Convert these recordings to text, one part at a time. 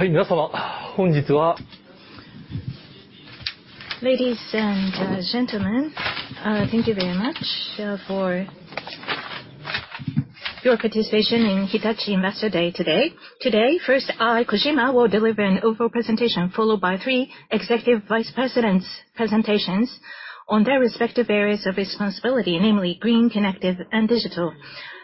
Ladies and gentlemen, thank you very much for your participation in Hitachi Investor Day today. Today, first, I, Kojima, will deliver an overall presentation, followed by three Executive Vice Presidents' presentations on their respective areas of responsibility, namely green, connective, and digital.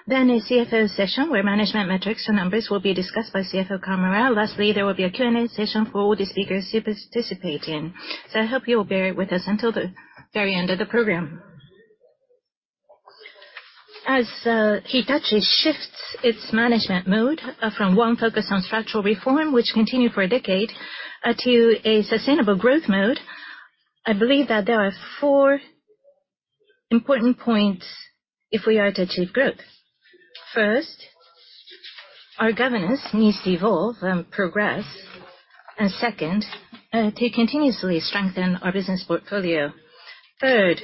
A CFO session, where management metrics and numbers will be discussed by CFO Kawamura. Lastly, there will be a Q&A session for all the speakers participating. I hope you will bear with us until the very end of the program. As Hitachi shifts its management mode from one focused on structural reform, which continued for a decade, to a sustainable growth mode, I believe that there are four important points if we are to achieve growth. First, our governance needs to evolve and progress. Second, to continuously strengthen our business portfolio. Third,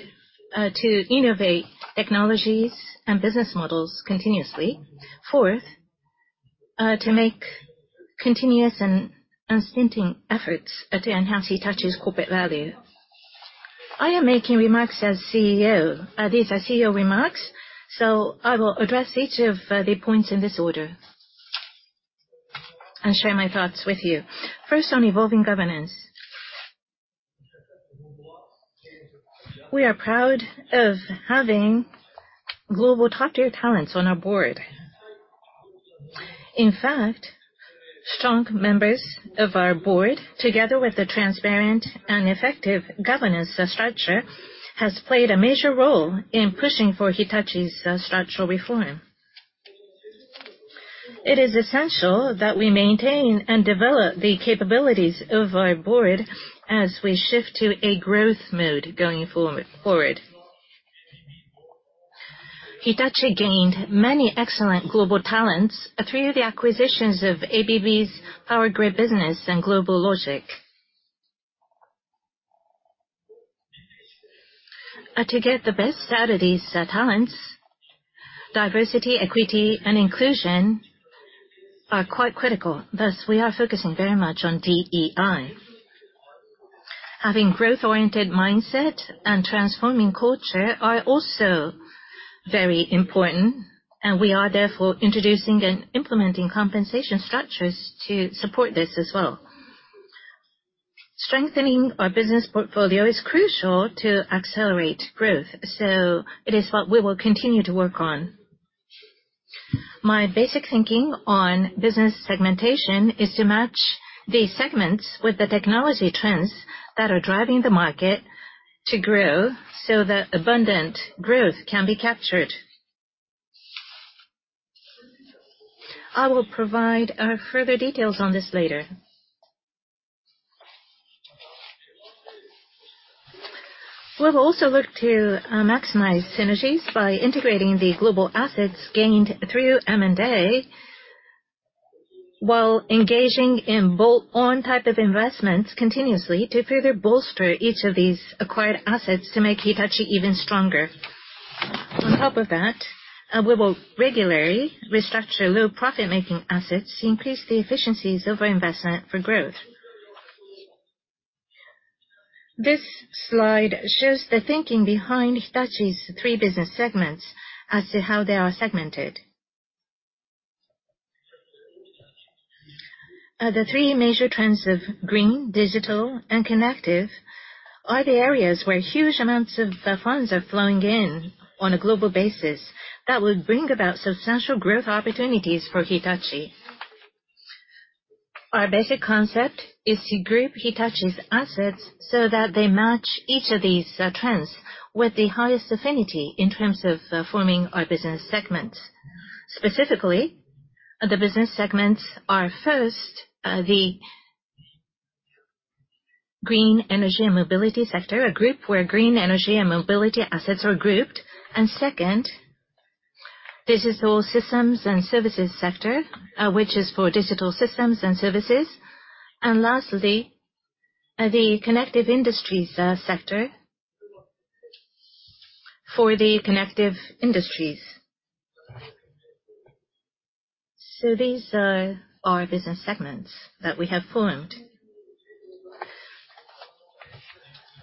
to innovate technologies and business models continuously. Fourth, to make continuous and unstinting efforts to enhance Hitachi's corporate value. I am making remarks as CEO, these are CEO remarks, so I will address each of the points in this order and share my thoughts with you. First, on evolving governance. We are proud of having global top-tier talents on our board. In fact, strong members of our board, together with a transparent and effective governance structure, has played a major role in pushing for Hitachi's structural reform. It is essential that we maintain and develop the capabilities of our board as we shift to a growth mode going forward. Hitachi gained many excellent global talents through the acquisitions of ABB's power grid business and GlobalLogic. To get the best out of these talents, diversity, equity, and inclusion are quite critical, thus, we are focusing very much on DEI. Having growth-oriented mindset and transforming culture are also very important, and we are therefore introducing and implementing compensation structures to support this as well. Strengthening our business portfolio is crucial to accelerate growth, so it is what we will continue to work on. My basic thinking on business segmentation is to match the segments with the technology trends that are driving the market to grow, so that abundant growth can be captured. I will provide further details on this later. We'll also look to maximize synergies by integrating the global assets gained through M&A, while engaging in bolt-on type of investments continuously to further bolster each of these acquired assets to make Hitachi even stronger. On top of that, we will regularly restructure low profit-making assets to increase the efficiencies of our investment for growth. This slide shows the thinking behind Hitachi's three business segments as to how they are segmented. The three major trends of green, digital, and connective are the areas where huge amounts of funds are flowing in on a global basis that will bring about substantial growth opportunities for Hitachi. Our basic concept is to group Hitachi's assets so that they match each of these trends with the highest affinity in terms of forming our business segments. Specifically, the business segments are, first, the Green Energy & Mobility Sector, a group where green energy and mobility assets are grouped. Second, Digital Systems and Services Sector, which is for digital systems and services. Lastly, the Connected Industries sector for the Connected Industries. These are our business segments that we have formed.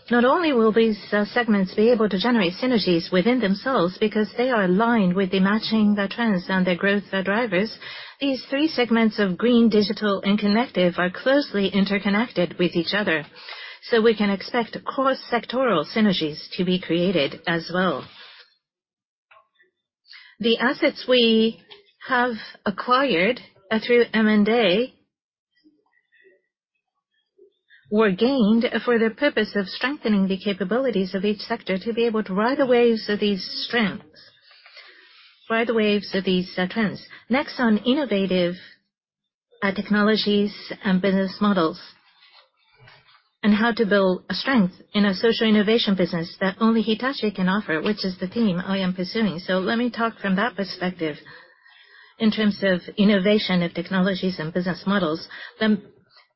Not only will these segments be able to generate synergies within themselves because they are aligned with the matching, the trends, and the growth drivers, these three segments of green, digital, and Connected are closely interconnected with each other, so we can expect cross-sectoral synergies to be created as well. The assets we have acquired through M&A were gained for the purpose of strengthening the capabilities of each sector to be able to ride the waves of these trends. Next, on innovative technologies and business models, and how to build a strength in a social innovation business that only Hitachi can offer, which is the theme I am pursuing. Let me talk from that perspective. In terms of innovation of technologies and business models, the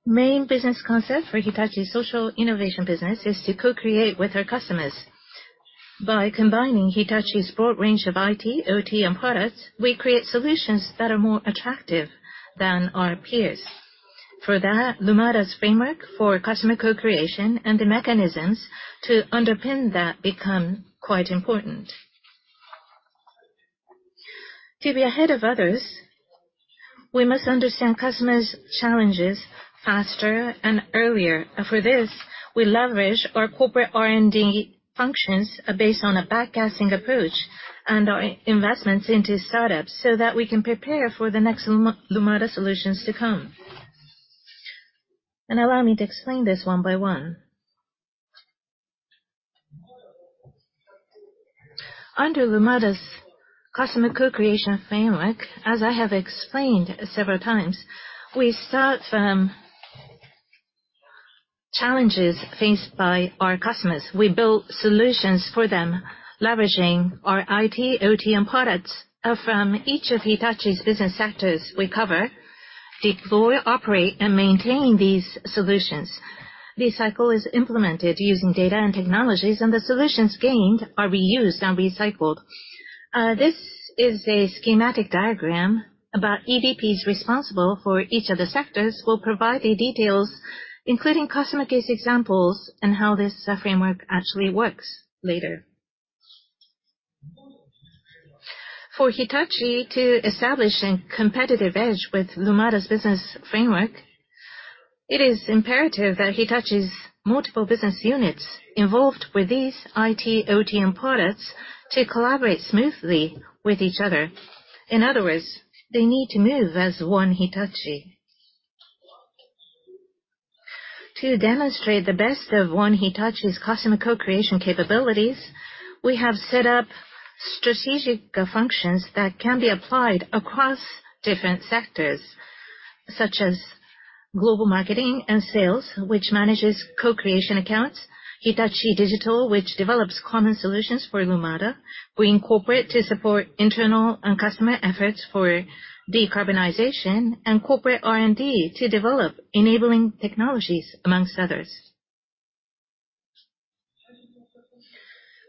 main business concept for Hitachi's social innovation business is to co-create with our customers. By combining Hitachi's broad range of IT, OT, and products, we create solutions that are more attractive than our peers. For that, Lumada's framework for customer co-creation and the mechanisms to underpin that become quite important. To be ahead of others, we must understand customers' challenges faster and earlier. For this, we leverage our corporate R&D functions, based on a backcasting approach and our investments into startups, so that we can prepare for the next Lumada solutions to come. Allow me to explain this one by one. Under Lumada's customer co-creation framework, as I have explained several times, we start from challenges faced by our customers. We build solutions for them, leveraging our IT, OT, and products. From each of Hitachi's business sectors, we cover, deploy, operate, and maintain these solutions. This cycle is implemented using data and technologies. The solutions gained are reused and recycled. This is a schematic diagram. EVPs responsible for each of the sectors will provide the details, including customer case examples and how this framework actually works later. For Hitachi to establish a competitive edge with Lumada's business framework, it is imperative that Hitachi's multiple business units involved with these IT, OT, and products to collaborate smoothly with each other. In other words, they need to move as One Hitachi. To demonstrate the best of One Hitachi's customer co-creation capabilities, we have set up strategic functions that can be applied across different sectors, such as global marketing and sales, which manages co-creation accounts, Hitachi Digital, which develops common solutions for Lumada. We incorporate to support internal and customer efforts for decarbonization and corporate R&D to develop enabling technologies, amongst others.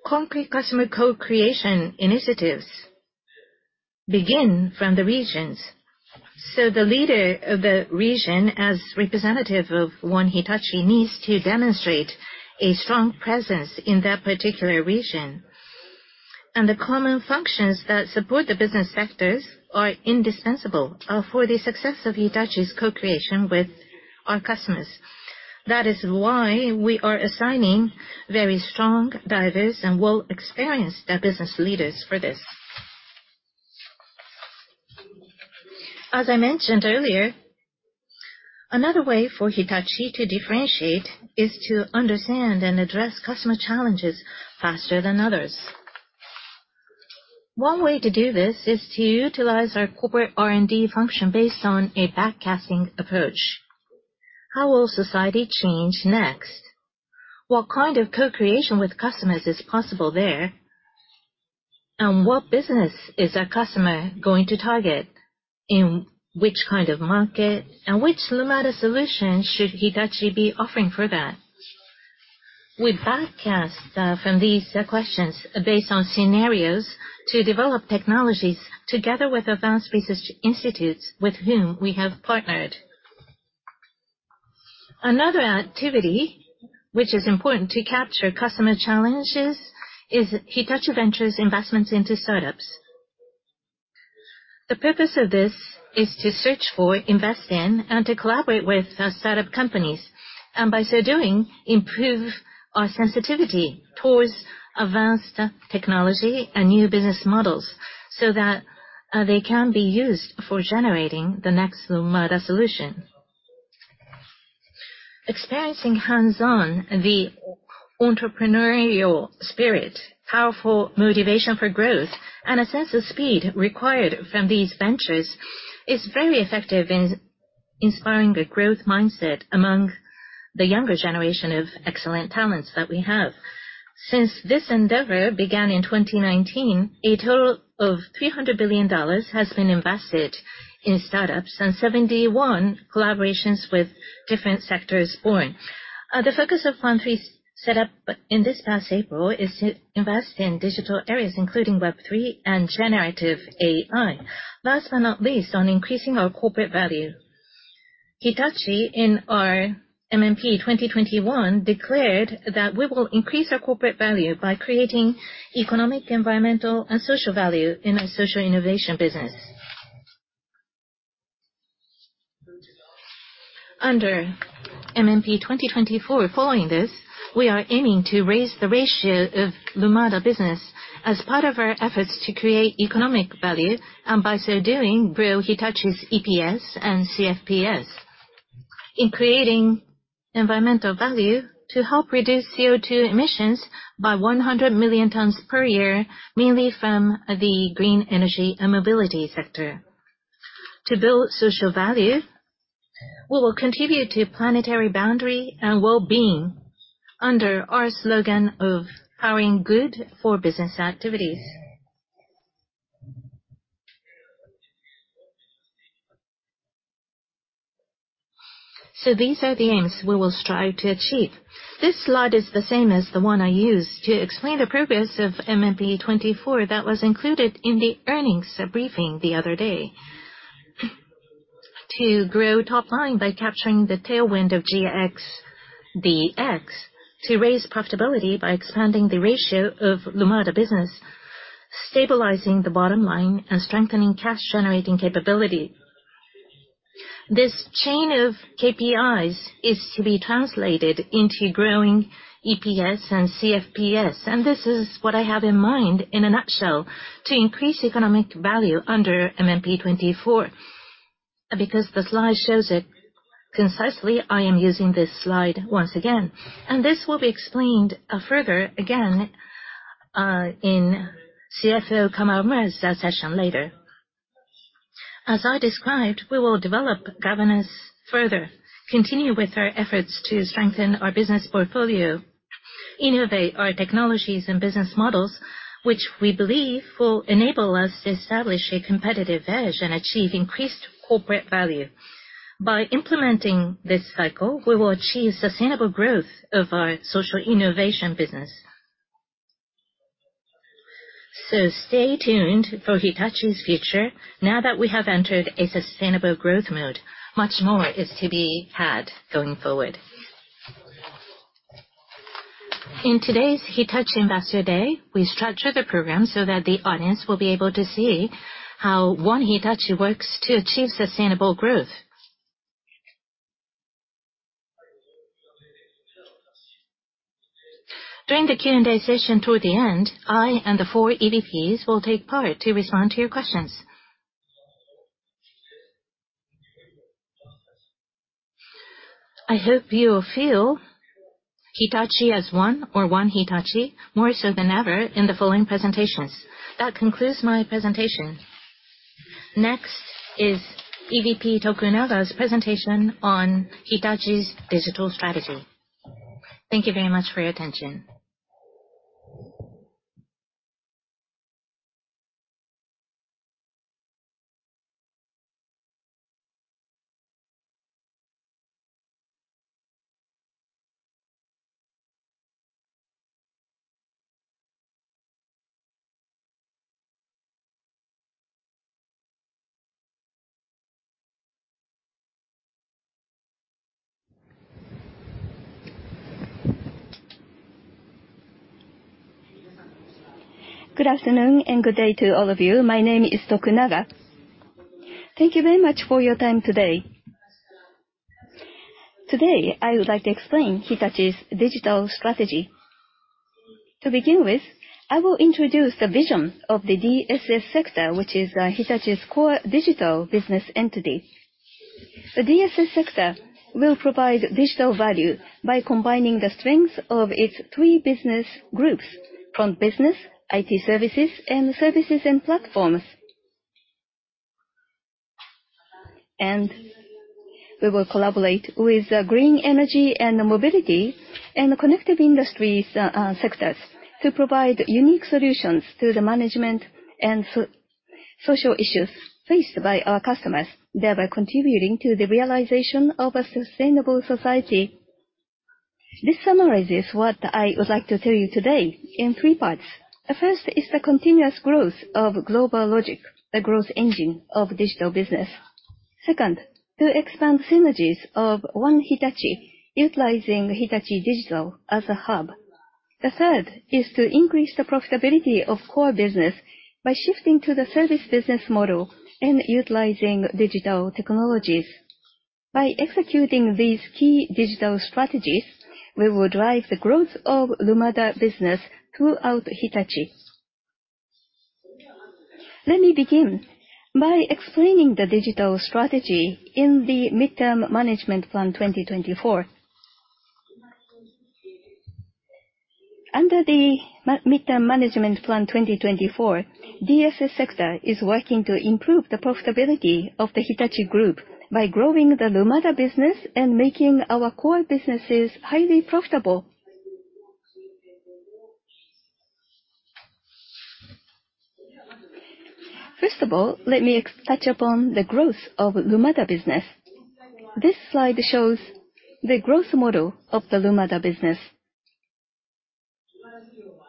Concrete customer co-creation initiatives begin from the regions, so the leader of the region, as representative of One Hitachi, needs to demonstrate a strong presence in that particular region. The common functions that support the business sectors are indispensable for the success of Hitachi's co-creation with our customers. We are assigning very strong, diverse, and well-experienced business leaders for this. As I mentioned earlier, another way for Hitachi to differentiate is to understand and address customer challenges faster than others. One way to do this is to utilize our corporate R&D function based on a backcasting approach. How will society change next? What kind of co-creation with customers is possible there? What business is our customer going to target, in which kind of market, and which Lumada solution should Hitachi be offering for that? We backcast from these questions based on scenarios to develop technologies together with advanced research institutes with whom we have partnered. Another activity, which is important to capture customer challenges, is Hitachi Ventures' investments into startups. The purpose of this is to search for, invest in, and to collaborate with startup companies, and by so doing, improve our sensitivity towards advanced technology and new business models, so that they can be used for generating the next Lumada solution. Experiencing hands-on the entrepreneurial spirit, powerful motivation for growth, and a sense of speed required from these ventures, is very effective in inspiring a growth mindset among the younger generation of excellent talents that we have. Since this endeavor began in 2019, a total of $300 billion has been invested in startups, and 71 collaborations with different sectors born. The focus of fund three set up in this past April, is to invest in digital areas, including Web3 and generative AI. Last but not least, on increasing our corporate value. Hitachi, in our MMP 2021, declared that we will increase our corporate value by creating economic, environmental, and social value in our social innovation business. Under MMP 2024, following this, we are aiming to raise the ratio of Lumada business as part of our efforts to create economic value, and by so doing, grow Hitachi's EPS and CFPS. In creating environmental value, to help reduce CO2 emissions by 100 million tons per year, mainly from the Green Energy & Mobility Sector. To build social value, we will contribute to planetary boundary and well-being under our slogan of powering good for business activities. These are the aims we will strive to achieve. This slide is the same as the one I used to explain the progress of MMP 2024 that was included in the earnings briefing the other day. To grow top line by capturing the tailwind of GX, DX, to raise profitability by expanding the ratio of Lumada business, stabilizing the bottom line and strengthening cash-generating capability. This chain of KPIs is to be translated into growing EPS and CFPS, this is what I have in mind, in a nutshell, to increase economic value under MMP 2024. The slide shows it concisely, I am using this slide once again, this will be explained further, again, in CFO Kawamura's session later. As I described, we will develop governance further, continue with our efforts to strengthen our business portfolio, innovate our technologies and business models, which we believe will enable us to establish a competitive edge and achieve increased corporate value. By implementing this cycle, we will achieve sustainable growth of our social innovation business. Stay tuned for Hitachi's future. Now that we have entered a sustainable growth mode, much more is to be had going forward. In today's Hitachi Ambassador Day, we structured the program so that the audience will be able to see how One Hitachi works to achieve sustainable growth. During the Q&A session toward the end, I and the four EVPs will take part to respond to your questions. I hope you will feel Hitachi as one or One Hitachi more so than ever in the following presentations. That concludes my presentation. Next is EVP Tokunaga's presentation on Hitachi's digital strategy. Thank you very much for your attention. Good afternoon, and good day to all of you. My name is Tokunaga. Thank you very much for your time today. Today, I would like to explain Hitachi's digital strategy. To begin with, I will introduce the vision of the DSS sector, which is Hitachi's core digital business entity. The DSS sector will provide digital value by combining the strengths of its three business groups: from business, IT services, and services and platforms. We will collaborate with Green Energy and Mobility, and the Connected Industries sectors, to provide unique solutions to the management and social issues faced by our customers, thereby contributing to the realization of a sustainable society. This summarizes what I would like to tell you today in three parts. The first is the continuous growth of GlobalLogic, the growth engine of digital business. Second, to expand synergies of One Hitachi, utilizing Hitachi Digital as a hub. Third is to increase the profitability of core business by shifting to the service business model and utilizing digital technologies. By executing these key digital strategies, we will drive the growth of Lumada business throughout Hitachi. Let me begin by explaining the digital strategy in the Midterm Management Plan 2024. Under the Midterm Management Plan 2024, DSS sector is working to improve the profitability of the Hitachi group by growing the Lumada business and making our core businesses highly profitable. First of all, let me touch upon the growth of Lumada business. This slide shows the growth model of the Lumada business,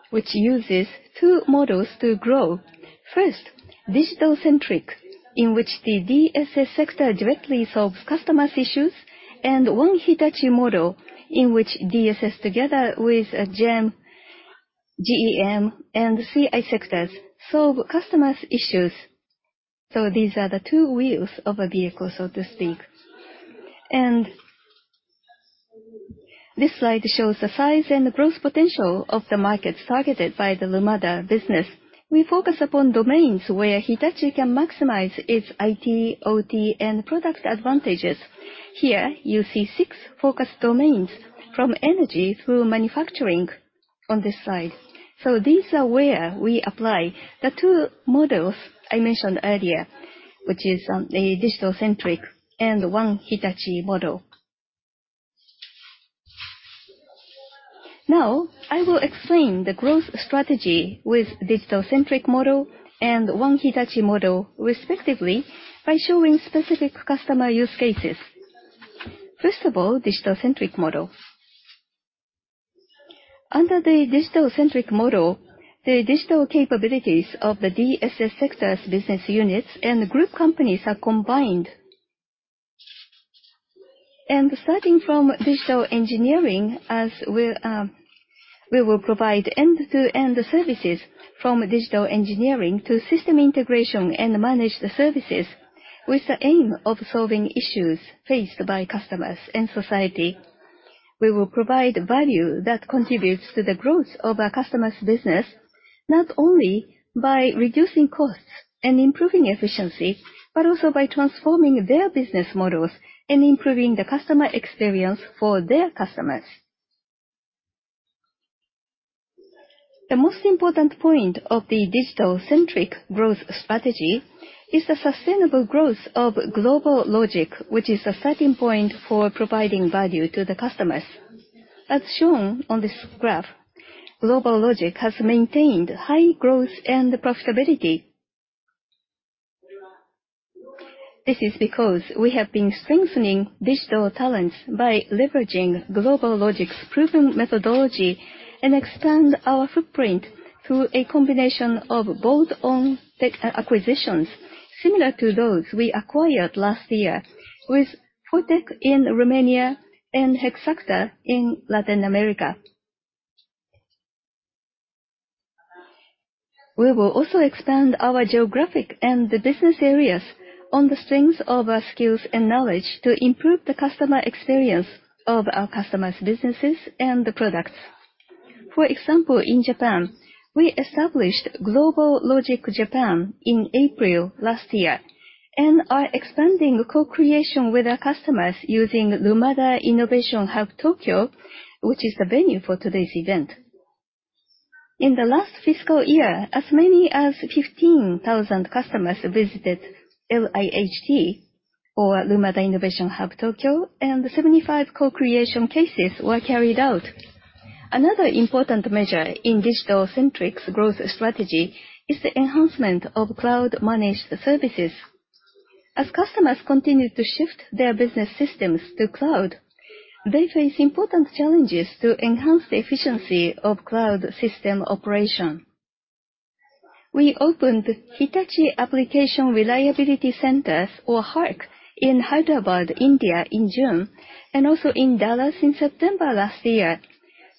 which uses two models to grow. First, digital-centric, in which the DSS sector directly solves customers' issues, and One Hitachi model, in which DSS, together with GEM, and CI sectors, solve customers' issues. These are the two wheels of a vehicle, so to speak. This slide shows the size and the growth potential of the markets targeted by the Lumada business. We focus upon domains where Hitachi can maximize its IT, OT, and product advantages. Here, you see six focus domains, from energy through manufacturing, on this slide. These are where we apply the two models I mentioned earlier, which is, a digital-centric and One Hitachi model. Now, I will explain the growth strategy with digital-centric model and One Hitachi model, respectively, by showing specific customer use cases. First of all, digital-centric model. Under the digital-centric model, the digital capabilities of the DSS sectors, business units, and the group companies are combined. Starting from digital engineering, as we will provide end-to-end services from digital engineering to system integration and managed services, with the aim of solving issues faced by customers and society. We will provide value that contributes to the growth of our customers' business, not only by reducing costs and improving efficiency, but also by transforming their business models and improving the customer experience for their customers. The most important point of the digital-centric growth strategy is the sustainable growth of GlobalLogic, which is a starting point for providing value to the customers. As shown on this graph, GlobalLogic has maintained high growth and profitability. This is because we have been strengthening digital talents by leveraging GlobalLogic's proven methodology, and expand our footprint through a combination of both own tech, acquisitions, similar to those we acquired last year, with Fortech in Romania and Hexacta in Latin America. We will also expand our geographic and the business areas on the strengths of our skills and knowledge to improve the customer experience of our customers' businesses and the products. For example, in Japan, we established GlobalLogic Japan in April last year, and are expanding co-creation with our customers using Lumada Innovation Hub Tokyo, which is the venue for today's event. In the last fiscal year, as many as 15,000 customers visited LIHT, or Lumada Innovation Hub Tokyo, and 75 co-creation cases were carried out. Another important measure in digital-centric's growth strategy is the enhancement of cloud-managed services. As customers continue to shift their business systems to cloud, they face important challenges to enhance the efficiency of cloud system operation. We opened Hitachi Application Reliability Centers, or HARC, in Hyderabad, India, in June, and also in Dallas in September last year,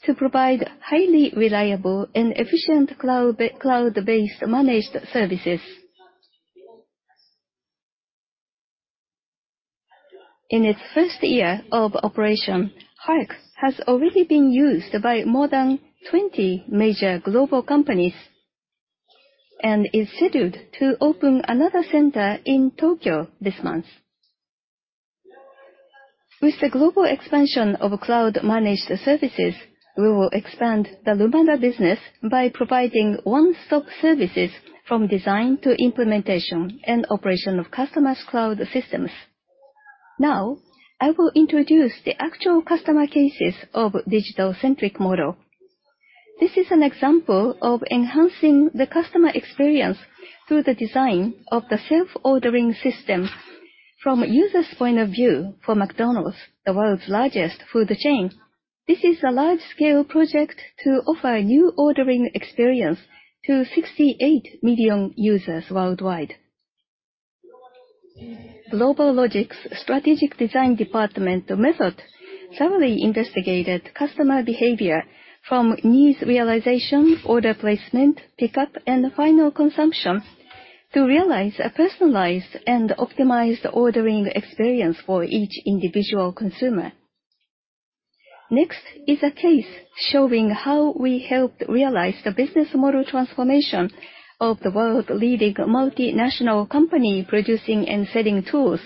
to provide highly reliable and efficient cloud-based managed services. In its first year of operation, HARC has already been used by more than 20 major global companies, and is scheduled to open another center in Tokyo this month. With the global expansion of cloud-managed services, we will expand the Lumada business by providing one-stop services from design to implementation and operation of customers' cloud systems. Now, I will introduce the actual customer cases of digital-centric model. This is an example of enhancing the customer experience through the design of the self-ordering system. From a user's point of view, for McDonald's, the world's largest food chain, this is a large-scale project to offer a new ordering experience to 68 million users worldwide. GlobalLogic's strategic design department method thoroughly investigated customer behavior from needs realization, order placement, pickup, and final consumption, to realize a personalized and optimized ordering experience for each individual consumer. Next is a case showing how we helped realize the business model transformation of the world-leading multinational company producing and selling tools.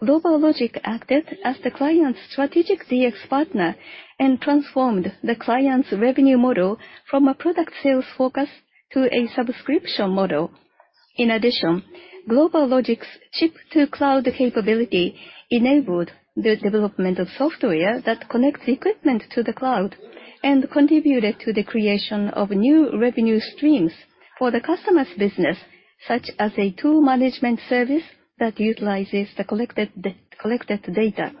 GlobalLogic acted as the client's strategic DX partner and transformed the client's revenue model from a product sales focus to a subscription model. In addition, GlobalLogic's chip-to-cloud capability enabled the development of software that connects equipment to the cloud and contributed to the creation of new revenue streams for the customer's business, such as a tool management service that utilizes the collected data.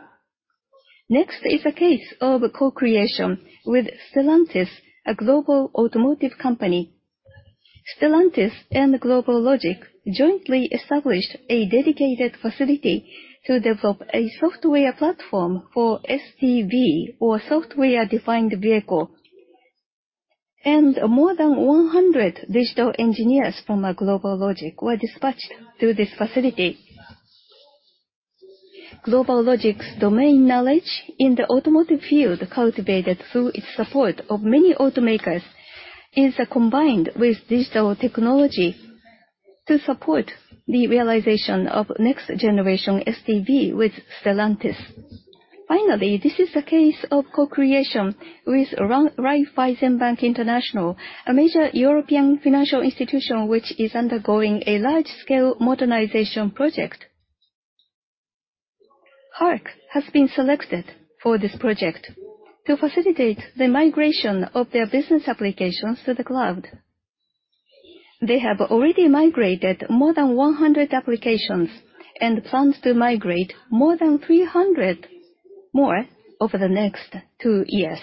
Next is a case of co-creation with Stellantis, a global automotive company. Stellantis and GlobalLogic jointly established a dedicated facility to develop a software platform for SDV, or Software-Defined Vehicle. More than 100 digital engineers from GlobalLogic were dispatched to this facility. GlobalLogic's domain knowledge in the automotive field, cultivated through its support of many automakers, is combined with digital technology to support the realization of next-generation SDV with Stellantis. Finally, this is the case of co-creation with Raiffeisen Bank International, a major European financial institution, which is undergoing a large-scale modernization project. HARK has been selected for this project to facilitate the migration of their business applications to the cloud. They have already migrated more than 100 applications, and plans to migrate more than 300 more over the next two years.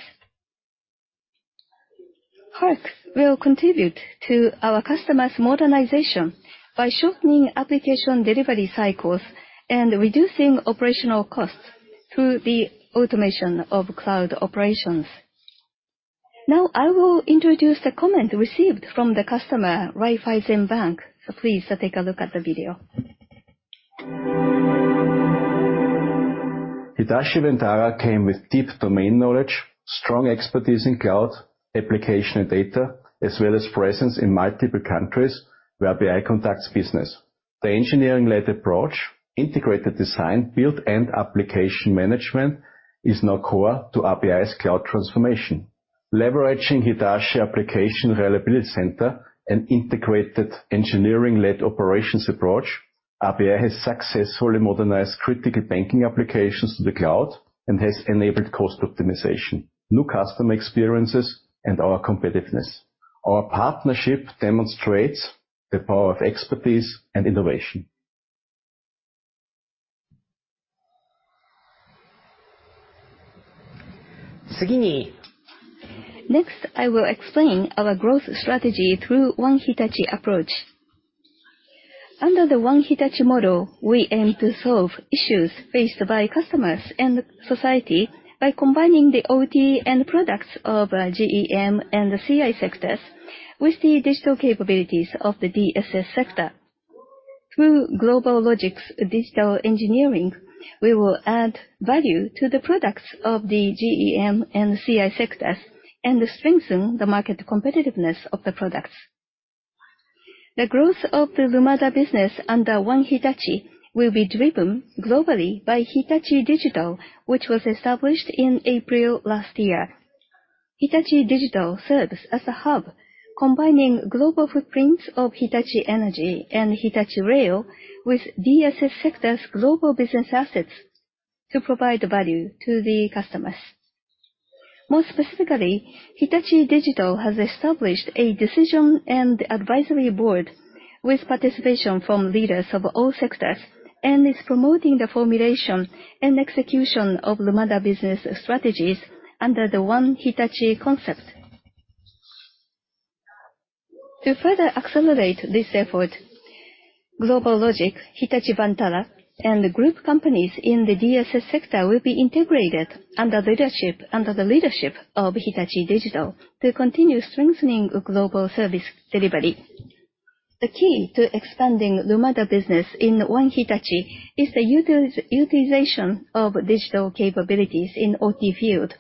HARK will contribute to our customers' modernization by shortening application delivery cycles and reducing operational costs through the automation of cloud operations. I will introduce the comment received from the customer, Raiffeisen Bank, so please take a look at the video. Hitachi Vantara came with deep domain knowledge, strong expertise in cloud, application, and data, as well as presence in multiple countries where RPI conducts business. The engineering-led approach, integrated design, build, and application management, is now core to RPI's cloud transformation. Leveraging Hitachi Application Reliability Center and integrated engineering-led operations approach, RPI has successfully modernized critical banking applications to the cloud and has enabled cost optimization, new customer experiences, and our competitiveness. Our partnership demonstrates the power of expertise and innovation. Next, I will explain our growth strategy through One Hitachi approach. Under the One Hitachi model, we aim to solve issues faced by customers and society by combining the OT and products of GEM and the CI sectors, with the digital capabilities of the DSS sector. Through GlobalLogic's digital engineering, we will add value to the products of the GEM and CI sectors, and strengthen the market competitiveness of the products. The growth of the Lumada business under One Hitachi will be driven globally by Hitachi Digital, which was established in April last year. Hitachi Digital serves as a hub, combining global footprints of Hitachi Energy and Hitachi Rail with DSS sector's global business assets to provide value to the customers. More specifically, Hitachi Digital has established a decision and advisory board with participation from leaders of all sectors, and is promoting the formulation and execution of Lumada business strategies under the One Hitachi concept. To further accelerate this effort, GlobalLogic, Hitachi Vantara, and the group companies in the DSS sector will be integrated under the leadership of Hitachi Digital, to continue strengthening global service delivery. The key to expanding Lumada business in One Hitachi is the utilization of digital capabilities in OT field.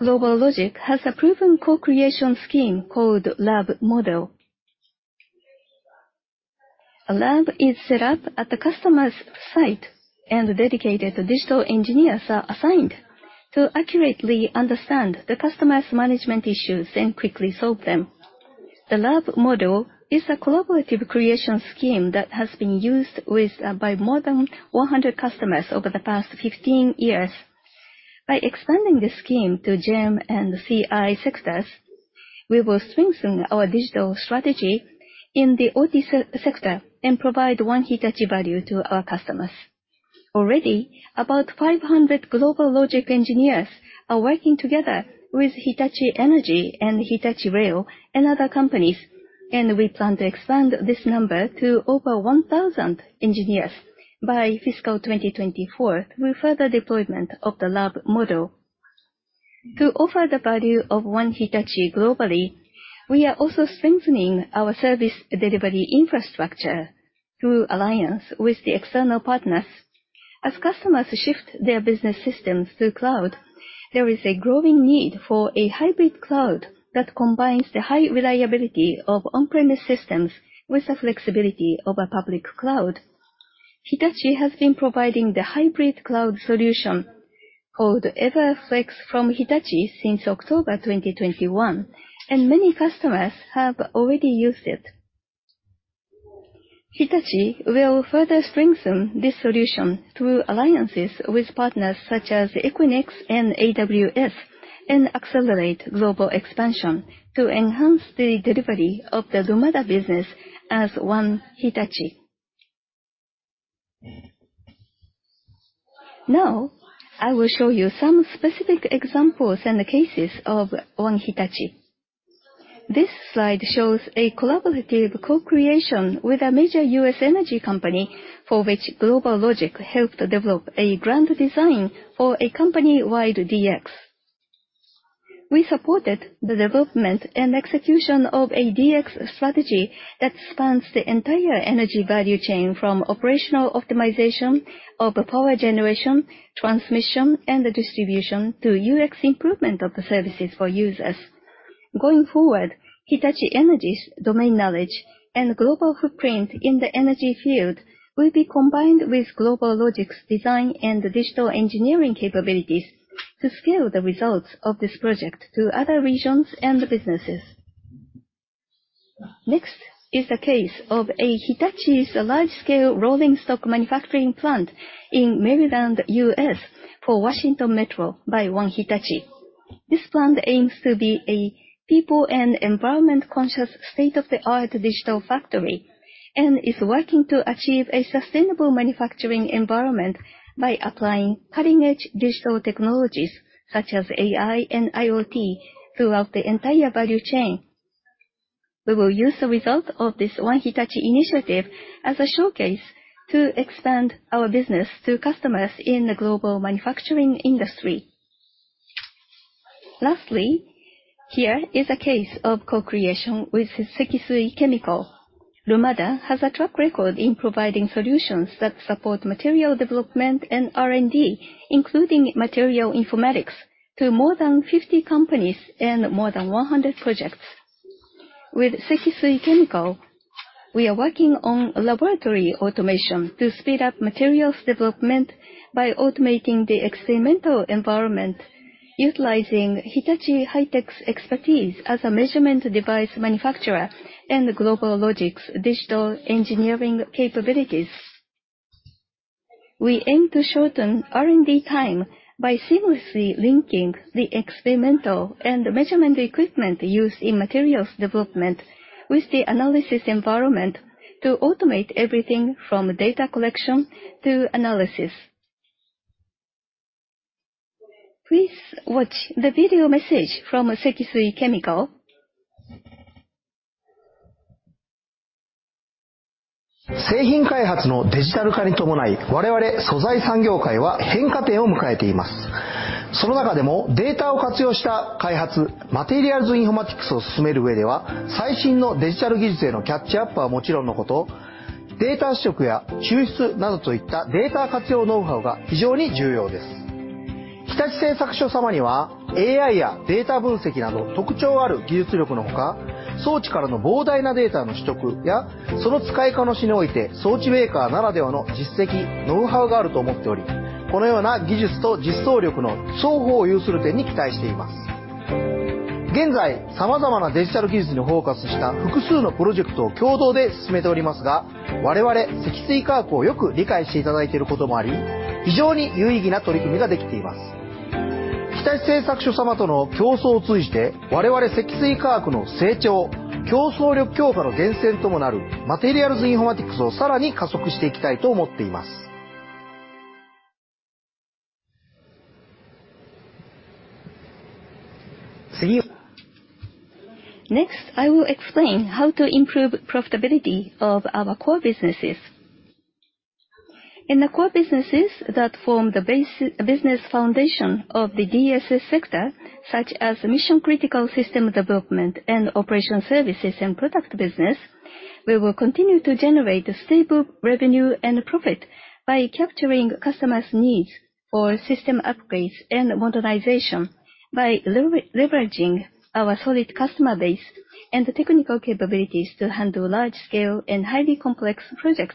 GlobalLogic has a proven co-creation scheme called Lab Model. A lab is set up at the customer's site, and dedicated digital engineers are assigned to accurately understand the customer's management issues and quickly solve them. The Lab Model is a collaborative creation scheme that has been used by more than 100 customers over the past 15 years. By expanding this scheme to GEM and CI sectors, we will strengthen our digital strategy in the OT sector, and provide One Hitachi value to our customers. Already, about 500 GlobalLogic engineers are working together with Hitachi Energy and Hitachi Rail and other companies, and we plan to expand this number to over 1,000 engineers by fiscal 2024, with further deployment of the Lab Model. To offer the value of One Hitachi globally, we are also strengthening our service delivery infrastructure through alliance with the external partners. As customers shift their business systems to cloud, there is a growing need for a hybrid cloud that combines the high reliability of on-premise systems with the flexibility of a public cloud. Hitachi has been providing the hybrid cloud solution, called EverFlex from Hitachi, since October 2021, and many customers have already used it. Hitachi will further strengthen this solution through alliances with partners such as Equinix and AWS, accelerate global expansion to enhance the delivery of the Lumada business as One Hitachi. Now, I will show you some specific examples and cases of One Hitachi. This slide shows a collaborative co-creation with a major U.S. energy company, for which GlobalLogic helped develop a grand design for a company-wide DX. We supported the development and execution of a DX strategy that spans the entire energy value chain, from operational optimization of power generation, transmission, and distribution, to UX improvement of the services for users. Going forward, Hitachi Energy's domain knowledge and global footprint in the energy field will be combined with GlobalLogic's design and digital engineering capabilities to scale the results of this project to other regions and businesses. Next is the case of a Hitachi's large-scale rolling stock manufacturing plant in Maryland, U.S., for Washington Metro by One Hitachi. This plant aims to be a people and environment-conscious, state-of-the-art digital factory, and is working to achieve a sustainable manufacturing environment by applying cutting-edge digital technologies such as AI and IoT throughout the entire value chain. We will use the result of this One Hitachi initiative as a showcase to expand our business to customers in the global manufacturing industry. Lastly, here is a case of co-creation with Sekisui Chemical. Lumada has a track record in providing solutions that support material development and R&D, including materials informatics, to more than 50 companies and more than 100 projects. With Sekisui Chemical, we are working on laboratory automation to speed up materials development by automating the experimental environment, utilizing Hitachi High-Tech's expertise as a measurement device manufacturer and GlobalLogic's digital engineering capabilities. We aim to shorten R&D time by seamlessly linking the experimental and measurement equipment used in materials development with the analysis environment, to automate everything from data collection to analysis. Please watch the video message from Sekisui Chemical. Next, I will explain how to improve profitability of our core businesses. In the core businesses that form the business foundation of the DSS sector, such as mission-critical system development and operational services and product business, we will continue to generate stable revenue and profit by capturing customers' needs for system upgrades and modernization, by leveraging our solid customer base and technical capabilities to handle large-scale and highly complex projects.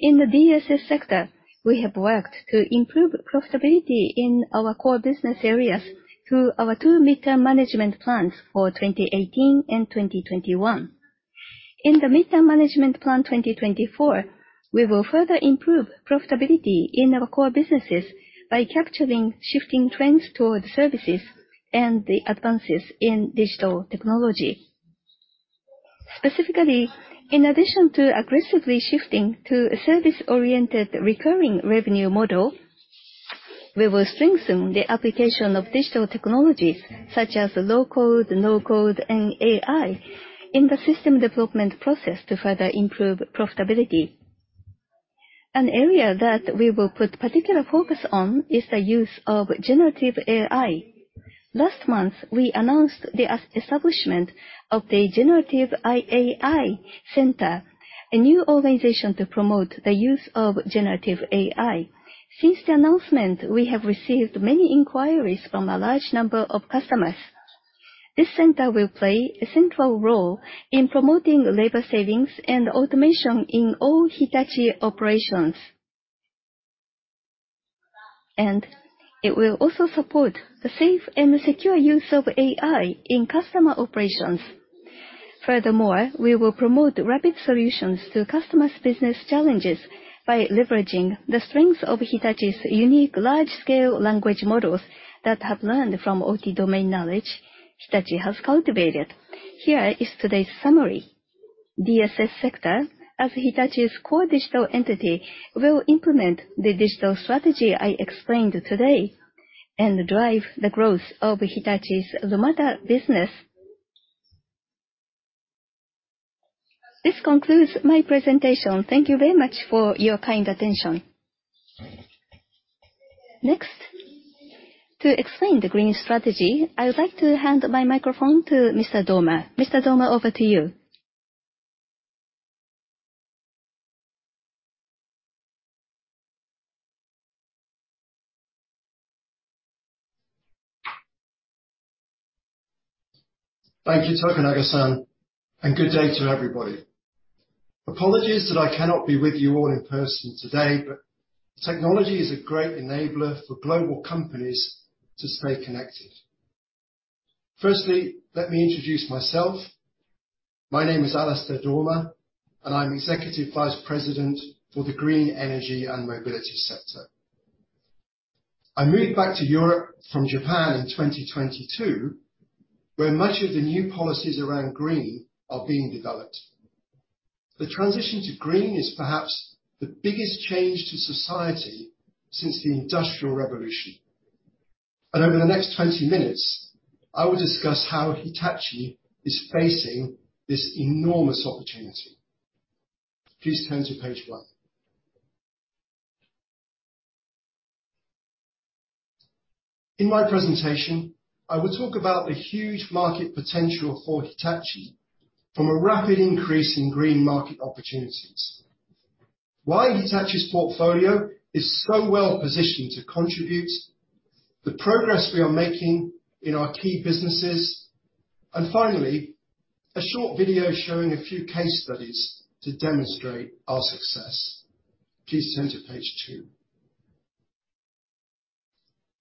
In the DSS sector, we have worked to improve profitability in our core business areas through our two Mid-term Management Plans for 2018 and 2021. In the Mid-term Management Plan 2024, we will further improve profitability in our core businesses by capturing shifting trends towards services and the advances in digital technology. Specifically, in addition to aggressively shifting to a service-oriented recurring revenue model, we will strengthen the application of digital technologies such as low-code, no-code, and AI in the system development process to further improve profitability. An area that we will put particular focus on is the use of generative AI. Last month, we announced the establishment of the Generative AI Center, a new organization to promote the use of generative AI. Since the announcement, we have received many inquiries from a large number of customers. This center will play a central role in promoting labor savings and automation in all Hitachi operations. It will also support the safe and secure use of AI in customer operations. We will promote rapid solutions to customers' business challenges by leveraging the strengths of Hitachi's unique large-scale language models that have learned from OT domain knowledge Hitachi has cultivated. Today's summary. DSS sector, as Hitachi's core digital entity, will implement the digital strategy I explained today and drive the growth of Hitachi's Lumada business. This concludes my presentation. Thank you very much for your kind attention. To explain the green strategy, I would like to hand my microphone to Mr. Dormer. Mr. Dormer, over to you. Thank you, Tokunaga-san. Good day to everybody. Apologies that I cannot be with you all in person today. Technology is a great enabler for global companies to stay connected. Firstly, let me introduce myself. My name is Alistair Dormer, and I'm Executive Vice President for the Green Energy and Mobility Sector. I moved back to Europe from Japan in 2022, where much of the new policies around green are being developed. The transition to green is perhaps the biggest change to society since the Industrial Revolution. Over the next 20 minutes, I will discuss how Hitachi is facing this enormous opportunity. Please turn to Page one. In my presentation, I will talk about the huge market potential for Hitachi from a rapid increase in green market opportunities, why Hitachi's portfolio is so well positioned to contribute, the progress we are making in our key businesses, and finally, a short video showing a few case studies to demonstrate our success. Please turn to Page two.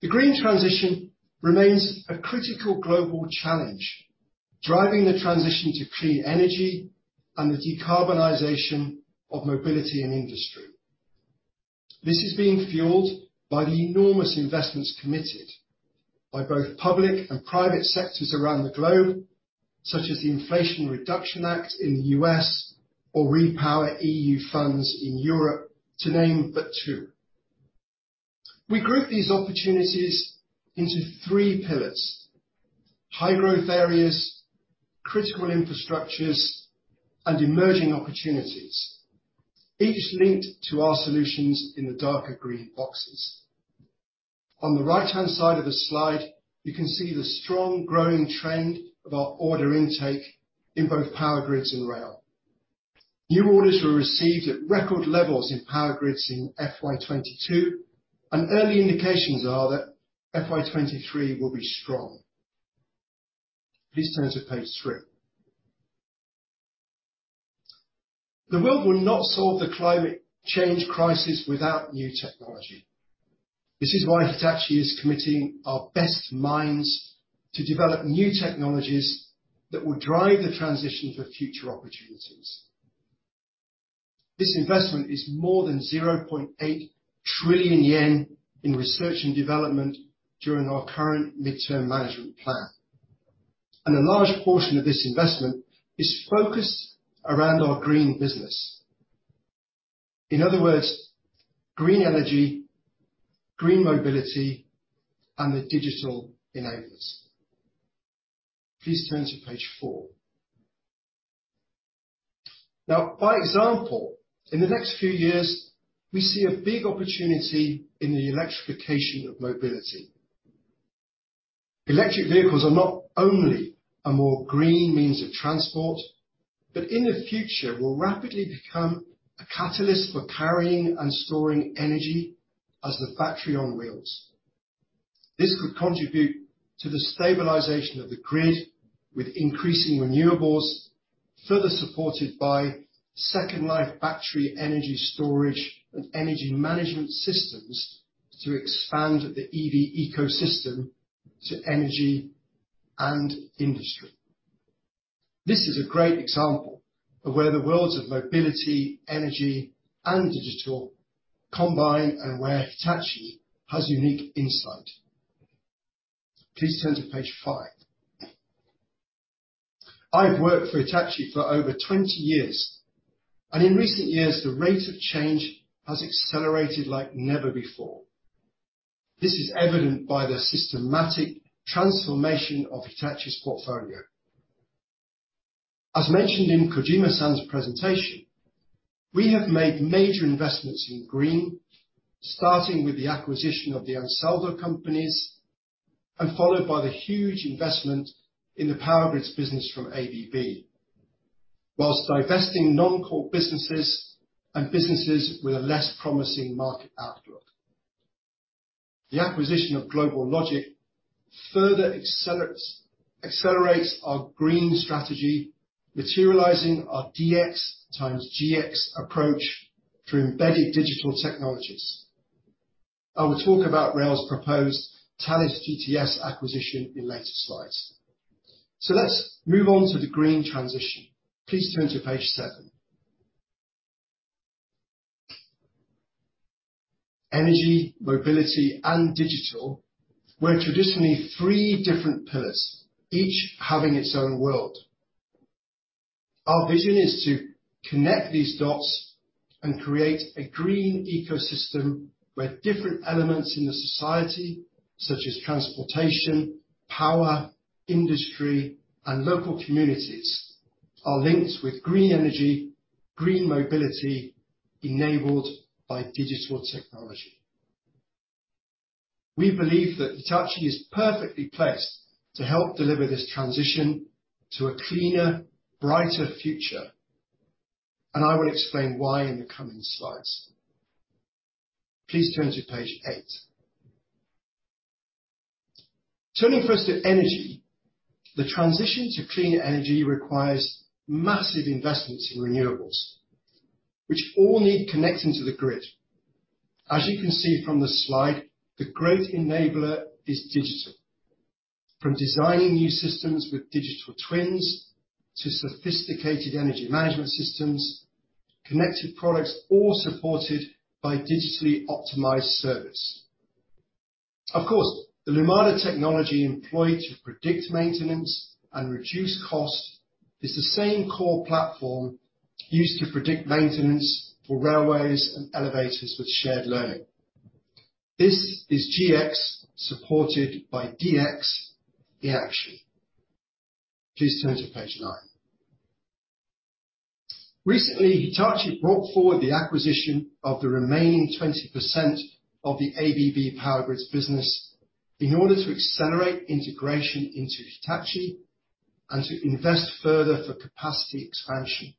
The green transition remains a critical global challenge, driving the transition to clean energy and the decarbonization of mobility and industry. This is being fueled by the enormous investments committed by both public and private sectors around the globe, such as the Inflation Reduction Act in the U.S. or REPowerEU funds in Europe, to name but two. We group these opportunities into three pillars: high growth areas, critical infrastructures, and emerging opportunities, each linked to our solutions in the darker green boxes. On the right-hand side of the slide, you can see the strong growing trend of our order intake in both power grids and rail. New orders were received at record levels in power grids in FY 2022, and early indications are that FY 2023 will be strong. Please turn to Page three. The world will not solve the climate change crisis without new technology. This is why Hitachi is committing our best minds to develop new technologies that will drive the transition for future opportunities. This investment is more than 0.8 trillion yen in research and development during our current Mid-term Management Plan, and a large portion of this investment is focused around our green business. In other words, green energy, green mobility, and the digital enablers. Please turn to Page four. Now, by example, in the next few years, we see a big opportunity in the electrification of mobility. Electric vehicles are not only a more green means of transport, but in the future will rapidly become a catalyst for carrying and storing energy as the factory on wheels. This could contribute to the stabilization of the grid with increasing renewables, further supported by second-life battery energy storage and energy management systems to expand the EV ecosystem to energy and industry. This is a great example of where the worlds of mobility, energy, and digital combine and where Hitachi has unique insight. Please turn to Page five. I've worked for Hitachi for over 20 years, and in recent years, the rate of change has accelerated like never before. This is evident by the systematic transformation of Hitachi's portfolio. As mentioned in Kojima San's presentation, we have made major investments in green, starting with the acquisition of the Ansaldo companies, and followed by the huge investment in the power grids business from ABB, whilst divesting non-core businesses and businesses with a less promising market outlook. The acquisition of GlobalLogic further accelerates our green strategy, materializing our DX times GX approach through embedded digital technologies. I will talk about Rail's proposed Thales GTS acquisition in later slides. Let's move on to the green transition. Please turn to Page seven. Energy, mobility, and digital were traditionally three different pillars, each having its own world. Our vision is to connect these dots and create a green ecosystem where different elements in the society, such as transportation, power, industry, and local communities, are linked with green energy, green mobility, enabled by digital technology. We believe that Hitachi is perfectly placed to help deliver this transition to a cleaner, brighter future, and I will explain why in the coming slides. Please turn to Page eight. Turning first to energy, the transition to clean energy requires massive investments in renewables, which all need connecting to the grid. As you can see from the slide, the great enabler is digital. From designing new systems with digital twins to sophisticated energy management systems, connected products, all supported by digitally optimized service. Of course, the Lumada technology employed to predict maintenance and reduce cost is the same core platform used to predict maintenance for railways and elevators with shared learning. This is GX supported by DX in action. Please turn to Page nine. Recently, Hitachi brought forward the acquisition of the remaining 20% of the ABB Power Grids business in order to accelerate integration into Hitachi and to invest further for capacity expansion.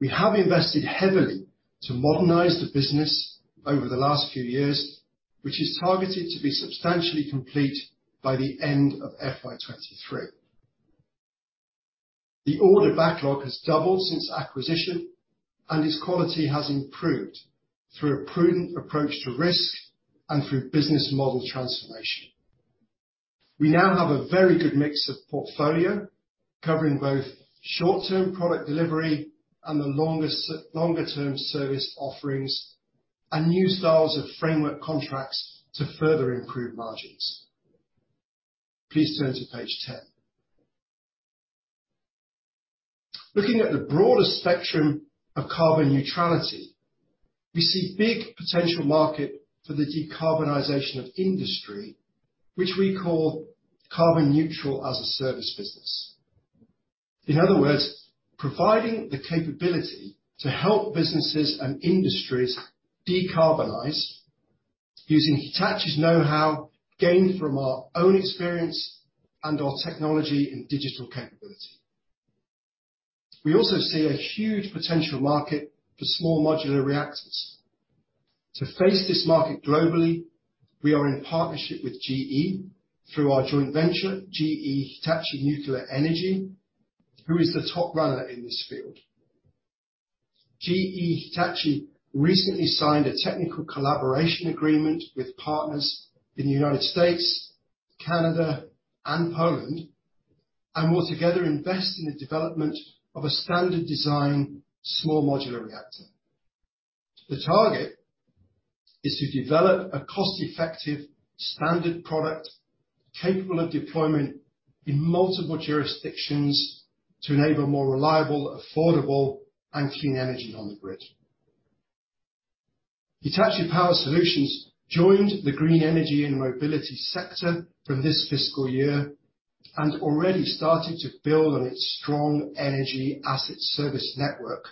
We have invested heavily to modernize the business over the last few years, which is targeted to be substantially complete by the end of FY 2023. The order backlog has doubled since acquisition, and its quality has improved through a prudent approach to risk and through business model transformation. We now have a very good mix of portfolio, covering both short-term product delivery and longer term service offerings and new styles of framework contracts to further improve margins. Please turn to Page 10. Looking at the broader spectrum of carbon neutrality, we see big potential market for the decarbonization of industry, which we call Carbon neutral as a service business. In other words, providing the capability to help businesses and industries decarbonize using Hitachi's know-how, gained from our own experience and our technology and digital capability. We also see a huge potential market for small modular reactors. To face this market globally, we are in partnership with GE through our joint venture, GE Hitachi Nuclear Energy, who is the top runner in this field. GE Hitachi recently signed a technical collaboration agreement with partners in the United States, Canada, and Poland, and will together invest in the development of a standard design small modular reactor. The target is to develop a cost-effective standard product capable of deployment in multiple jurisdictions to enable more reliable, affordable, and clean energy on the grid. Hitachi Power Solutions joined the Green Energy & Mobility Sector from this fiscal year and already started to build on its strong energy asset service network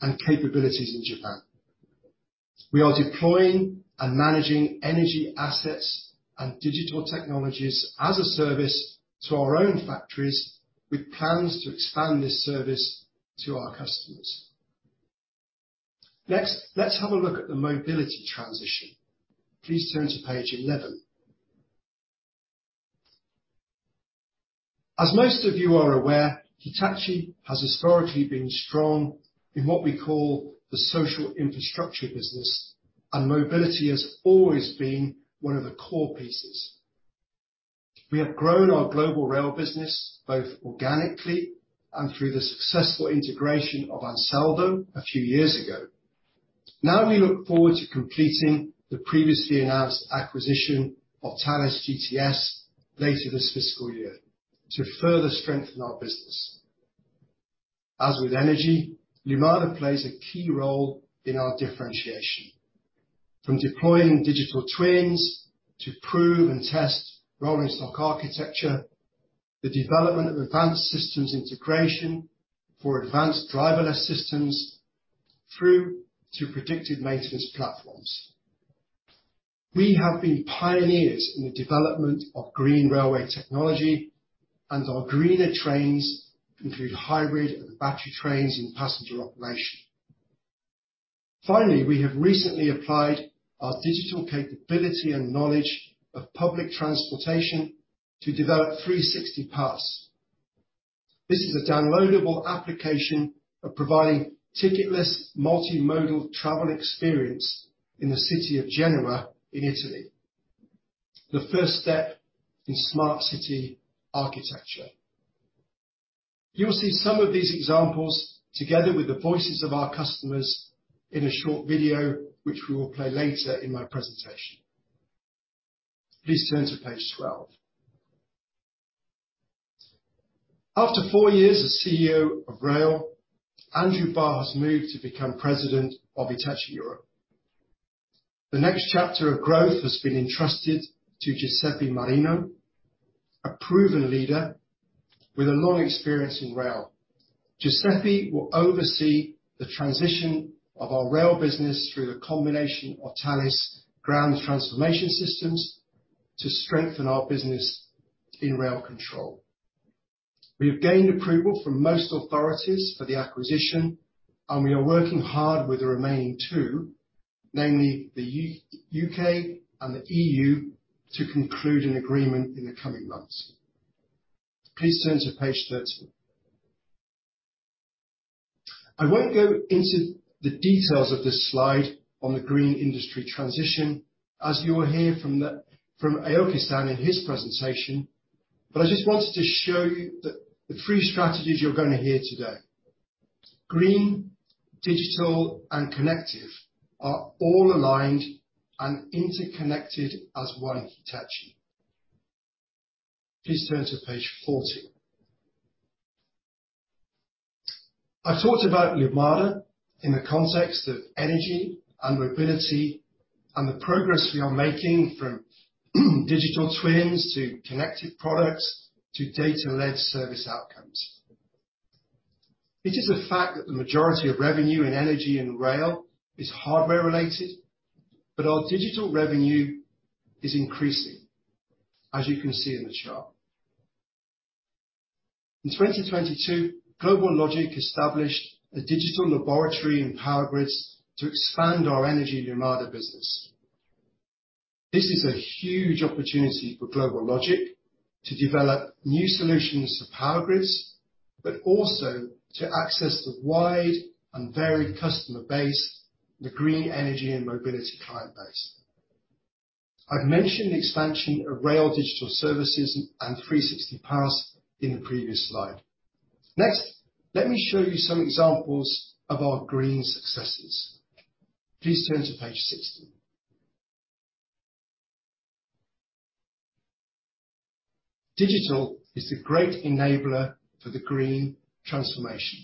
and capabilities in Japan. We are deploying and managing energy assets and digital technologies as a service to our own factories, with plans to expand this service to our customers. Let's have a look at the mobility transition. Please turn to Page 11. As most of you are aware, Hitachi has historically been strong in what we call the social infrastructure business, and mobility has always been one of the core pieces. We have grown our global rail business, both organically and through the successful integration of Ansaldo a few years ago. We look forward to completing the previously announced acquisition of Thales GTS later this fiscal year to further strengthen our business. As with energy, Lumada plays a key role in our differentiation, from deploying digital twins to prove and test rolling stock architecture, the development of advanced systems integration for advanced driverless systems, through to predictive maintenance platforms. We have been pioneers in the development of green railway technology, and our greener trains include hybrid and battery trains in passenger operation. Finally, we have recently applied our digital capability and knowledge of public transportation to develop three 60 paths. This is a downloadable application of providing ticketless, multimodal travel experience in the city of Genoa in Italy, the first step in smart city architecture. You'll see some of these examples together with the voices of our customers in a short video, which we will play later in my presentation. Please turn to Page 12. After four years as CEO of Rail, Andrew Barr has moved to become president of Hitachi Europe. The next chapter of growth has been entrusted to Giuseppe Marino, a proven leader with a long experience in rail. Giuseppe will oversee the transition of our rail business through the combination of Thales Ground Transportation Systems to strengthen our business in rail control. We've gained approval from most authorities for the acquisition, we are working hard with the remaining two, namely the U.K. and the EU, to conclude an agreement in the coming months. Please turn to Page 13. I won't go into the details of this slide on the green industry transition, as you will hear from Aoki-san in his presentation, I just wanted to show you that the three strategies you're going to hear today, green, digital, and connective, are all aligned and interconnected as One Hitachi. Please turn to Page 14. I talked about Lumada in the context of energy and mobility and the progress we are making from digital twins to connected products to data-led service outcomes. It is a fact that the majority of revenue in energy and rail is hardware related, our digital revenue is increasing, as you can see in the chart. In 2022, GlobalLogic established a digital laboratory in power grids to expand our energy Lumada business. This is a huge opportunity for GlobalLogic to develop new solutions to power grids, but also to access the wide and varied customer base, the green energy and mobility client base. I've mentioned the expansion of rail digital services and 360 PAS in the previous slide. Let me show you some examples of our green successes. Please turn to Page 16. Digital is a great enabler for the green transformation.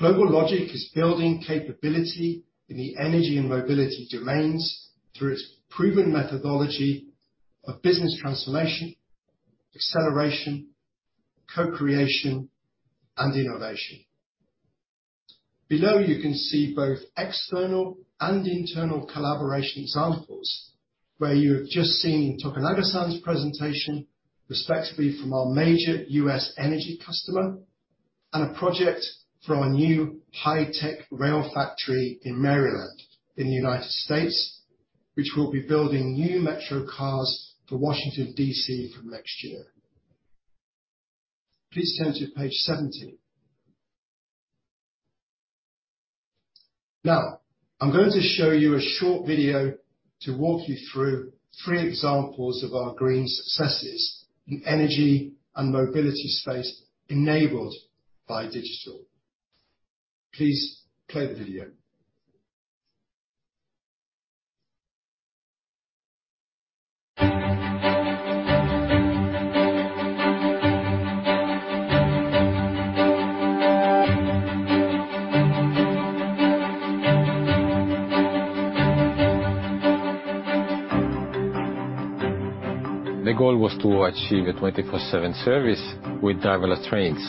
GlobalLogic is building capability in the energy and mobility domains through its proven methodology of business transformation, acceleration, co-creation, and innovation. Below, you can see both external and internal collaboration examples, where you have just seen Tokunaga-san's presentation, respectively, from our major U.S. energy customer, and a project from a new high-tech rail factory in Maryland, in the United States, which will be building new metro cars for Washington, D.C., from next year. Please turn to Page 17. Now, I'm going to show you a short video to walk you through three examples of our green successes in energy and mobility space enabled by digital. Please play the video. The goal was to achieve a 24/7 service with driverless trains.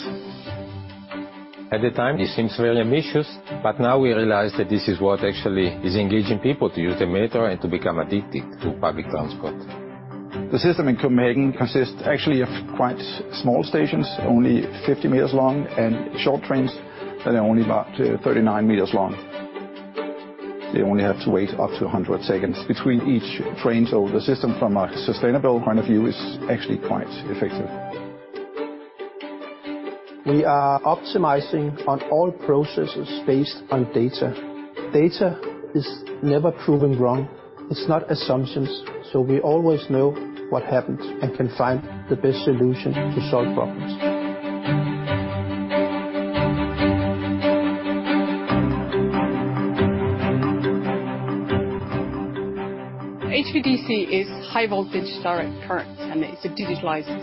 At the time, it seems very ambitious. Now we realize that this is what actually is engaging people to use the metro and to become addicted to public transport. The system in Copenhagen consists actually of quite small stations, only 50 meters long, and short trains that are only about, 39 meters long. They only have to wait up to 100 seconds between each train. The system, from a sustainable point of view, is actually quite effective. We are optimizing on all processes based on data. Data is never proven wrong. It's not assumptions. We always know what happened and can find the best solution to solve problems. HVDC is high voltage direct current, and it's a digitalized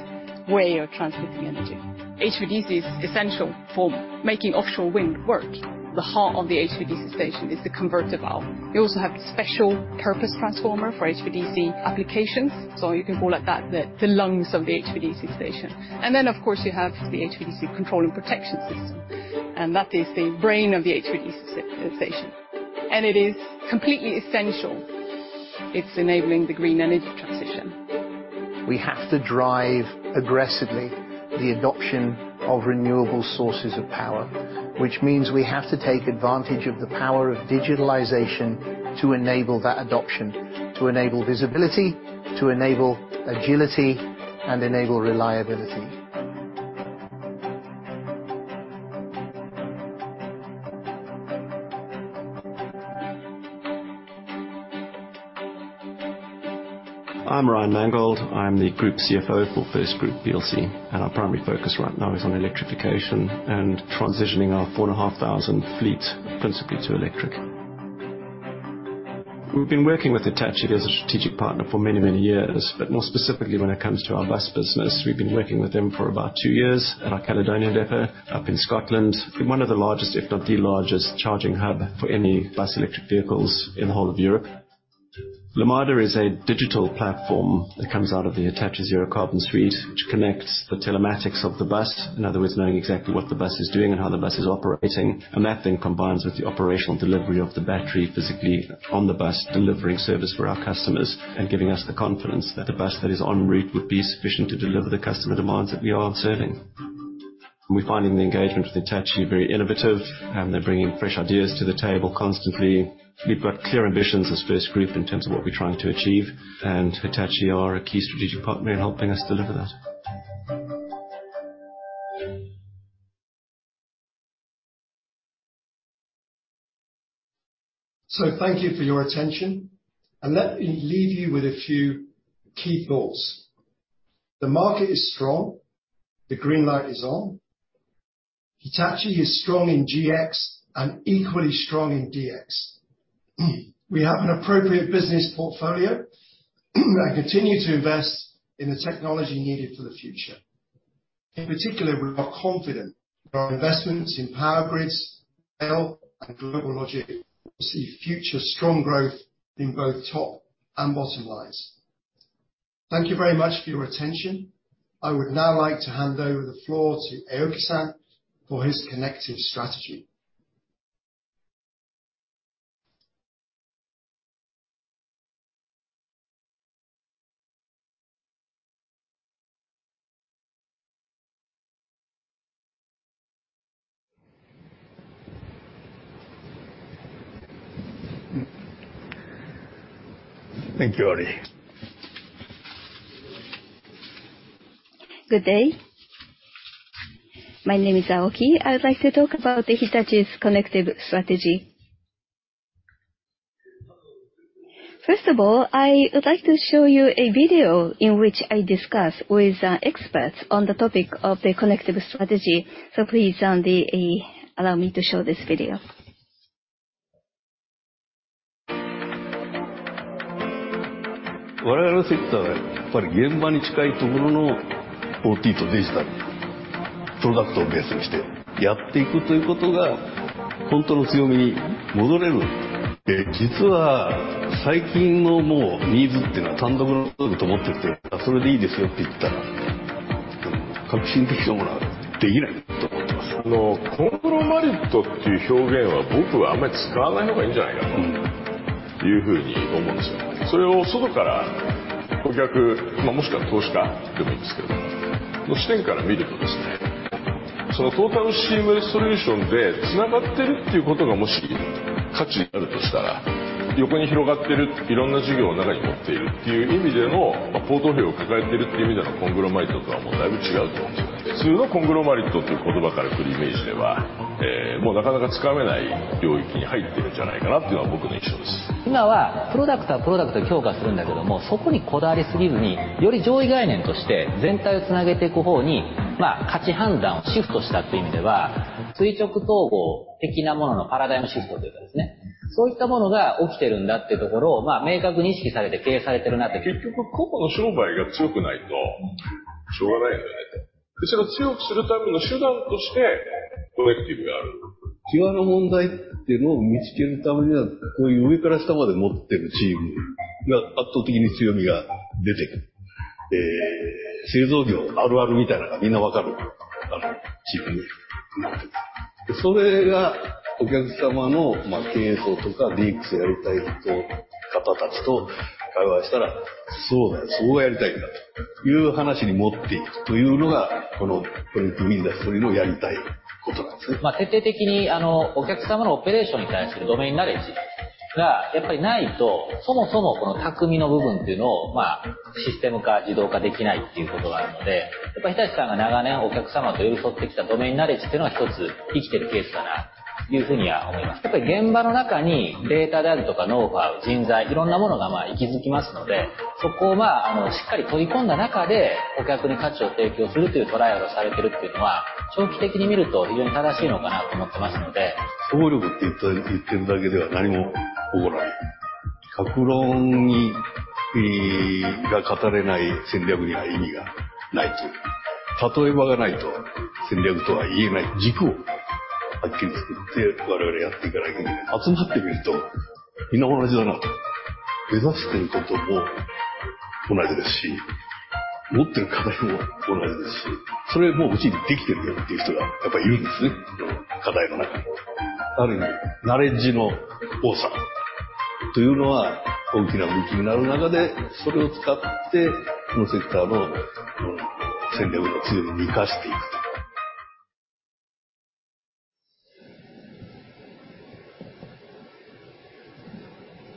way of transmitting energy. HVDC is essential for making offshore wind work. The heart of the HVDC station is the converter valve. You also have the special purpose transformer for HVDC applications, so you can call it that, the lungs of the HVDC station. Then, of course, you have the HVDC control and protection system, and that is the brain of the HVDC station. It is completely essential. It's enabling the green energy transition. We have to drive aggressively the adoption of renewable sources of power, which means we have to take advantage of the power of digitalization to enable that adoption, to enable visibility, to enable agility and enable reliability. I'm Ryan Mangold. I'm the Group CFO for FirstGroup plc. Our primary focus right now is on electrification and transitioning our 4,500 fleet principally to electric. We've been working with Hitachi as a strategic partner for many, many years, but more specifically when it comes to our bus business. We've been working with them for about two years at our Caledonian depot up in Scotland, in one of the largest, if not the largest, charging hub for any bus electric vehicles in the whole of Europe. Lumada is a digital platform that comes out of the Hitachi ZeroCarbon suite, which connects the telematics of the bus, in other words, knowing exactly what the bus is doing and how the bus is operating, and that then combines with the operational delivery of the battery physically on the bus, delivering service for our customers and giving us the confidence that the bus that is en route would be sufficient to deliver the customer demands that we are serving. We're finding the engagement with Hitachi very innovative, and they're bringing fresh ideas to the table constantly. We've got clear ambitions as FirstGroup in terms of what we're trying to achieve, and Hitachi are a key strategic partner in helping us deliver that. Thank you for your attention, and let me leave you with a few key thoughts. The market is strong. The green light is on. Hitachi is strong in GX and equally strong in DX. We have an appropriate business portfolio, and continue to invest in the technology needed for the future. In particular, we are confident our investments in power grids, rail, and GlobalLogic will see future strong growth in both top and bottom lines. Thank you very much for your attention. I would now like to hand over the floor to Aoki-san for his connective strategy. Thank you, Ollie. Good day. My name is Aoki. I would like to talk about Hitachi's connective strategy. First of all, I would like to show you a video in which I discuss with experts on the topic of the connective strategy. Please, Andy, allow me to show this video.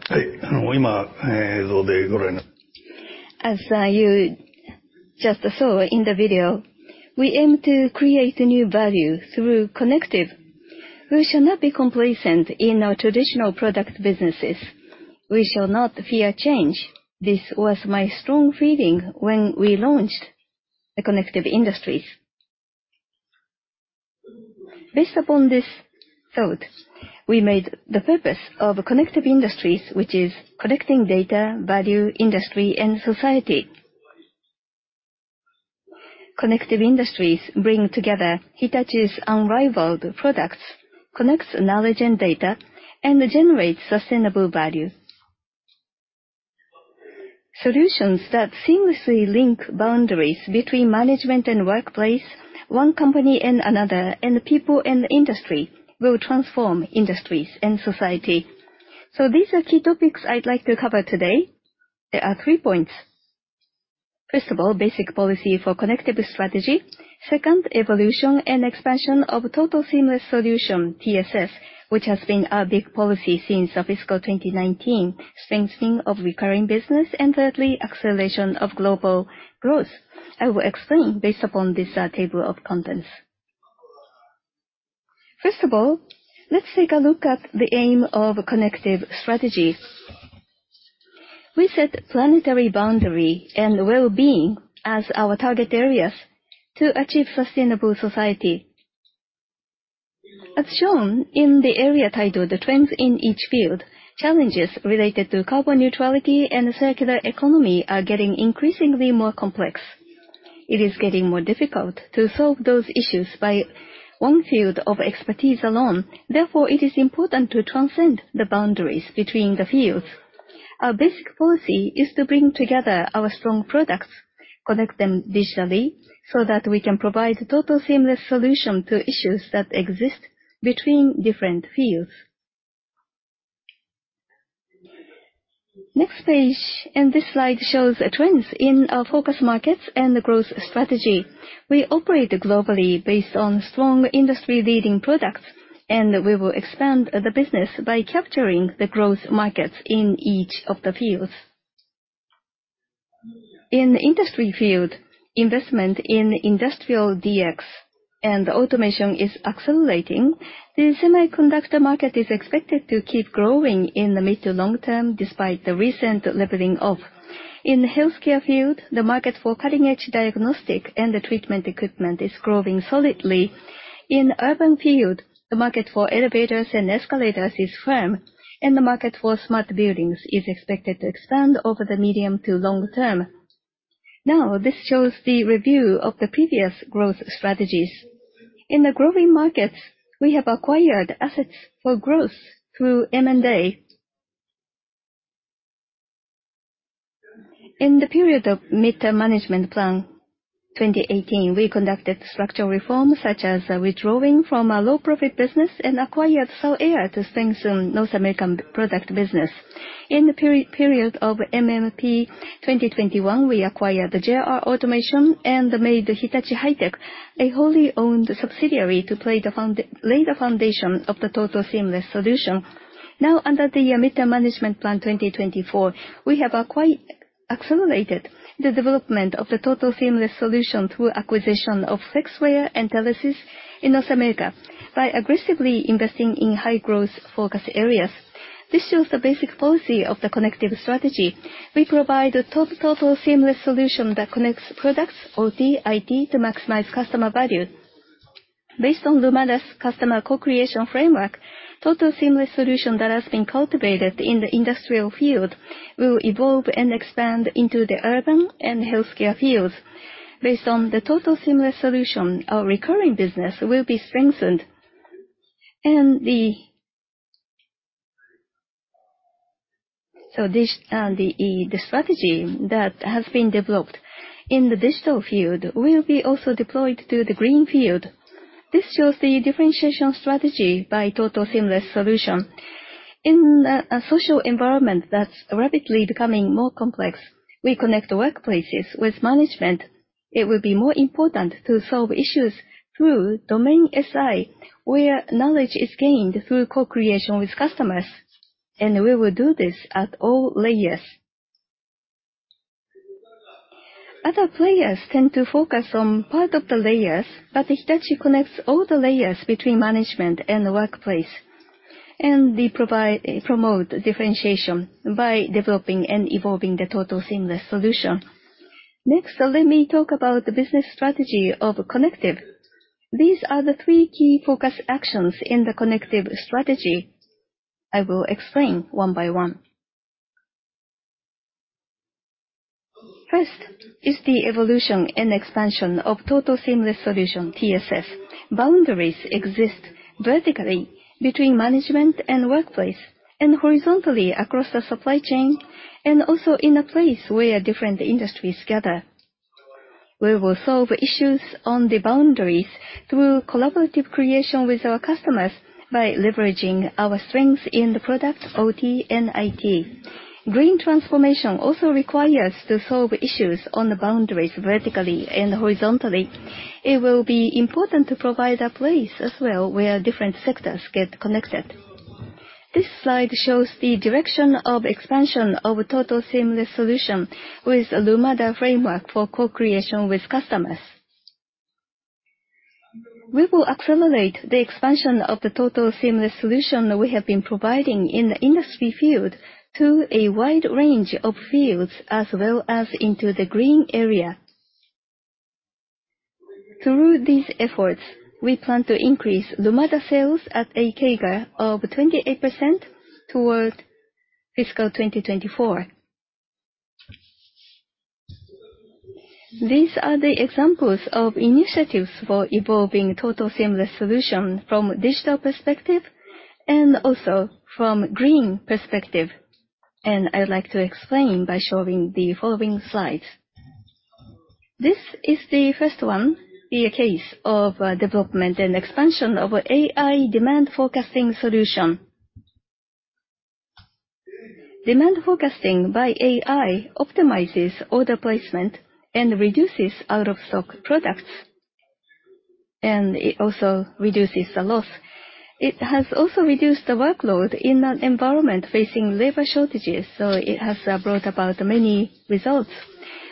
As you just saw in the video, we aim to create new value through connective. We should not be complacent in our traditional product businesses. We shall not fear change. This was my strong feeling when we launched the Connected Industries. Based upon this thought, we made the purpose of Connected Industries, which is connecting data, value, industry, and society. Connected Industries bring together Hitachi's unrivaled products, connects knowledge and data, and generates sustainable value. Solutions that seamlessly link boundaries between management and workplace, one company and another, and the people and the industry, will transform industries and society. These are key topics I'd like to cover today. There are three points. First of all, basic policy for connective strategy. Second, evolution and expansion of Total Seamless Solution, TSS, which has been our big policy since the fiscal 2019. Strengthening of recurring business, thirdly, acceleration of global growth. I will explain based upon this table of contents. First of all, let's take a look at the aim of connective strategy. We set planetary boundary and wellbeing as our target areas to achieve sustainable society. As shown in the area titled Trends in Each Field, challenges related to carbon neutrality and circular economy are getting increasingly more complex. It is getting more difficult to solve those issues by one field of expertise alone, therefore, it is important to transcend the boundaries between the fields. Our basic policy is to bring together our strong products, connect them digitally, so that we can provide Total Seamless Solution to issues that exist between different fields. Next page. This slide shows trends in our focus markets and the growth strategy. We operate globally based on strong industry-leading products. We will expand the business by capturing the growth markets in each of the fields. In industry field, investment in industrial DX and automation is accelerating. The semiconductor market is expected to keep growing in the mid to long term, despite the recent leveling off. In the healthcare field, the market for cutting-edge diagnostic and the treatment equipment is growing solidly. In urban field, the market for elevators and escalators is firm, and the market for smart buildings is expected to expand over the medium to long term. This shows the review of the previous growth strategies. In the growing markets, we have acquired assets for growth through M&A. In the period of Mid-term Management Plan 2018, we conducted structural reforms, such as withdrawing from a low-profit business and acquired Sullair to strengthen North American product business. In the period of MMP 2021, we acquired the JR Automation and made Hitachi High-Tech a wholly-owned subsidiary to lay the foundation of the Total Seamless Solution. Under the Mid-term Management Plan 2024, we have accelerated the development of the Total Seamless Solution through acquisition of Flexware and Telesis in North America by aggressively investing in high-growth focus areas. This shows the basic policy of the connective strategy. We provide a Total Seamless Solution that connects products or DIT to maximize customer value. Based on Lumada's customer co-creation framework, Total Seamless Solution that has been cultivated in the industrial field will evolve and expand into the urban and healthcare fields. Based on the Total Seamless Solution, our recurring business will be strengthened. This strategy that has been developed in the digital field will be also deployed to the green field. This shows the differentiation strategy by Total Seamless Solution. In a social environment that's rapidly becoming more complex, we connect workplaces with management. It will be more important to solve issues through Domain SI, where knowledge is gained through co-creation with customers, and we will do this at all layers. Other players tend to focus on part of the layers, Hitachi connects all the layers between management and the workplace, we promote differentiation by developing and evolving the Total Seamless Solution. Let me talk about the business strategy of connective. These are the three key focus actions in the connective strategy. I will explain one by one. Is the evolution and expansion of Total Seamless Solution, TSS. Boundaries exist vertically between management and workplace, horizontally across the supply chain, also in a place where different industries gather. We will solve issues on the boundaries through collaborative creation with our customers by leveraging our strengths in the product, OT, and IT. Green transformation also requires to solve issues on the boundaries, vertically and horizontally. It will be important to provide a place as well, where different sectors get connected. This slide shows the direction of expansion of Total Seamless Solution with a Lumada framework for co-creation with customers. We will accelerate the expansion of the Total Seamless Solution that we have been providing in the industry field, to a wide range of fields, as well as into the green area. Through these efforts, we plan to increase Lumada sales at a CAGR of 28% towards fiscal 2024. These are the examples of initiatives for evolving Total Seamless Solution from digital perspective, and also from green perspective, and I'd like to explain by showing the following slides. This is the first one, the case of development and expansion of AI demand forecasting solution. Demand forecasting by AI optimizes order placement and reduces out-of-stock products, and it also reduces the loss. It has also reduced the workload in an environment facing labor shortages, so it has brought about many results.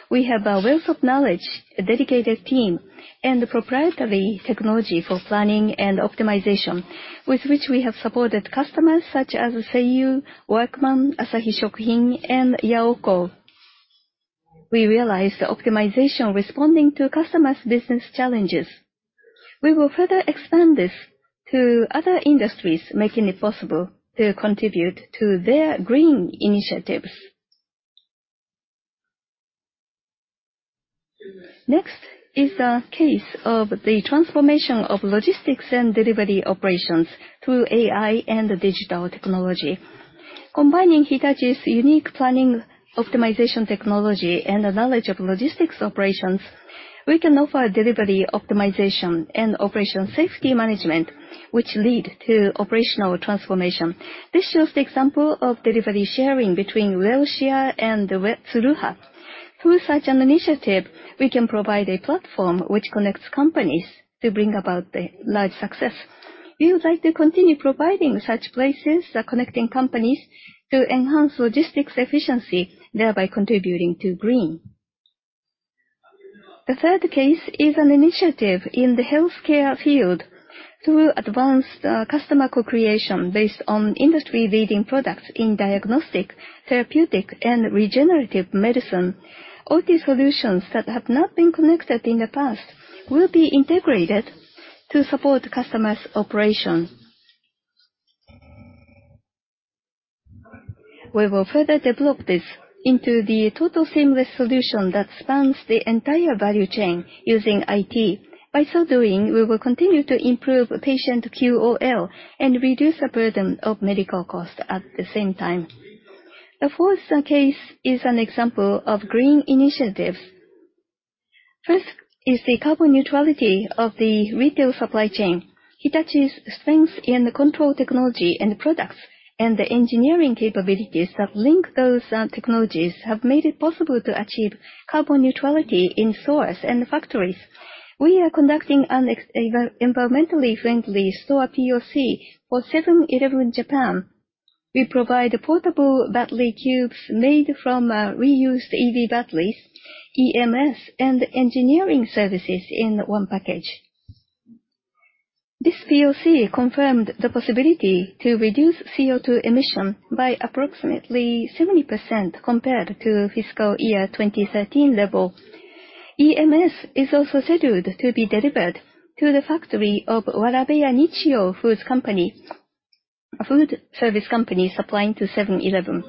We have a wealth of knowledge, a dedicated team, and proprietary technology for planning and optimization, with which we have supported customers such as Seiyu, Workman, Asahi Shokuhin, and Yaoko. We realize the optimization responding to customers' business challenges. We will further expand this to other industries, making it possible to contribute to their green initiatives. Next is a case of the transformation of logistics and delivery operations through AI and digital technology. Combining Hitachi's unique planning optimization technology and the knowledge of logistics operations, we can offer delivery optimization and operation safety management, which lead to operational transformation. This shows the example of delivery sharing between Welcia and Tsuruha. Through such an initiative, we can provide a platform which connects companies to bring about a large success. We would like to continue providing such places, connecting companies to enhance logistics efficiency, thereby contributing to green. The third case is an initiative in the healthcare field to advance customer co-creation based on industry-leading products in diagnostic, therapeutic, and regenerative medicine. All these solutions that have not been connected in the past will be integrated to support customers' operation. We will further develop this into the Total Seamless Solution that spans the entire value chain using IT. By so doing, we will continue to improve patient QOL and reduce the burden of medical costs at the same time. The fourth case is an example of green initiatives. First is the carbon neutrality of the retail supply chain. Hitachi's strength in the control technology and products, and the engineering capabilities that link those technologies have made it possible to achieve carbon neutrality in stores and factories. We are conducting an environmentally friendly store POC for 7-Eleven Japan. We provide portable battery cubes made from reused EV batteries, EMS, and engineering services in one package. This POC confirmed the possibility to reduce CO2 emission by approximately 70% compared to fiscal year 2013 level. EMS is also scheduled to be delivered to the factory of Warabeya Nichiyo Foods Company, a food service company supplying to 7-Eleven.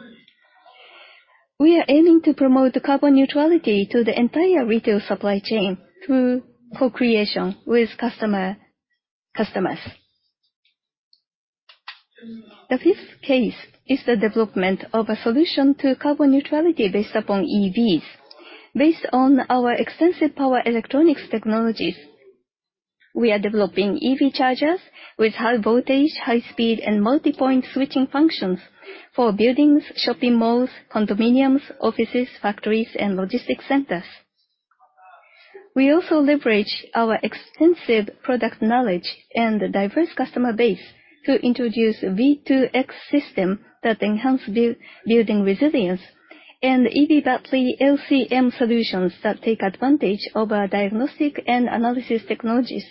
We are aiming to promote the carbon neutrality to the entire retail supply chain through co-creation with customers. The fifth case is the development of a solution to carbon neutrality based upon EVs. Based on our extensive power electronics technologies, we are developing EV chargers with high voltage, high speed, and multi-point switching functions for buildings, shopping malls, condominiums, offices, factories, and logistics centers. We also leverage our extensive product knowledge and diverse customer base to introduce V2X system that enhance building resilience, EV battery LCM solutions that take advantage of our diagnostic and analysis technologies.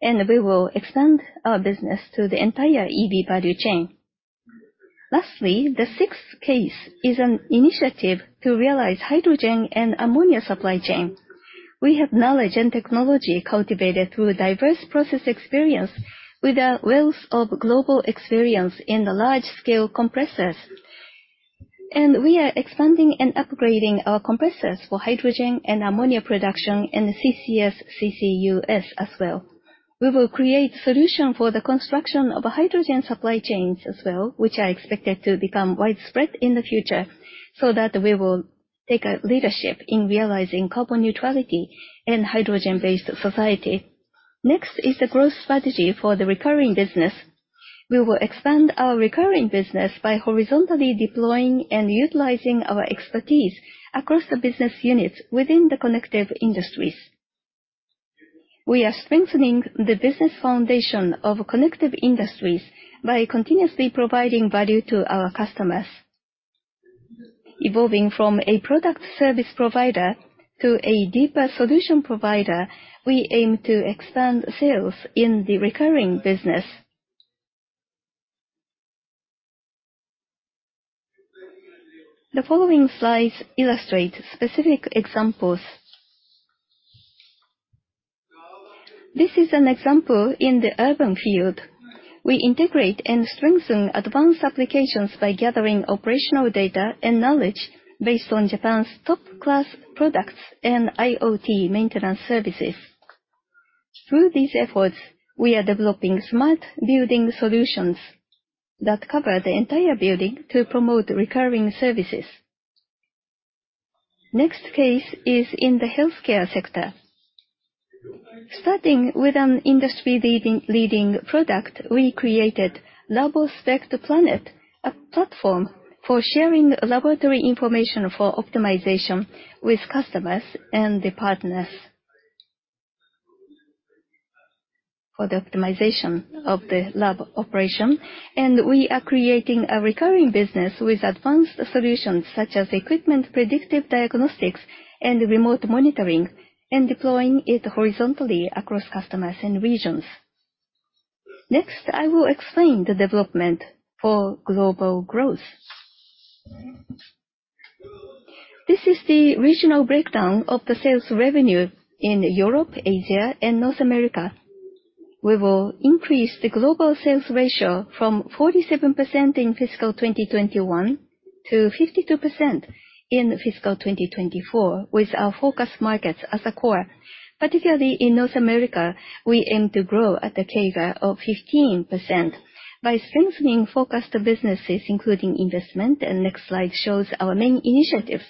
We will expand our business to the entire EV value chain. Lastly, the sixth case is an initiative to realize hydrogen and ammonia supply chain. We have knowledge and technology cultivated through diverse process experience, with a wealth of global experience in the large-scale compressors. We are expanding and upgrading our compressors for hydrogen and ammonia production, CCS, CCUS as well. We will create solution for the construction of hydrogen supply chains as well, which are expected to become widespread in the future, so that we will take a leadership in realizing carbon neutrality and hydrogen-based society. Next is the growth strategy for the recurring business. We will expand our recurring business by horizontally deploying and utilizing our expertise across the business units within the Connected Industries. We are strengthening the business foundation of Connected Industries by continuously providing value to our customers. Evolving from a product service provider to a deeper solution provider, we aim to expand sales in the recurring business. The following slides illustrate specific examples. This is an example in the urban field. We integrate and strengthen advanced applications by gathering operational data and knowledge based on Japan's top-class products and IoT maintenance services. Through these efforts, we are developing smart building solutions that cover the entire building to promote recurring services. Next case is in the healthcare sector. Starting with an industry leading product, we created LABOSPECT, a platform for sharing laboratory information for optimization with customers and the partners. For the optimization of the lab operation, we are creating a recurring business with advanced solutions, such as equipment, predictive diagnostics, and remote monitoring, and deploying it horizontally across customers and regions. Next, I will explain the development for global growth. This is the regional breakdown of the sales revenue in Europe, Asia, and North America. We will increase the global sales ratio from 47% in fiscal 2021 to 52% in fiscal 2024, with our focus markets as a core. Particularly in North America, we aim to grow at a CAGR of 15% by strengthening focused businesses, including investment, and next slide shows our main initiatives.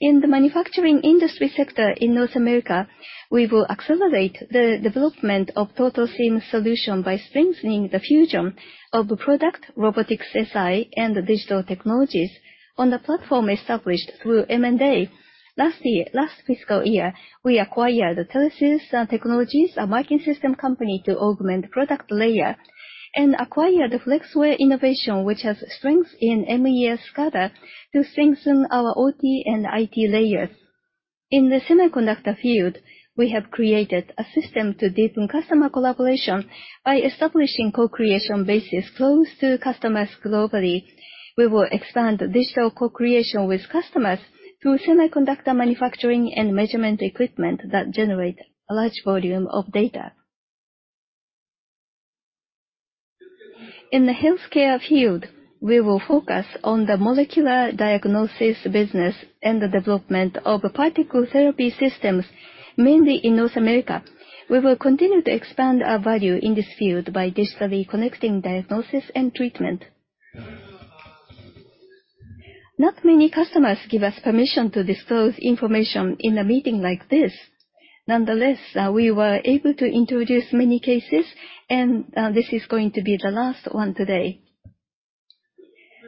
In the manufacturing industry sector in North America, we will accelerate the development of Total Seamless Solution by strengthening the fusion of product robotics, SI, and digital technologies on the platform established through M&A. Last year, last fiscal year, we acquired Telesis Technologies, a marking system company, to augment product layer, and acquired Flexware Innovation, which has strength in MES SCADA, to strengthen our OT and IT layers. In the semiconductor field, we have created a system to deepen customer collaboration by establishing co-creation bases close to customers globally. We will expand digital co-creation with customers through semiconductor manufacturing and measurement equipment that generate a large volume of data. In the healthcare field, we will focus on the molecular diagnosis business and the development of particle therapy systems, mainly in North America. We will continue to expand our value in this field by digitally connecting diagnosis and treatment. Not many customers give us permission to disclose information in a meeting like this. Nonetheless, we were able to introduce many cases, and this is going to be the last one today.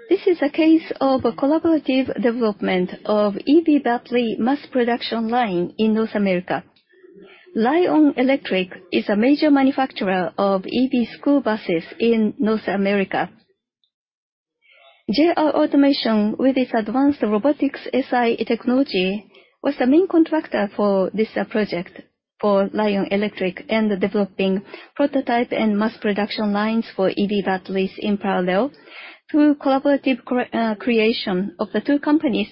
This is a case of a collaborative development of EV battery mass production line in North America. Lion Electric is a major manufacturer of EV school buses in North America. JR Automation, with its advanced robotics SI technology, was the main contractor for this project for Lion Electric, developing prototype and mass production lines for EV batteries in parallel. Through collaborative creation of the two companies,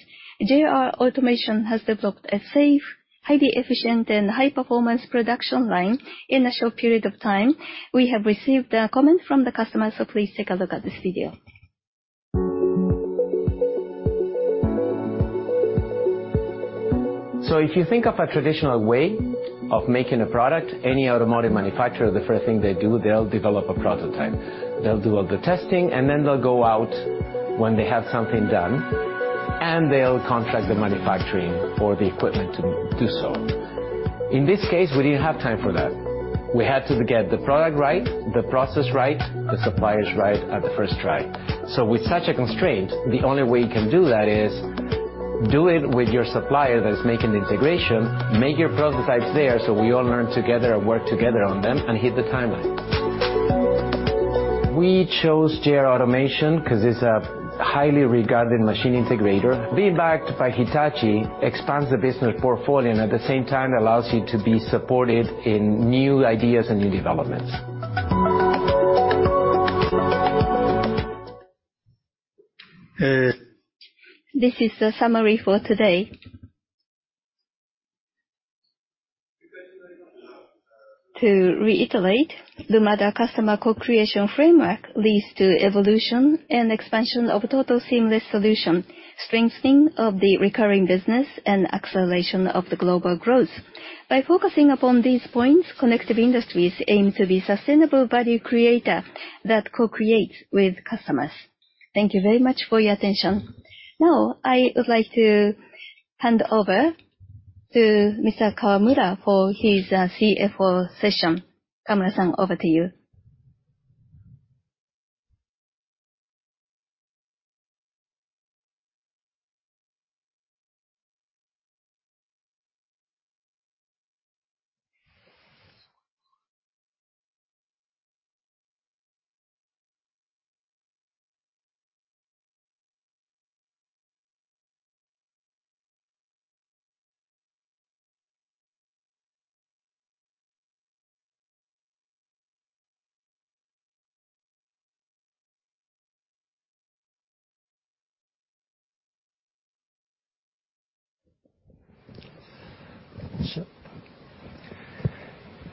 JR Automation has developed a safe, highly efficient, and high-performance production line in a short period of time. We have received a comment from the customer. Please take a look at this video. If you think of a traditional way of making a product, any automotive manufacturer, the first thing they do, they'll develop a prototype. They'll do all the testing, and then they'll go out when they have something done, and they'll contract the manufacturing for the equipment to do so. In this case, we didn't have time for that. We had to get the product right, the process right, the suppliers right at the first try. With such a constraint, the only way you can do that is do it with your supplier that is making the integration, make your prototypes there, so we all learn together and work together on them and hit the timeline. We chose JR Automation 'cause it's a highly regarded machine integrator. Being backed by Hitachi expands the business portfolio, and at the same time, allows you to be supported in new ideas and new developments. This is a summary for today. To reiterate, the Lumada customer co-creation framework leads to evolution and expansion of Total Seamless Solution, strengthening of the recurring business, and acceleration of the global growth. By focusing upon these points, Connected Industries aim to be sustainable value creator that co-creates with customers. Thank you very much for your attention. Now, I would like to hand over to Mr. Kawamura for his CFO session. Kawamura-san, over to you.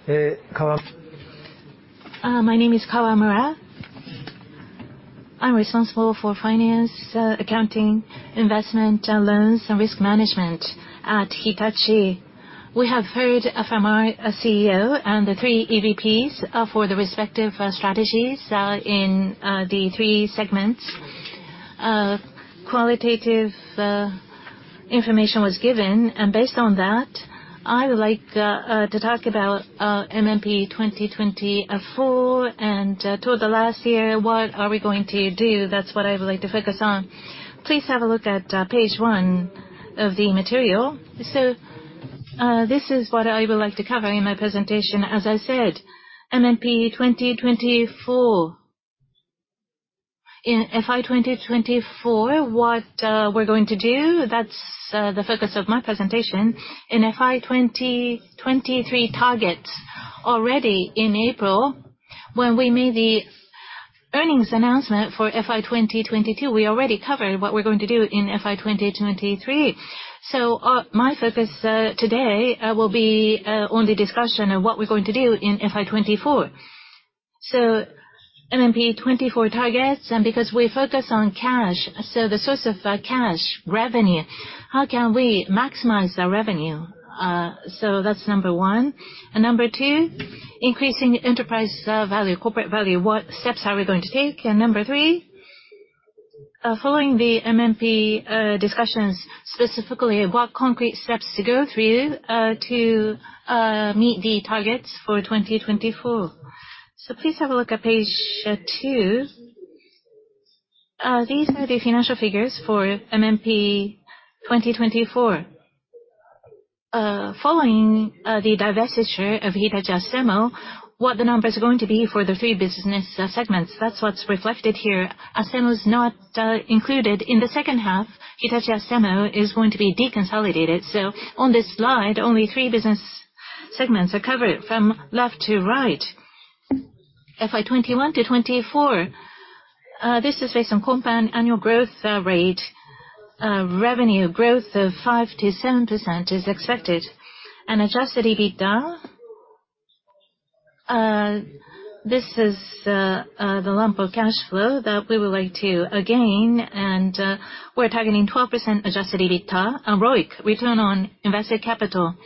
Uh, Kawa- My name is Kawamura. I'm responsible for finance, accounting, investment, and loans, and risk management. at Hitachi. We have heard from our CEO and the three EVPs for the respective strategies in the three segments. Qualitative information was given. Based on that, I would like to talk about MMP 2024, and toward the last year, what are we going to do? That's what I would like to focus on. Please have a look at Page one of the material. This is what I would like to cover in my presentation. As I said, MMP 2024. In FY2024, what we're going to do, that's the focus of my presentation. In FY 2023 targets, already in April, when we made the earnings announcement for FY 2022, we already covered what we're going to do in FY 2023. My focus today will be on the discussion of what we're going to do in FY 2024. MMP 2024 targets, and because we focus on cash, the source of cash, revenue, how can we maximize the revenue? That's number one. Number two, increasing enterprise value, corporate value, what steps are we going to take? Number three, following the MMP discussions, specifically, what concrete steps to go through to meet the targets for 2024? Please have a look at Page two. These are the financial figures for MMP 2024. Following the divestiture of Hitachi Astemo, what the numbers are going to be for the three business segments, that's what's reflected here. Astemo is not included. In the second half, Hitachi Astemo is going to be deconsolidated, so on this slide, only three business segments are covered from left to right. FY 2021-2024, this is based on compound annual growth rate. Revenue growth of 5%-7% is expected. Adjusted EBITDA, this is the lump of cash flow that we would like to gain, and we're targeting 12% Adjusted EBITDA and ROIC, return on invested capital.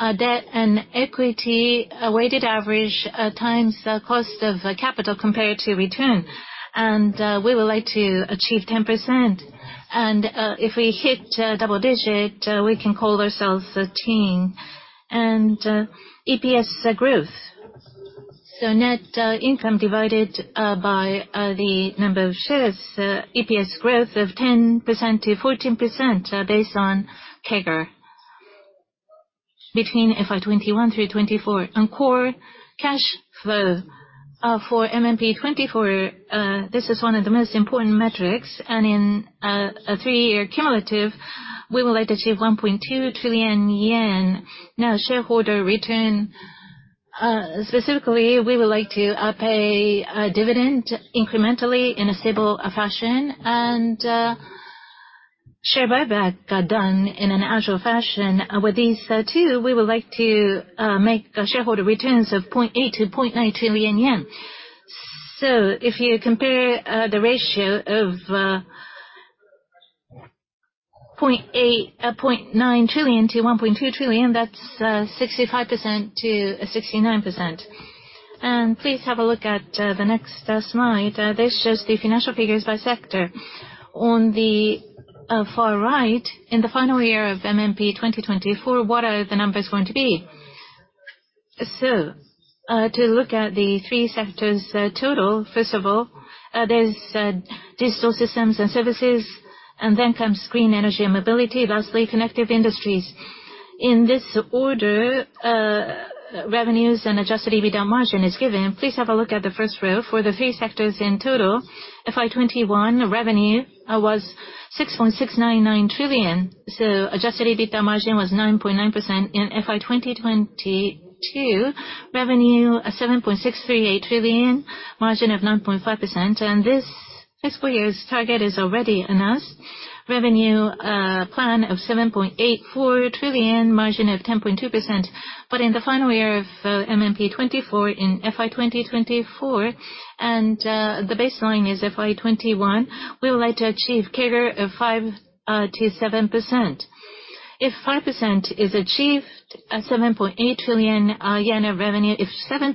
Debt and equity, a weighted average times the cost of capital compared to return, and we would like to achieve 10%. If we hit double digit, we can call ourselves a team. EPS growth, so net income divided by the number of shares, EPS growth of 10%-14%, based on CAGR between FY 2021 through 2024. Core cash flow for MMP 2024, this is one of the most important metrics, and in a three-year cumulative, we would like to achieve 1.2 trillion yen. Shareholder return, specifically, we would like to pay a dividend incrementally in a stable fashion, and share buyback done in an agile fashion. With these two, we would like to make shareholder returns of 0.8 trillion-0.9 trillion yen. If you compare the ratio of 0.8 trillion-0.9 trillion to 1.2 trillion, that's 65%-69%. Please have a look at the next slide. This shows the financial figures by sector. On the far right, in the final year of MMP 2024, what are the numbers going to be? To look at the three sectors total, first of all, there's Digital Systems and Services, then comes Green Energy and Mobility, lastly, Connected Industries. In this order, revenues and Adjusted EBITDA margin is given. Please have a look at the first row. For the three sectors in total, FY 2021 revenue was 6.699 trillion, so Adjusted EBITDA margin was 9.9%. In FY 2022, revenue 7.638 trillion, margin of 9.5%, and this fiscal year's target is already announced. Revenue, plan of 7.84 trillion, margin of 10.2%. In the final year of MMP 2024, in FY 2024, and the baseline is FY 2021, we would like to achieve CAGR of 5%-7%. If 5% is achieved, 7.8 trillion yen of revenue. If 7%,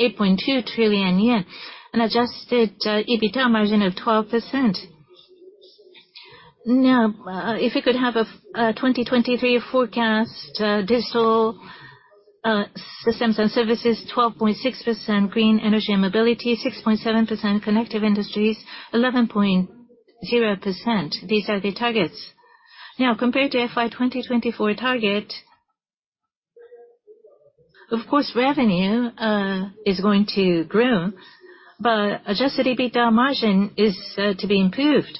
8.2 trillion yen, an Adjusted EBITDA margin of 12%. If you could have a 2023 forecast, Digital Systems and Services, 12.6%, Green Energy & Mobility, 6.7%, Connected Industries, 11.0%. These are the targets. Compared to FY 2024 target, of course, revenue is going to grow, but Adjusted EBITDA margin is to be improved,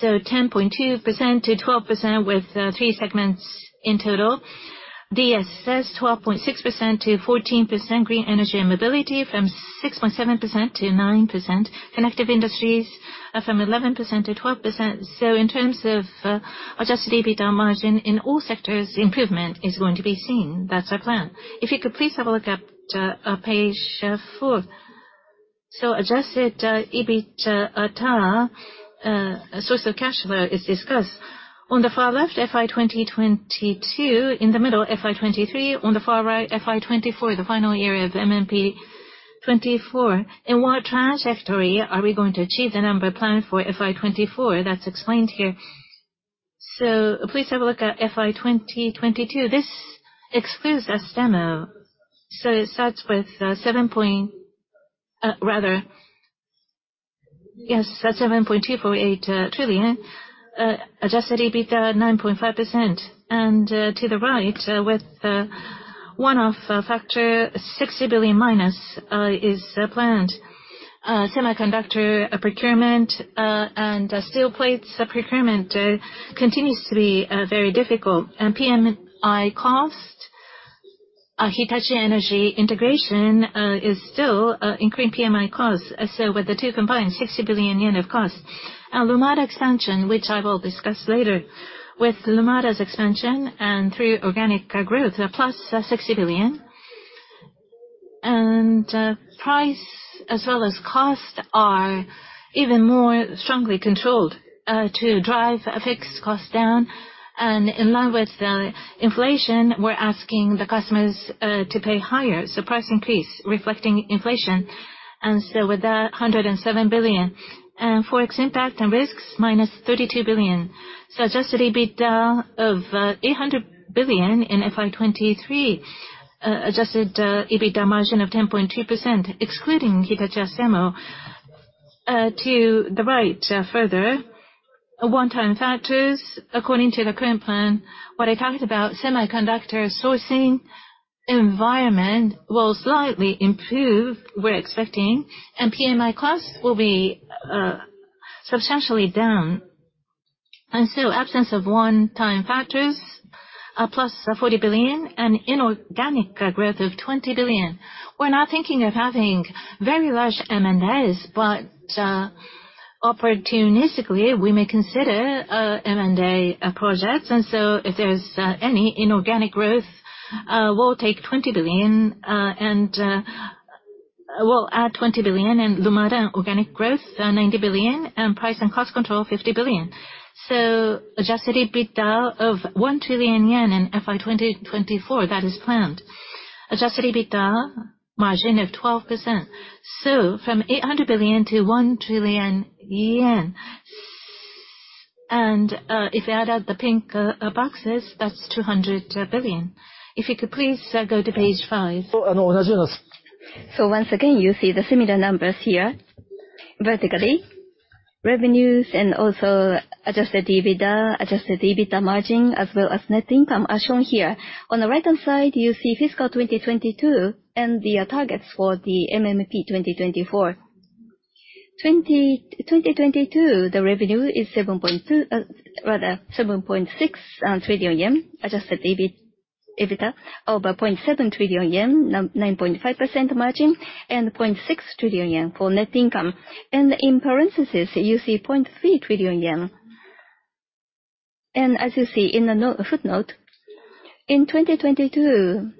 so 10.2%-12% with three segments in total. DSS, 12.6%-14%. Green Energy and Mobility, from 6.7%-9%. Connected Industries, from 11%-12%. In terms of Adjusted EBITDA margin, in all sectors, improvement is going to be seen. That's our plan. If you could please have a look at Page four. Adjusted EBITA, source of cash flow is discussed. On the far left, FY2022, in the middle, FY 2023, on the far right, FY 2024, the final year of the MMP 2024. In what trajectory are we going to achieve the number planned for FY 2024? That's explained here. Please have a look at FY 2022. This excludes Astemo. It starts with 7.248 trillion. Adjusted EBITA 9.5%. To the right, with a one-off factor, 60 billion minus is planned. Semiconductor procurement and steel plates procurement continues to be very difficult. PMI cost, Hitachi Energy integration is still increasing PMI costs. With the two combined, 60 billion yen of cost. Lumada expansion, which I will discuss later. With Lumada's expansion and through organic growth, plus 60 billion. Price as well as cost are even more strongly controlled to drive fixed costs down. In line with the inflation, we're asking the customers to pay higher, so price increase reflecting inflation. With that, 107 billion. Forex impact and risks, minus 32 billion. Adjusted EBITDA of 800 billion in FY 2023. Adjusted EBITDA margin of 10.2%, excluding Hitachi Astemo. To the right, further, one-time factors, according to the current plan, what I talked about, semiconductor sourcing environment will slightly improve, we're expecting, and PMI costs will be substantially down. Absence of one-time factors, plus 40 billion, and inorganic growth of 20 billion. We're not thinking of having very large M&As, but opportunistically, we may consider M&A projects. If there's any inorganic growth, we'll take 20 billion, and we'll add 20 billion, Lumada organic growth, 90 billion, and price and cost control, 50 billion. Adjusted EBITDA of 1 trillion yen in FY 2024, that is planned. Adjusted EBITDA margin of 12%. From 800 billion to 1 trillion yen. If you add up the pink boxes, that's 200 billion. If you could please go to Page five. Once again, you see the similar numbers here. Vertically, revenues and also Adjusted EBITDA, Adjusted EBITDA margin, as well as net income are shown here. On the right-hand side, you see fiscal 2022 and the targets for the MMP 2024. 2022, the revenue is 7.2, rather 7.6 trillion yen. Adjusted EBIT, EBITDA of 0.7 trillion yen, 9.5% margin, and 0.6 trillion yen for net income. In parentheses, you see 0.3 trillion yen. As you see in the footnote, in 2022,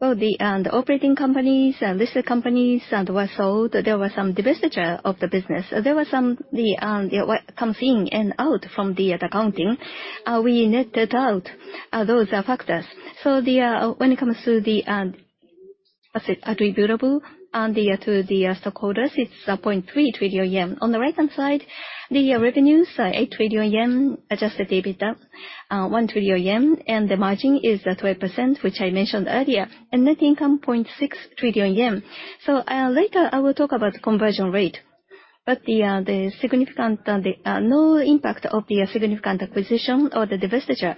well, the operating companies and listed companies that were sold, there were some divestiture of the business. There were some, what comes in and out from the accounting, we netted out those factors. When it comes to the, what's it, attributable to the stockholders, it's 0.3 trillion yen. On the right-hand side, the revenues are 8 trillion yen, Adjusted EBITDA 1 trillion yen, and the margin is at 12%, which I mentioned earlier. Net income, 0.6 trillion yen. Later, I will talk about conversion rate, but the significant no impact of the significant acquisition or the divestiture.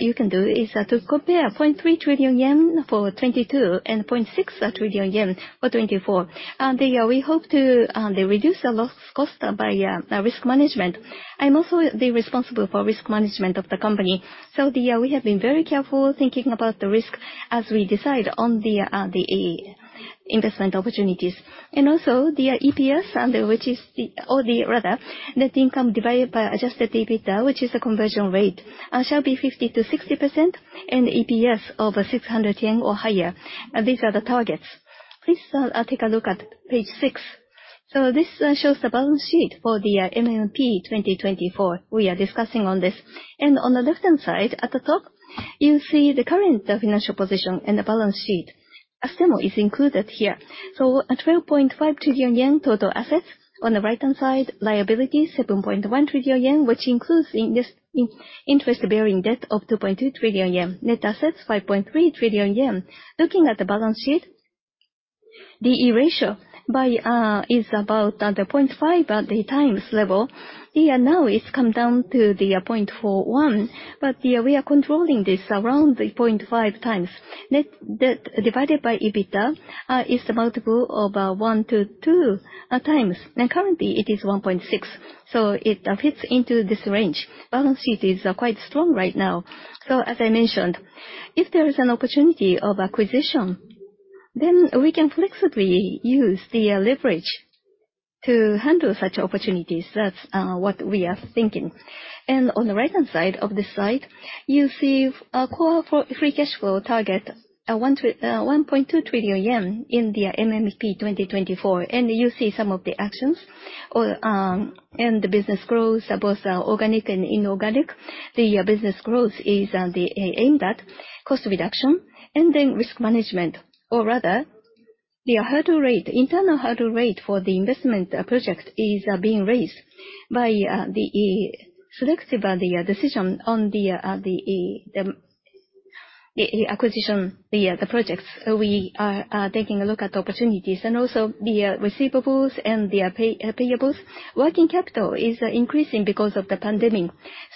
You can do is to compare 0.3 trillion yen for 2022 and 0.6 trillion yen for 2024. We hope to reduce our loss cost by risk management. I'm also the responsible for risk management of the company. We have been very careful thinking about the risk as we decide on the investment opportunities. The EPS, which is net income divided by Adjusted EBITDA, which is the conversion rate, shall be 50%-60%, and EPS over 600 yen or higher. These are the targets. Please take a look at Page six. This shows the balance sheet for the MMP 2024. We are discussing on this. On the left-hand side, at the top, you see the current financial position and the balance sheet. Astemo is included here. At 12.5 trillion yen total assets. On the right-hand side, liabilities, 7.1 trillion yen, which includes interest-bearing debt of 2.2 trillion yen. Net assets, 5.3 trillion yen. Looking at the balance sheet, the ratio by is about the 0.5 times level. Now it's come down to the 0.41, we are controlling this around the 0.5x. Net debt divided by EBITDA is the multiple of 1x-2x. Currently, it is 1.6, it fits into this range. Balance sheet is quite strong right now. As I mentioned, if there is an opportunity of acquisition, then we can flexibly use the leverage. to handle such opportunities, that's what we are thinking. On the right-hand side of this slide, you see our core for free cash flow target, 1.2 trillion yen in the MMP 2024. You see some of the actions, or and the business growth, both organic and inorganic. The business growth is the aimed at cost reduction, and then risk management, or rather, the hurdle rate, internal hurdle rate for the investment project is being raised by the selective decision on the acquisition projects. We are taking a look at the opportunities, and also the receivables and the payables. Working capital is increasing because of the pandemic.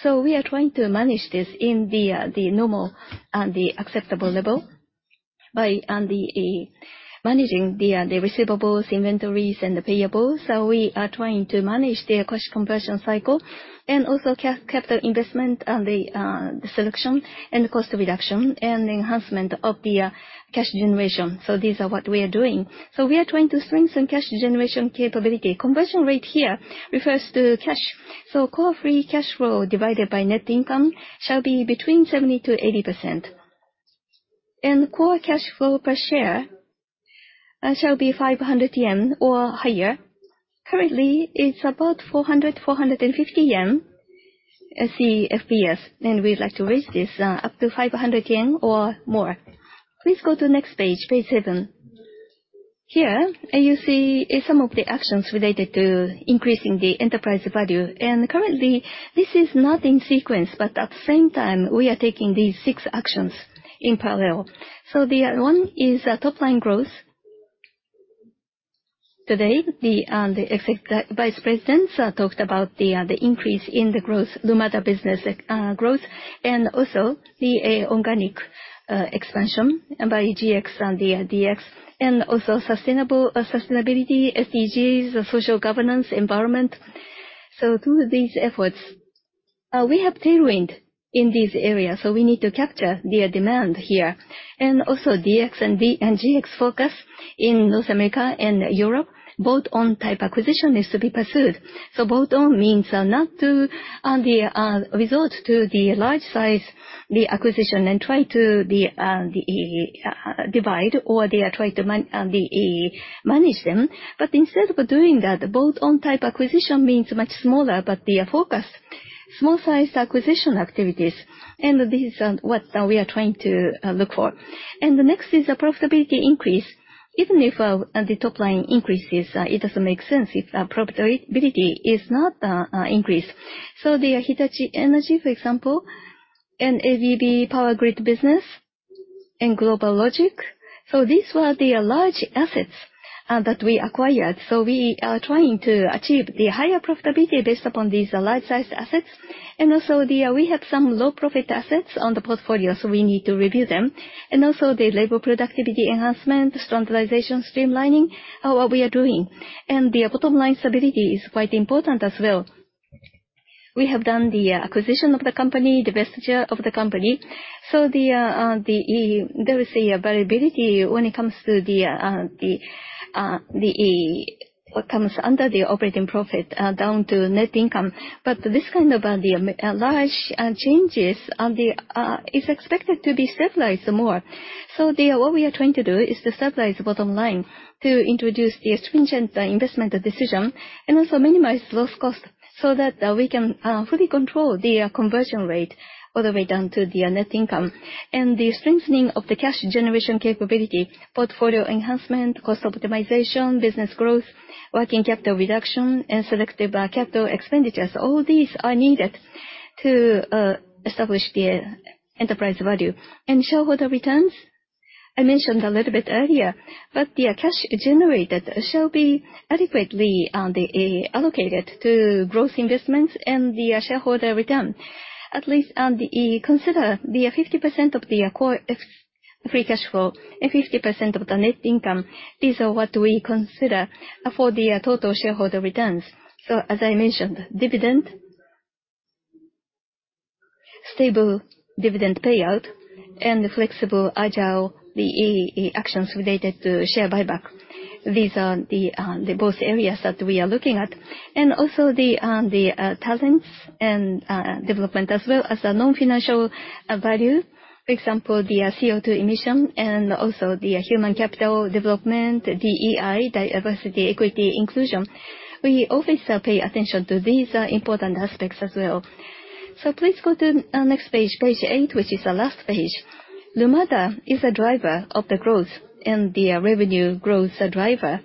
We are trying to manage this in the normal and acceptable level by managing the receivables, inventories, and the payables. We are trying to manage the cash conversion cycle, and also capital investment, and the selection and cost reduction, and the enhancement of the cash generation. These are what we are doing. We are trying to strengthen cash generation capability. Conversion rate here refers to cash. Core free cash flow divided by net income shall be between 70%-80%. Core cash flow per share shall be 500 yen or higher. Currently, it's about 400, 450 yen, as the EPS, and we'd like to raise this up to 500 yen or more. Please go to the next Page seven. Here, you see some of the actions related to increasing the enterprise value. Currently, this is not in sequence, but at the same time, we are taking these six actions in parallel. The one is top line growth. Today, the Executive Vice Presidents talked about the increase in the growth, Lumada business growth, and also the organic expansion by GX and DX, and also sustainable sustainability, SDGs, social governance, environment. Through these efforts, we have tailwind in these areas, so we need to capture the demand here. Also, DX and GX focus in North America and Europe, bolt-on type acquisition is to be pursued. Bolt-on means not to resort to the large size, the acquisition, and try to divide, or they are trying to manage them. Instead of doing that, the bolt-on type acquisition means much smaller, but they are focused, small size acquisition activities, and this is what we are trying to look for. The next is the profitability increase. Even if the top line increases, it doesn't make sense if profitability is not increased. The Hitachi Energy, for example, and ABB Power Grid business, and GlobalLogic, these were the large assets that we acquired. We are trying to achieve the higher profitability based upon these large-sized assets. Also, we have some low-profit assets on the portfolio, so we need to review them. Also, the labor productivity enhancement, standardization, streamlining, are what we are doing. The bottom line stability is quite important as well. We have done the acquisition of the company, divestiture of the company, so there is a variability when it comes to what comes under the operating profit down to net income. This kind of large changes is expected to be stabilized some more. What we are trying to do is to stabilize the bottom line, to introduce the stringent investment decision, and also minimize loss cost so that we can fully control the conversion rate all the way down to the net income. The strengthening of the cash generation capability, portfolio enhancement, cost optimization, business growth, working capital reduction, and selective capital expenditures, all these are needed to establish the enterprise value. Shareholder returns, I mentioned a little bit earlier, but the cash generated shall be adequately allocated to growth investments and the shareholder return. At least, on the, consider the 50% of the core free cash flow and 50% of the net income, these are what we consider for the total shareholder returns. As I mentioned, dividend, stable dividend payout, and flexible, agile actions related to share buyback. These are the both areas that we are looking at. Also the talents and development, as well as the non-financial value. For example, the CO2 emission and also the human capital development, DEI, diversity, equity, inclusion. We always pay attention to these important aspects as well. Please go to next Page eight, which is the last page. Lumada is a driver of the growth and the revenue growth driver.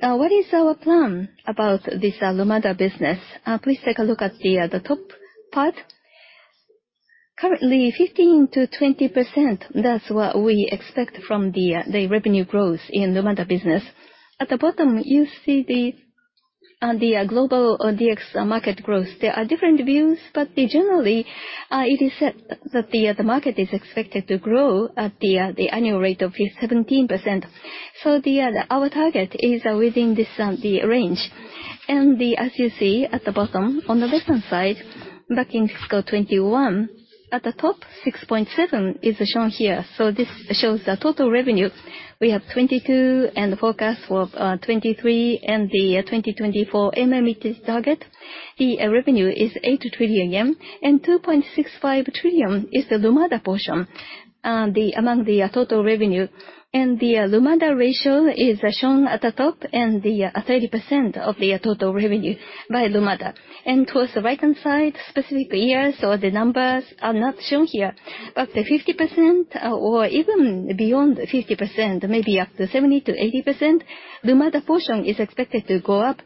What is our plan about this Lumada business? Please take a look at the top part. Currently, 15%-20%, that's what we expect from the revenue growth in Lumada business. At the bottom, you see the global DX market growth. There are different views, but generally, it is said that the market is expected to grow at the annual rate of 17%. Our target is within this range. As you see at the bottom, on the left-hand side, back in fiscal 2021, at the top, 6.7 trillion is shown here. This shows the total revenue. We have 2022 and the forecast for 2023 and the Mid-term Management Plan 2024 target. The revenue is 8 trillion yen, 2.65 trillion is the Lumada portion among the total revenue. The Lumada ratio is shown at the top and 30% of the total revenue by Lumada. Towards the right-hand side, specific years or the numbers are not shown here, but 50% or even beyond 50%, maybe up to 70%-80%, Lumada portion is expected to go up,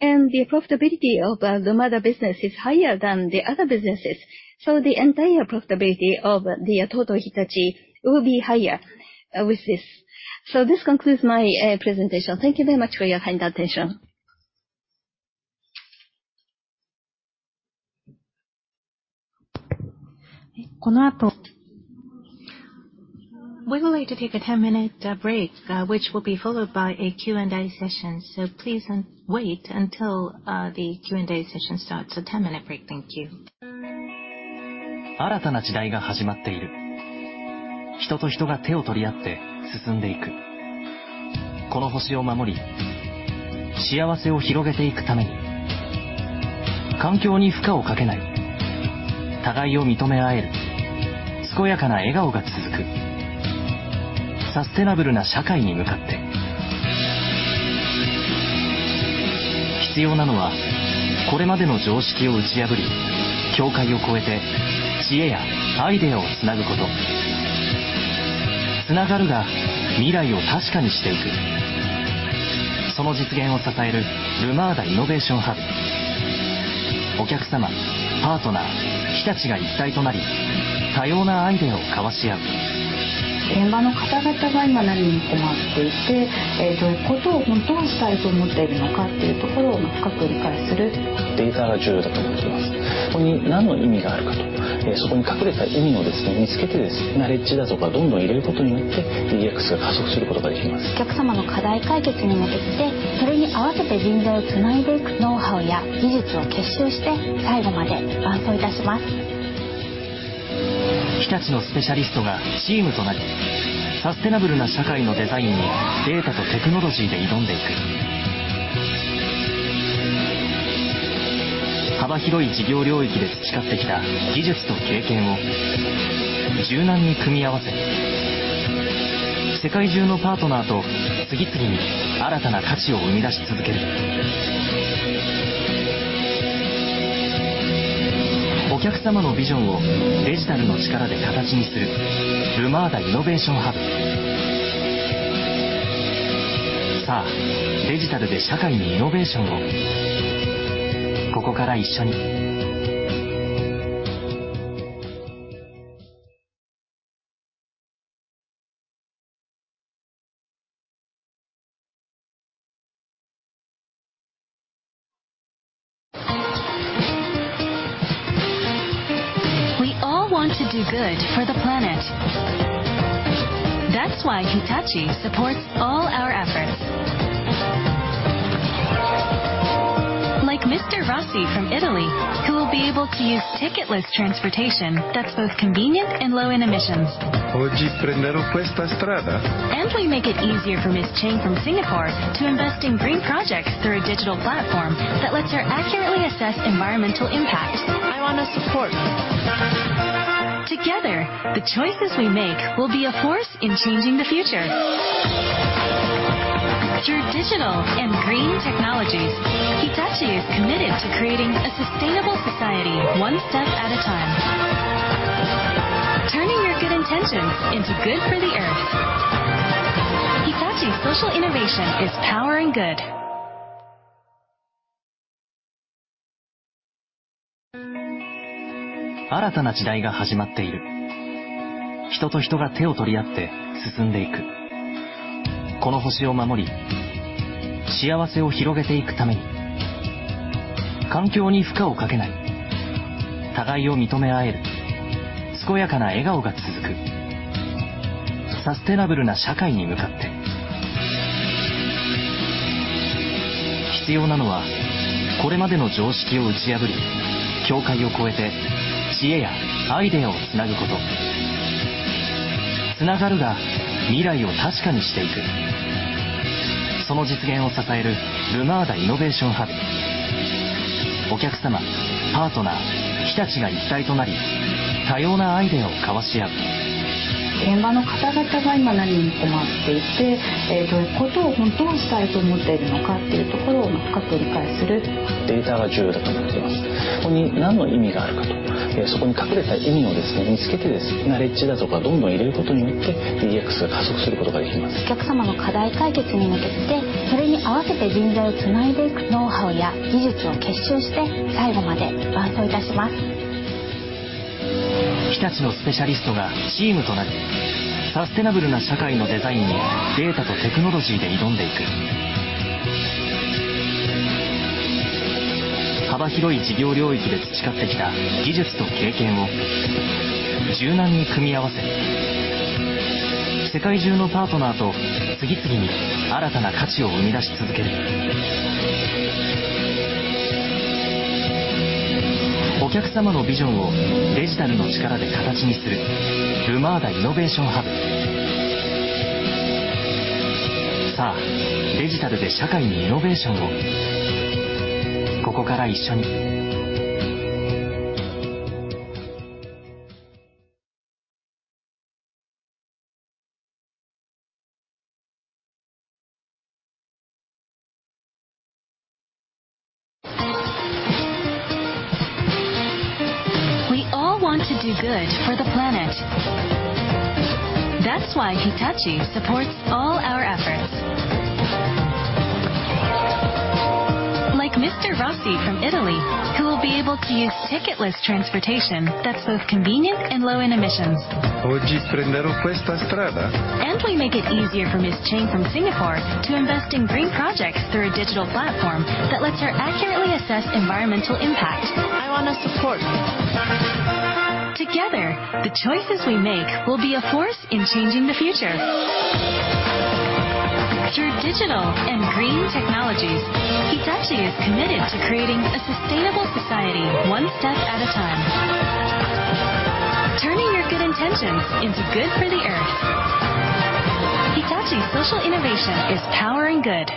and the profitability of Lumada business is higher than the other businesses. The entire profitability of the total Hitachi will be higher, with this. This concludes my presentation. Thank you very much for your kind attention. We would like to take a 10-minute break, which will be followed by a Q&A session. Please wait until the Q&A session starts. A 10-minute break. Thank you. We all want to do good for the planet. That's why Hitachi supports all our efforts. Like Mr. Rossi from Italy, who will be able to use ticketless transportation that's both convenient and low in emissions.... We make it easier for Ms. Cheng from Singapore to invest in green projects through a digital platform that lets her accurately assess environmental impact. I want to support. Together, the choices we make will be a force in changing the future. Through digital and green technologies, Hitachi is committed to creating a sustainable society, one step at a time. Turning your good intentions into good for the Earth. Hitachi Social Innovation is powering good. 新たな時代が始まっている。人と人が手を取り合って進んでいく。この星を守り、幸せを広げていくために。環境に負荷をかけない。互いを認め合える。健やかな笑顔が続く。サステナブルな社会に向かって。必要なのは、これまでの常識を打ち破り、境界を超えて知恵やアイデアをつなぐこと。つながるが、未来を確かにしていく。その実現を支える Lumada Innovation Hub。お客様、パートナー、日立が一体となり、多様なアイデアを交わし合う。現場の方々が今何に困っていて、え、どういうことを本当はしたいと思っているのかっていうところを深く理解する。データが重要だと思います。そこに何の意味があるかと、そこに隠れた意味をですね、見つけてですね、ナレッジだとかどんどん入れることによって、DX が加速することができます。お客様の課題解決に向けて、それに合わせて人材をつないでいくノウハウや技術を結集して、最後まで伴走いたします。日立のスペシャリストがチームとなり、サステナブルな社会のデザインにデータとテクノロジーで挑んでいく。幅広い事業領域で培ってきた技術と経験を柔軟に組み合わせ、世界中のパートナーと次々に新たな価値を生み出し続ける。お客様のビジョンをデジタルの力で形にする Lumada Innovation Hub。さあ、デジタルで社会にイノベーションを。ここから一緒に Together, the choices we make will be a force in changing the future. Through digital and green technologies, Hitachi is committed to creating a sustainable society, one step at a time. Turning your good intentions into good for the Earth. Hitachi Social Innovation is powering good.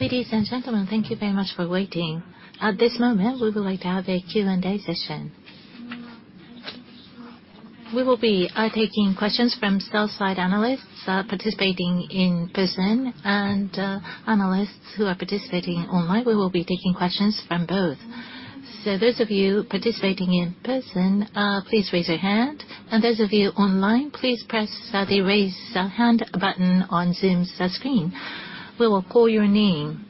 Ladies and gentlemen, thank you very much for waiting. At this moment, we would like to have a Q&A session. We will be taking questions from sell-side analysts participating in person and analysts who are participating online. We will be taking questions from both. Those of you participating in person, please raise your hand, and those of you online, please press the Raise Hand button on Zoom's screen. We will call your name.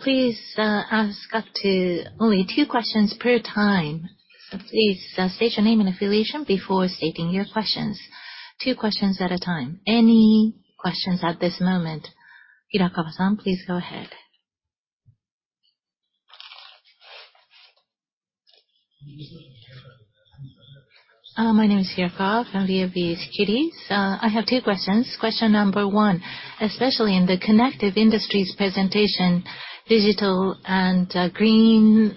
Please ask up to only two questions per time. Please state your name and affiliation before stating your questions. Two questions at a time. Any questions at this moment? Hirakawa-san, please go ahead. My name is Hirakawa from UBS Securities. I have two questions. Question number one, especially in the Connected Industries presentation, digital and green,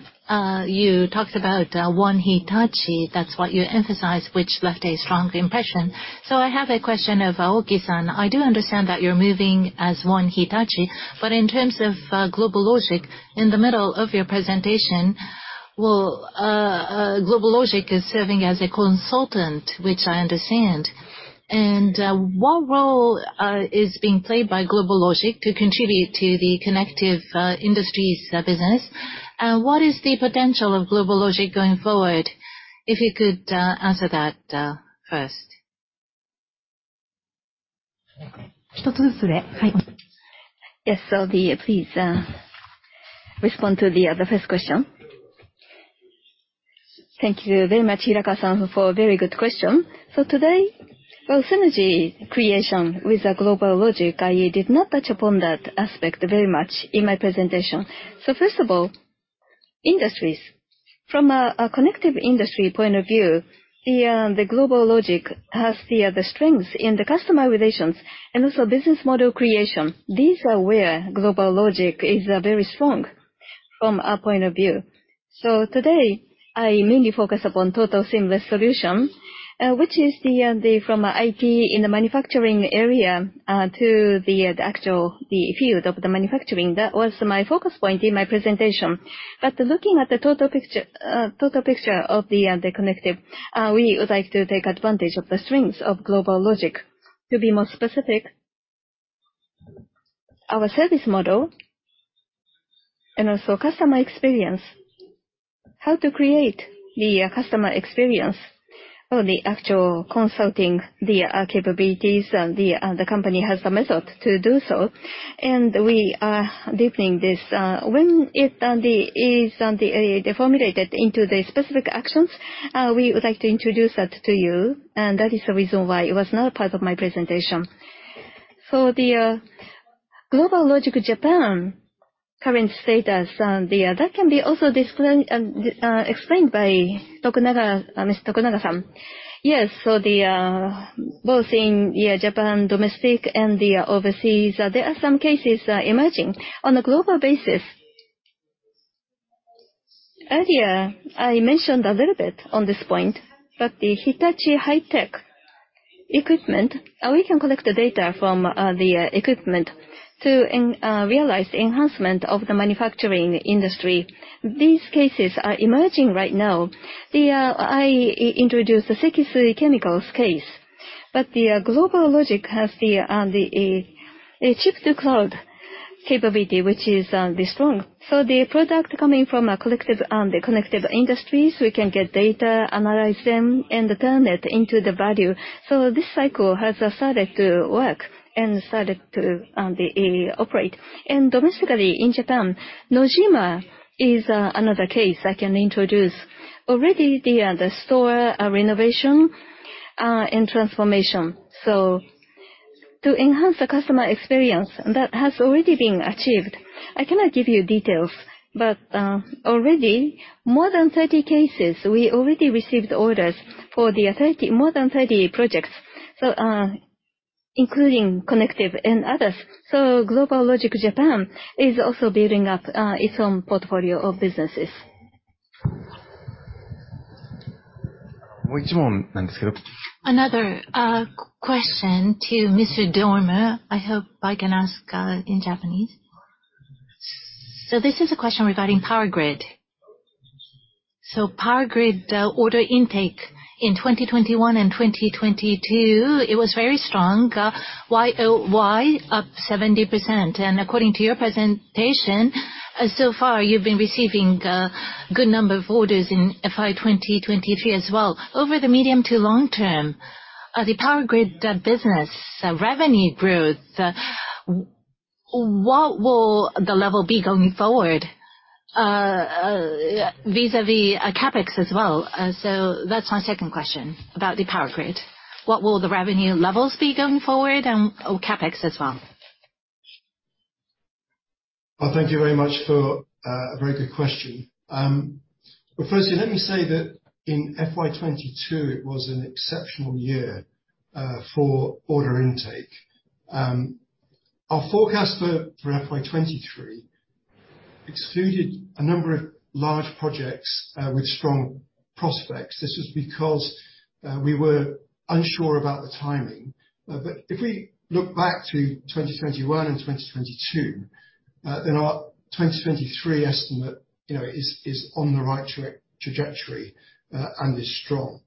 you talked about One Hitachi, that's what you emphasized, which left a strong impression. I have a question of Ogi-san. I do understand that you're moving as One Hitachi, but in terms of GlobalLogic, in the middle of your presentation, well, GlobalLogic is serving as a consultant, which I understand. What role is being played by GlobalLogic to contribute to the Connected Industries business? What is the potential of GlobalLogic going forward? If you could answer that first. Yes, please respond to the first question. Thank you very much, Hirakawa-san, for a very good question. Today, well, synergy creation with GlobalLogic, I did not touch upon that aspect very much in my presentation. First of all, industries. From a connective industry point of view, GlobalLogic has the strengths in the customer relations and also business model creation. These are where GlobalLogic is very strong from our point of view. Today, I mainly focus upon total seamless solution, which is from IT in the manufacturing area to the actual field of the manufacturing. That was my focus point in my presentation. Looking at the total picture, total picture of the connective, we would like to take advantage of the strengths of GlobalLogic. To be more specific, our service model and also customer experience, how to create the customer experience or the actual consulting, the capabilities, and the company has a method to do so, and we are deepening this. When it is formulated into the specific actions, we would like to introduce that to you. That is the reason why it was not a part of my presentation. For the GlobalLogic Japan current status, that can be also explained by Mr. Tokunaga-san. The both in Japan domestic and the overseas, there are some cases emerging. On a global basis, earlier, I mentioned a little bit on this point, but the Hitachi High-Tech equipment, we can collect the data from the equipment to realize the enhancement of the manufacturing industry. These cases are emerging right now. I introduce the Sekisui Chemical case, but the GlobalLogic has the chip-to-cloud capability, which is strong. The product coming from a collected, the Connected Industries, we can get data, analyze them, and turn it into the value. This cycle has started to work and started to operate. Domestically, in Japan, Nojima is another case I can introduce. Already, the store renovation and transformation. To enhance the customer experience, that has already been achieved. I cannot give you details, but already more than 30 cases, we already received orders for the 30, more than 30 projects, including connective and others. GlobalLogic Japan is also building up its own portfolio of businesses. Another question to Mr. Dormer. I hope I can ask in Japanese. This is a question regarding power grid. Power grid order intake in 2021 and 2022, it was very strong. Why up 70%? According to your presentation, so far, you've been receiving a good number of orders in FY 2023 as well. Over the medium to long term, the power grid business revenue growth, what will the level be going forward vis-a-vis CapEx as well? That's my second question about the power grid. What will the revenue levels be going forward and CapEx as well? Thank you very much for a very good question. Firstly, let me say that in FY 2022, it was an exceptional year for order intake. Our forecast for FY 2023 excluded a number of large projects with strong prospects. This was because we were unsure about the timing. If we look back to 2021 and 2022, our 2023 estimate, you know, is on the right trajectory and is strong.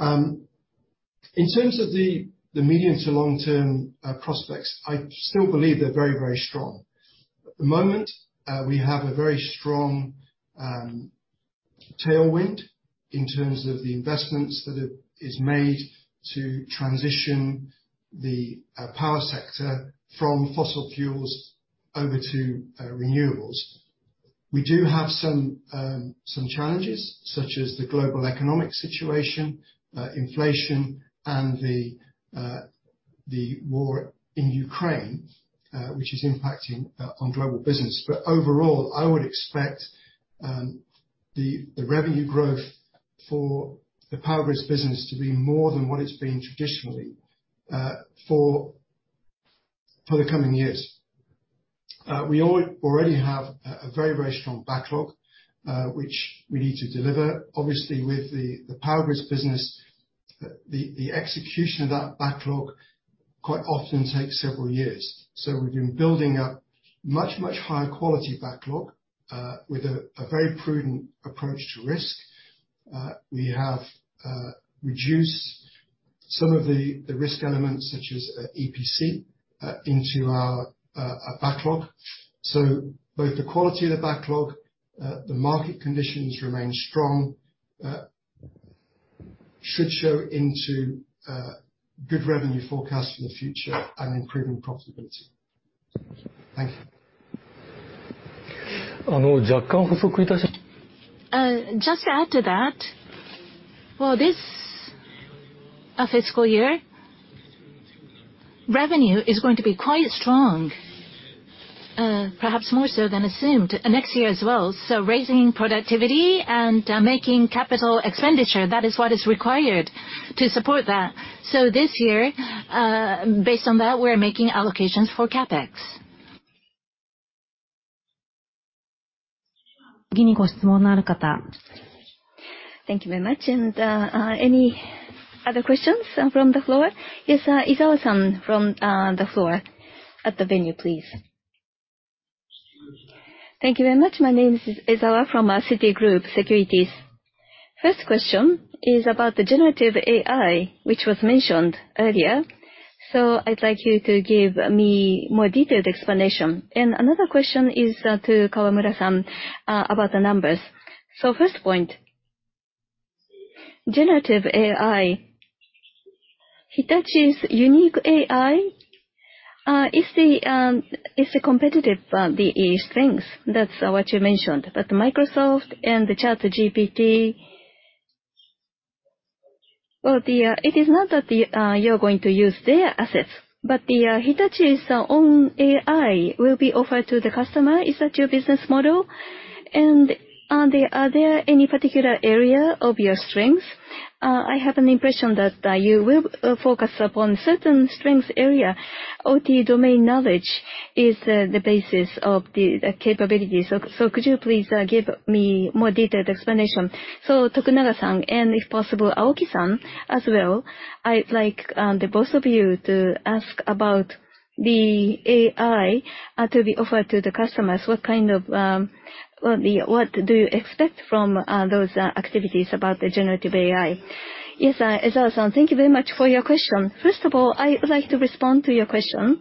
In terms of the medium to long-term prospects, I still believe they're very, very strong. At the moment, we have a very strong tailwind in terms of the investments that is made to transition the power sector from fossil fuels over to renewables. We do have some challenges, such as the global economic situation, inflation, and the war in Ukraine, which is impacting on global business. Overall, I would expect the revenue growth for the power grids business to be more than what it's been traditionally for the coming years. We already have a very, very strong backlog which we need to deliver. Obviously, with the power grids business, the execution of that backlog quite often takes several years, so we've been building up much higher quality backlog with a very prudent approach to risk. We have reduced some of the risk elements, such as EPC, into our backlog. Both the quality of the backlog, the market conditions remain strong, should show into good revenue forecast for the future and improving profitability. Thank you. Just to add to that, for this fiscal year, revenue is going to be quite strong, perhaps more so than assumed, and next year as well. Raising productivity and making capital expenditure, that is what is required to support that. This year, based on that, we are making allocations for CapEx. Thank you very much. Any other questions from the floor? Yes, Izawa-san from the floor at the venue, please. Thank you very much. My name is Izawa from Citigroup Securities. First question is about the generative AI, which was mentioned earlier, so I'd like you to give me more detailed explanation. Another question is to Kawamura-san about the numbers. First point, generative AI. Hitachi's unique AI is the competitive things. That's what you mentioned. Microsoft and ChatGPT. Well, it is not that you are going to use their assets, but Hitachi's own AI will be offered to the customer. Is that your business model? Are there any particular area of your strengths? I have an impression that you will focus upon certain strength area. OT domain knowledge is the basis of the capabilities. Could you please give me more detailed explanation? Tokunaga-san, and if possible, Aoki-san as well, I'd like the both of you to ask about the AI to be offered to the customers. What kind of, well, what do you expect from those activities about the generative AI? Yes, Ezawa-san, thank you very much for your question. First of all, I would like to respond to your question.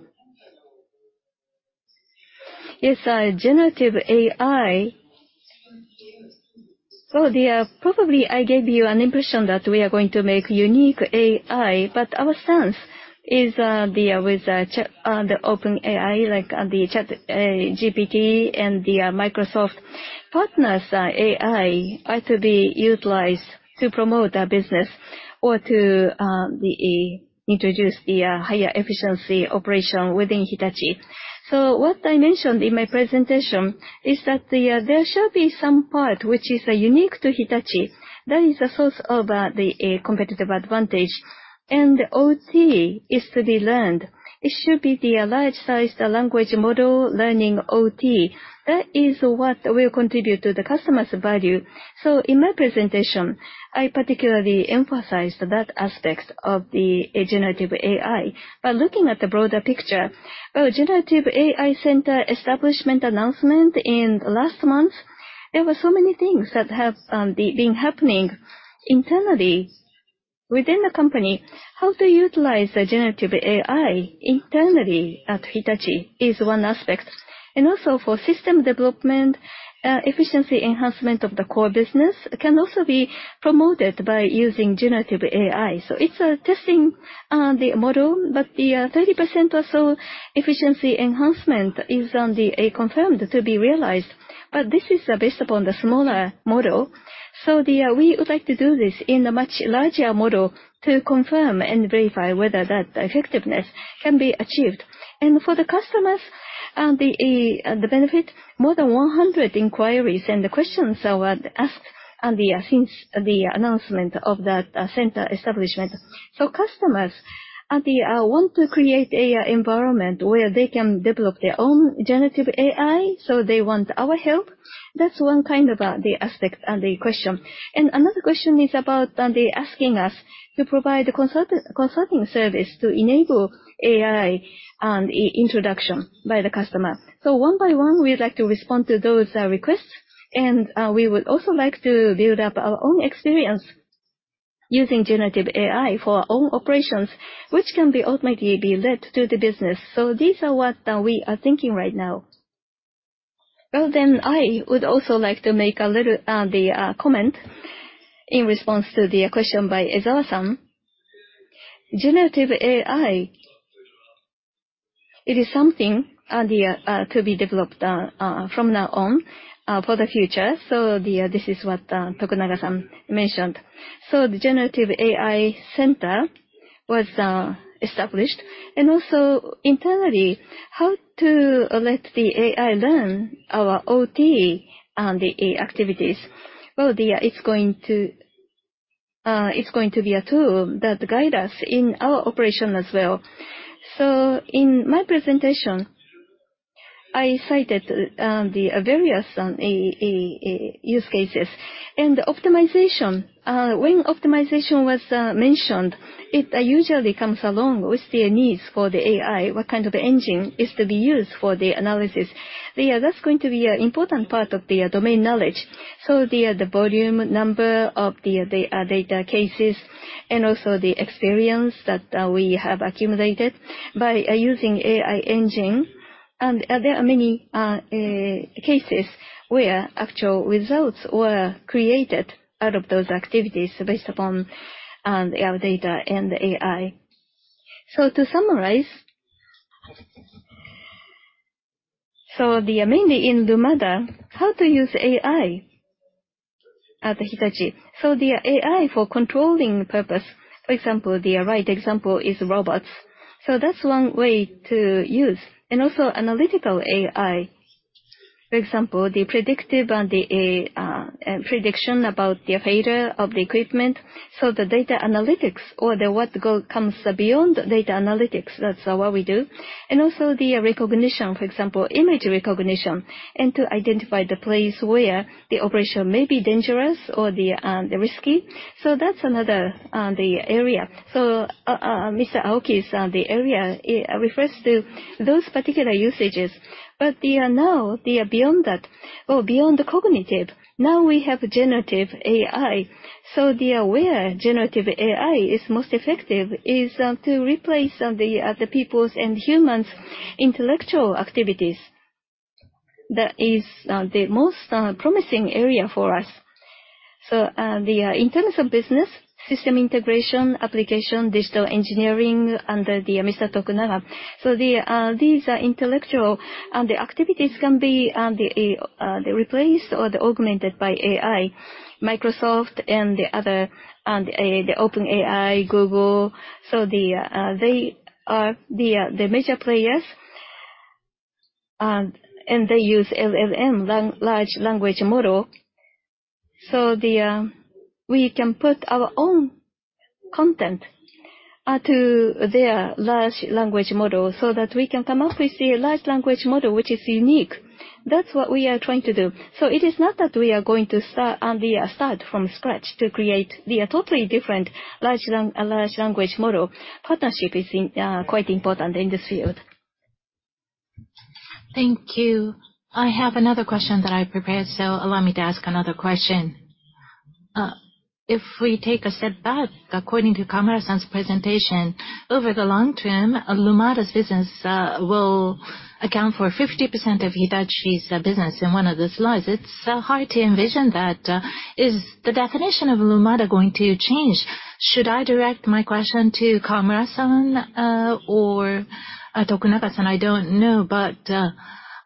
Yes, generative AI, well, probably I gave you an impression that we are going to make unique AI, but our stance is with OpenAI, like ChatGPT and Microsoft partners, AI, are to be utilized to promote our business or to introduce higher efficiency operation within Hitachi. What I mentioned in my presentation is that the there should be some part which is unique to Hitachi. That is the source of the competitive advantage, and OT is to be learned. It should be the large-sized language model learning OT. That is what will contribute to the customer's value. In my presentation, I particularly emphasized that aspect of the generative AI. Looking at the broader picture, well, Generative AI Center establishment announcement in last month, there were so many things that have been happening internally within the company. How to utilize the generative AI internally at Hitachi is one aspect, and also for system development, efficiency enhancement of the core business can also be promoted by using generative AI. It's testing the model, but the 30% or so efficiency enhancement is confirmed to be realized. This is based upon the smaller model, we would like to do this in a much larger model to confirm and verify whether that effectiveness can be achieved. For the customers, the benefit, more than 100 inquiries and the questions are asked on, since the announcement of that center establishment. Customers, they want to create an environment where they can develop their own Generative AI, so they want our help. That's one kind of the aspect and the question. Another question is about they asking us to provide the consulting service to enable AI and introduction by the customer. One by one, we'd like to respond to those requests, and we would also like to build up our own experience using generative AI for our own operations, which can be ultimately be led to the business. These are what we are thinking right now. I would also like to make a little the comment in response to the question by Ezawa-san. Generative AI, it is something the to be developed from now on for the future. This is what Tokunaga-san mentioned. The Generative AI Center was established, and also internally, how to let the AI learn our OT and the activities. It's going to be a tool that guide us in our operation as well. In my presentation, I cited the various use cases. Optimization, when optimization was mentioned, it usually comes along with the needs for the AI, what kind of engine is to be used for the analysis. That's going to be an important part of the domain knowledge. The volume, number of the data cases, and also the experience that we have accumulated by using AI engine. There are many cases where actual results were created out of those activities based upon our data and the AI. To summarize, mainly in Lumada, how to use AI at Hitachi? The AI for controlling purpose, for example, the right example is robots. That's one way to use. Also analytical AI, for example, the predictive and the prediction about the failure of the equipment. The data analytics or the, what comes beyond data analytics, that's what we do. Also the recognition, for example, image recognition, and to identify the place where the operation may be dangerous or the risky. That's another area. Mr. Aoki's area, it refers to those particular usages, but they are now, they are beyond that, or beyond the cognitive. Now we have generative AI. They are where generative AI is most effective is to replace the people's and humans' intellectual activities. That is the most promising area for us. In terms of business, system integration, application, digital engineering, under Mr. Tokunaga. These are intellectual, and the activities can be replaced or augmented by AI. Microsoft and other OpenAI, Google, they are the major players, and they use LLM, Large Language Model. We can put our own content to their large language model, so that we can come up with the large language model, which is unique. That's what we are trying to do. It is not that we are going to start from scratch to create the totally different large language model. Partnership is quite important in this field. Thank you. I have another question that I prepared, so allow me to ask another question. If we take a step back, according to Kamura-san's presentation, over the long term, Lumada business will account for 50% of Hitachi's business in one of the slides. It's hard to envision that. Is the definition of Lumada going to change? Should I direct my question to Kamura-san or Tokunaga-san? I don't know.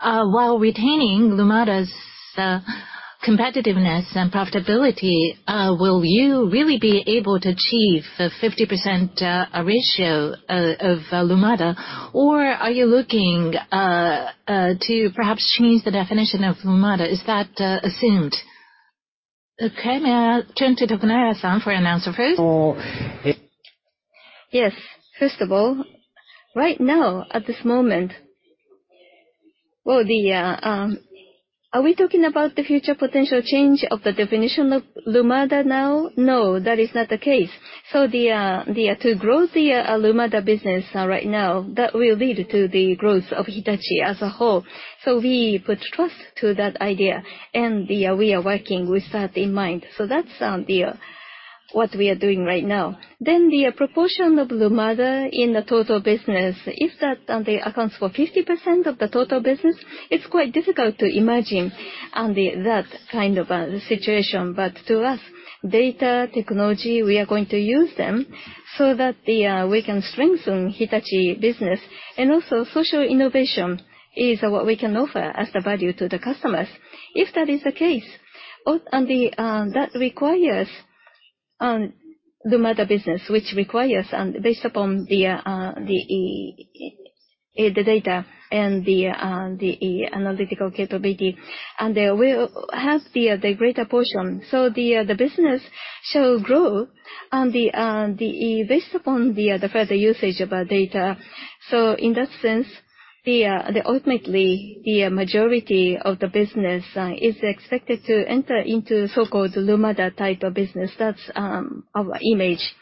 While retaining Lumada's competitiveness and profitability, will you really be able to achieve the 50% ratio of Lumada? Or are you looking to perhaps change the definition of Lumada? Is that assumed? Okay, may I turn to Tokunaga-san for an answer first? First of all, right now, at this moment, Are we talking about the future potential change of the definition of Lumada now? No, that is not the case. To grow the Lumada business right now, that will lead to the growth of Hitachi as a whole. We put trust to that idea, and we are working with that in mind. That's what we are doing right now. The proportion of Lumada in the total business, if that accounts for 50% of the total business, it's quite difficult to imagine that kind of situation. To us, data, technology, we are going to use them so that we can strengthen Hitachi business. Social innovation is what we can offer as the value to the customers. If that is the case, that requires Lumada business, based upon the data and the analytical capability, they will have the greater portion. The business shall grow based upon the further usage of our data. In that sense, ultimately, the majority of the business is expected to enter into so-called Lumada type of business. That's our image.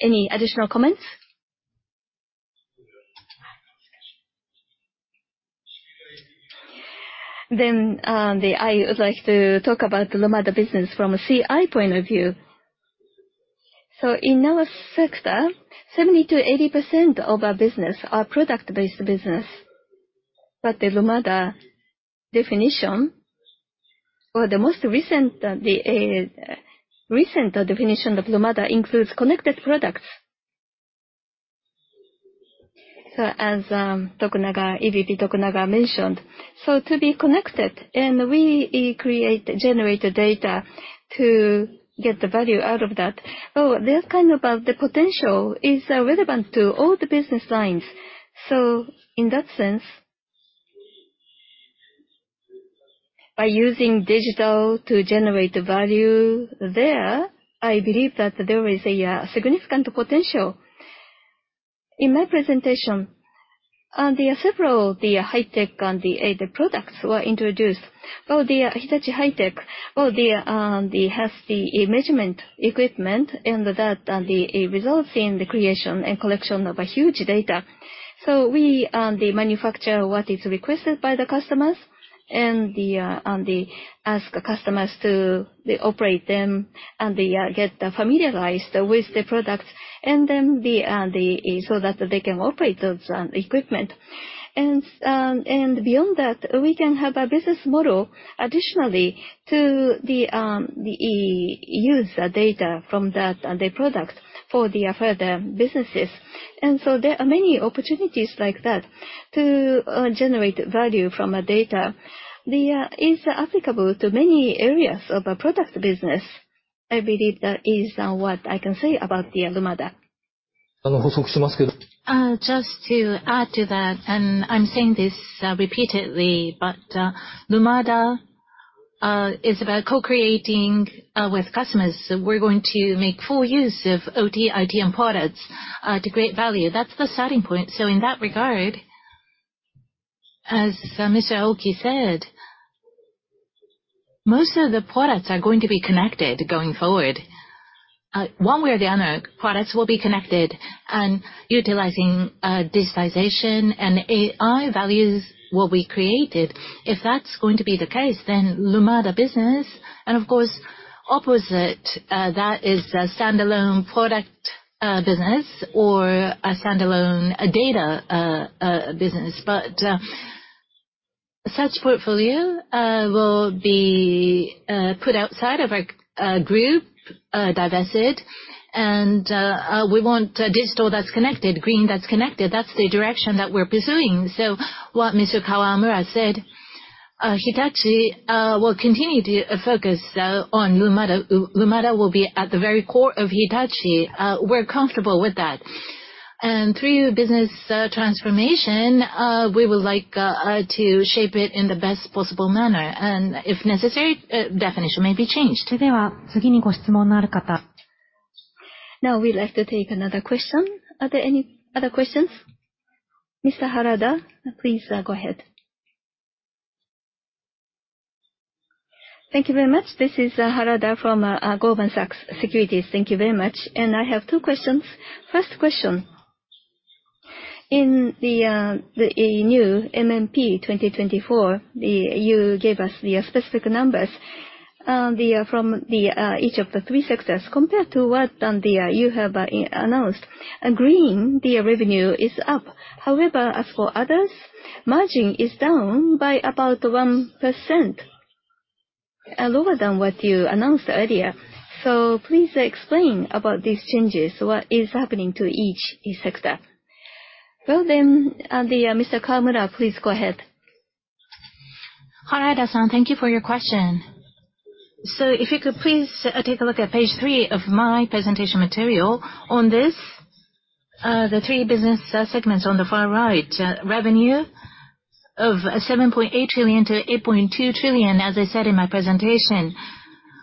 Any additional comments? I would like to talk about the Lumada business from a CI point of view. In our sector, 70%-80% of our business are product-based business. The Lumada definition, or the most recent, the recent definition of Lumada includes connected products. As Tokunaga, EVP Tokunaga mentioned, to be connected, and we create, generate the data to get the value out of that. That kind of the potential is relevant to all the business lines. In that sense, by using digital to generate the value there, I believe that there is a significant potential. In my presentation, there are several, the high-tech and the products were introduced. The Hitachi High-Tech, the has the measurement equipment, and that, and it results in the creation and collection of a huge data. We manufacture what is requested by the customers, and the ask customers to, they operate them, and they get familiarized with the product, and then the, so that they can operate those equipment. Beyond that, we can have a business model additionally to the, use the data from that, and the product for the further businesses. There are many opportunities like that to generate value from a data. The is applicable to many areas of a product business. I believe that is what I can say about the Lumada. Just to add to that, I'm saying this repeatedly, Lumada is about co-creating with customers. We're going to make full use of OT, IT, and products to create value. That's the starting point. In that regard, as Mr. Aoki said, most of the products are going to be connected going forward. One way or the other, products will be connected and utilizing digitization and AI values, what we created. If that's going to be the case, Lumada business, and of course, opposite, that is a standalone business or a standalone data business. Such portfolio will be put outside of our group, divested, we want a digital that's connected, green that's connected. That's the direction that we're pursuing. What Mr. Kawamura said, Hitachi will continue to focus on Lumada. Lumada will be at the very core of Hitachi. We're comfortable with that. Through business transformation, we would like to shape it in the best possible manner, and if necessary, definition may be changed. We'd like to take another question. Are there any other questions? Mr. Harada, please go ahead. Thank you very much. This is Harada from Goldman Sachs Securities. Thank you very much. I have two questions. First question: in the new MMP 2024, you gave us the specific numbers from each of the three sectors. Compared to what you have announced, green, the revenue is up. As for others, margin is down by about 1%, lower than what you announced earlier. Please explain about these changes. What is happening to each sector? Mr. Kawamura, please go ahead. Harada-san, thank you for your question. If you could please take a look at Page three of my presentation material. On this, the three business segments on the far right, revenue of 7.8 trillion-8.2 trillion, as I said in my presentation,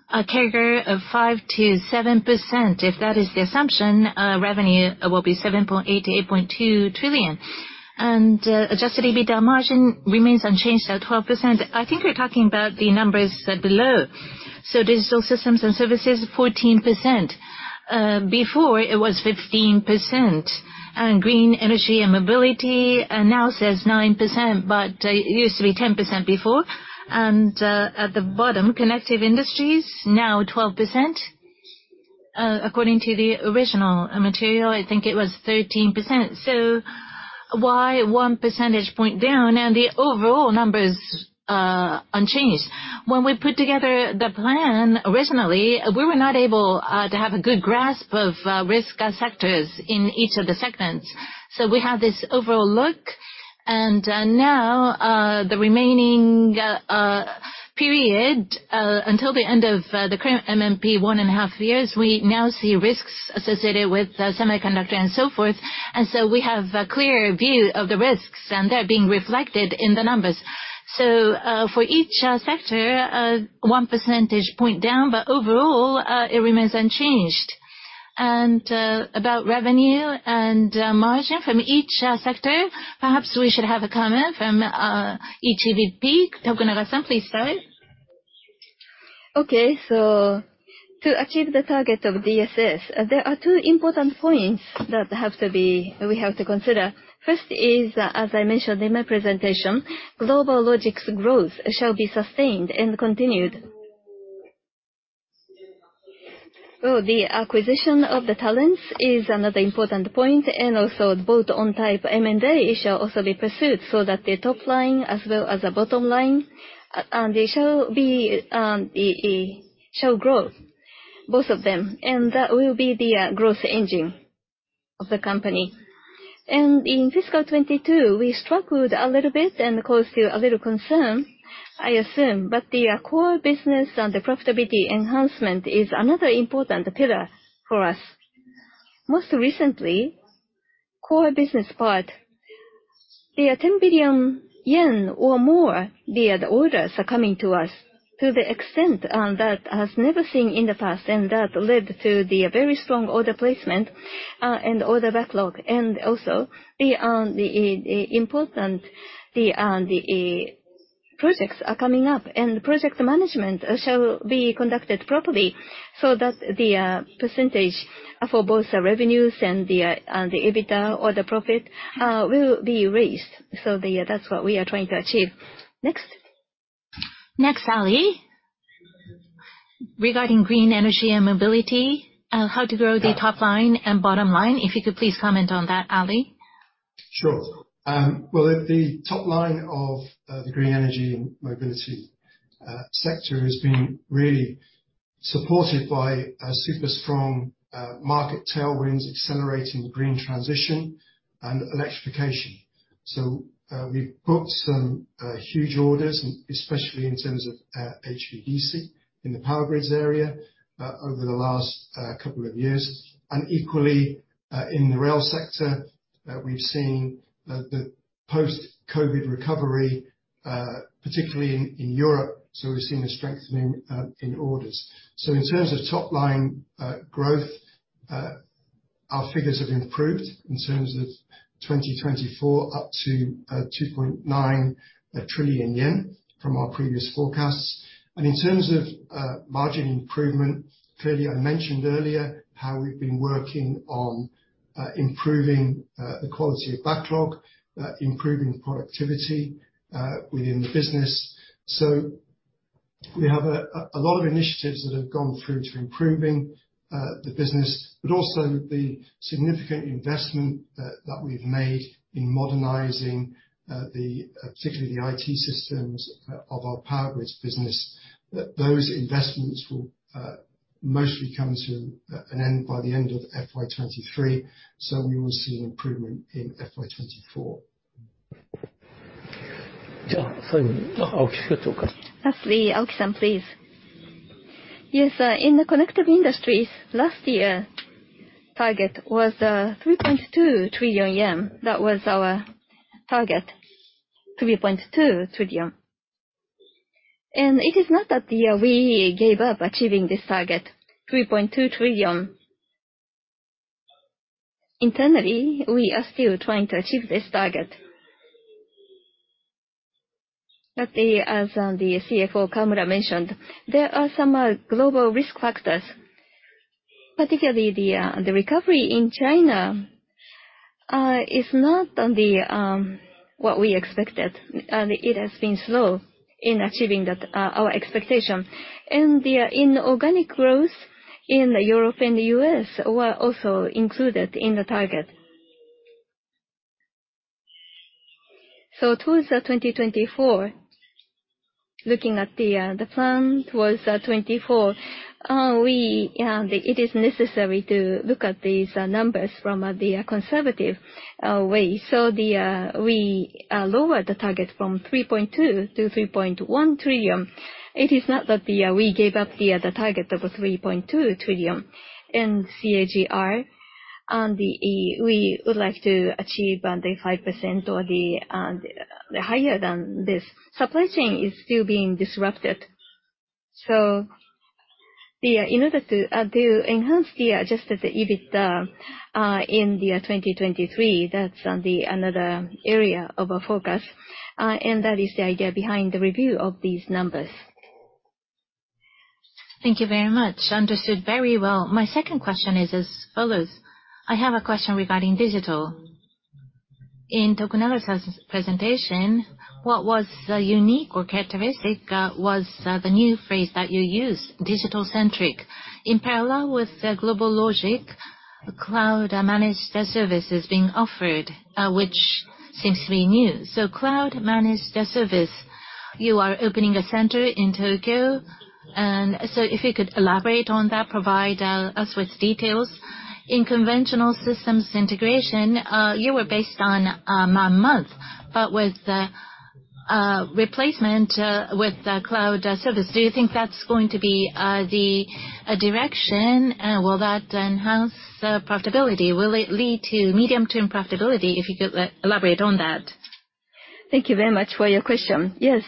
a CAGR of 5%-7%. If that is the assumption, revenue will be 7.8 trillion-8.2 trillion. Adjusted EBITDA margin remains unchanged at 12%. I think you're talking about the numbers below. Digital Systems and Services, 14%, before it was 15%. Green Energy and Mobility now says 9%, it used to be 10% before. At the bottom, Connected Industries, now 12%. Uh, according to the original material, I think it was 13%. So why 1 percentage point down, and the overall number's, uh, unchanged? When we put together the plan, originally, we were not able, uh, to have a good grasp of, uh, risk sectors in each of the segments. So we have this overall look, and, uh, now, uh, the remaining, uh, uh, period, uh, until the end of, uh, the current MMP, one and a half years, we now see risks associated with, uh, semiconductor and so forth. And so we have a clear view of the risks, and they're being reflected in the numbers. So, uh, for each, uh, sector, uh, 1 percentage point down, but overall, uh, it remains unchanged. And, uh, about revenue and, uh, margin from each, uh, sector, perhaps we should have a comment from, uh, each EVP. Tokunaga-san, please start. Okay. To achieve the target of DSS, there are two important points that we have to consider. First is, as I mentioned in my presentation, GlobalLogic's growth shall be sustained and continued. The acquisition of the talents is another important point, and also both on type M&A shall also be pursued so that the top line as well as the bottom line shall grow, both of them, and that will be the growth engine of the company. In fiscal 2022, we struggled a little bit and caused you a little concern, I assume, the core business and the profitability enhancement is another important pillar for us. Most recently, core business part, the 10 billion yen or more, the orders are coming to us to the extent that has never seen in the past, and that led to the very strong order placement and order backlog. Also, the important projects are coming up, and project management shall be conducted properly so that the percentage for both the revenues and the EBITDA or the profit will be raised. That's what we are trying to achieve. Next? Next, Ali. Regarding Green Energy & Mobility, how to grow the top line and bottom line, if you could please comment on that, Ali? Sure. Well, the top line of the Green Energy & Mobility Sector has been really supported by a super strong market tailwinds accelerating green transition and electrification. We've booked some huge orders, especially in terms of HVDC in the power grids area over the last couple of years. Equally, in the rail sector, we've seen the post-COVID recovery, particularly in Europe, so we've seen a strengthening in orders. In terms of top-line growth, our figures have improved in terms of 2024, up to 2.9 trillion yen from our previous forecasts. In terms of margin improvement, clearly, I mentioned earlier how we've been working on improving the quality of backlog, improving productivity within the business. We have a lot of initiatives that have gone through to improving the business, but also the significant investment that we've made in modernizing the particularly the IT systems of our Power Grids business. Those investments will mostly come to an end by the end of FY 2023. We will see an improvement in FY 2024. Lastly, Aoki-san, please. Yes, in the Connected Industries, last year, target was 3.2 trillion yen. That was our target, 3.2 trillion. It is not that we gave up achieving this target, 3.2 trillion. Internally, we are still trying to achieve this target. As CFO Kawamura mentioned, there are some global risk factors, particularly the recovery in China, is not on what we expected. It has been slow in achieving that, our expectation. In organic growth in Europe and the U.S. were also included in the target. Towards 2024, looking at the plan towards 2024, it is necessary to look at these numbers from the conservative way. We lowered the target from 3.2 trillion to 3.1 trillion. It is not that we gave up the target of a 3.2 trillion in CAGR. We would like to achieve the 5% or higher than this. Supply chain is still being disrupted. In order to enhance the Adjusted EBITDA in 2023, that's another area of our focus, the idea behind the review of these numbers. Thank you very much. Understood very well. My second question is as follows: I have a question regarding digital. In Tokunaga-san's presentation, what was unique or characteristic was the new phrase that you used, digital-centric. In parallel with the GlobalLogic, cloud-managed service is being offered, which seems to be new. Cloud-managed service, you are opening a center in Tokyo, if you could elaborate on that, provide us with details. In conventional systems integration, you were based on a month, with the replacement with the cloud service, do you think that's going to be the direction? Will that enhance profitability? Will it lead to medium-term profitability, if you could elaborate on that? Thank you very much for your question. Yes,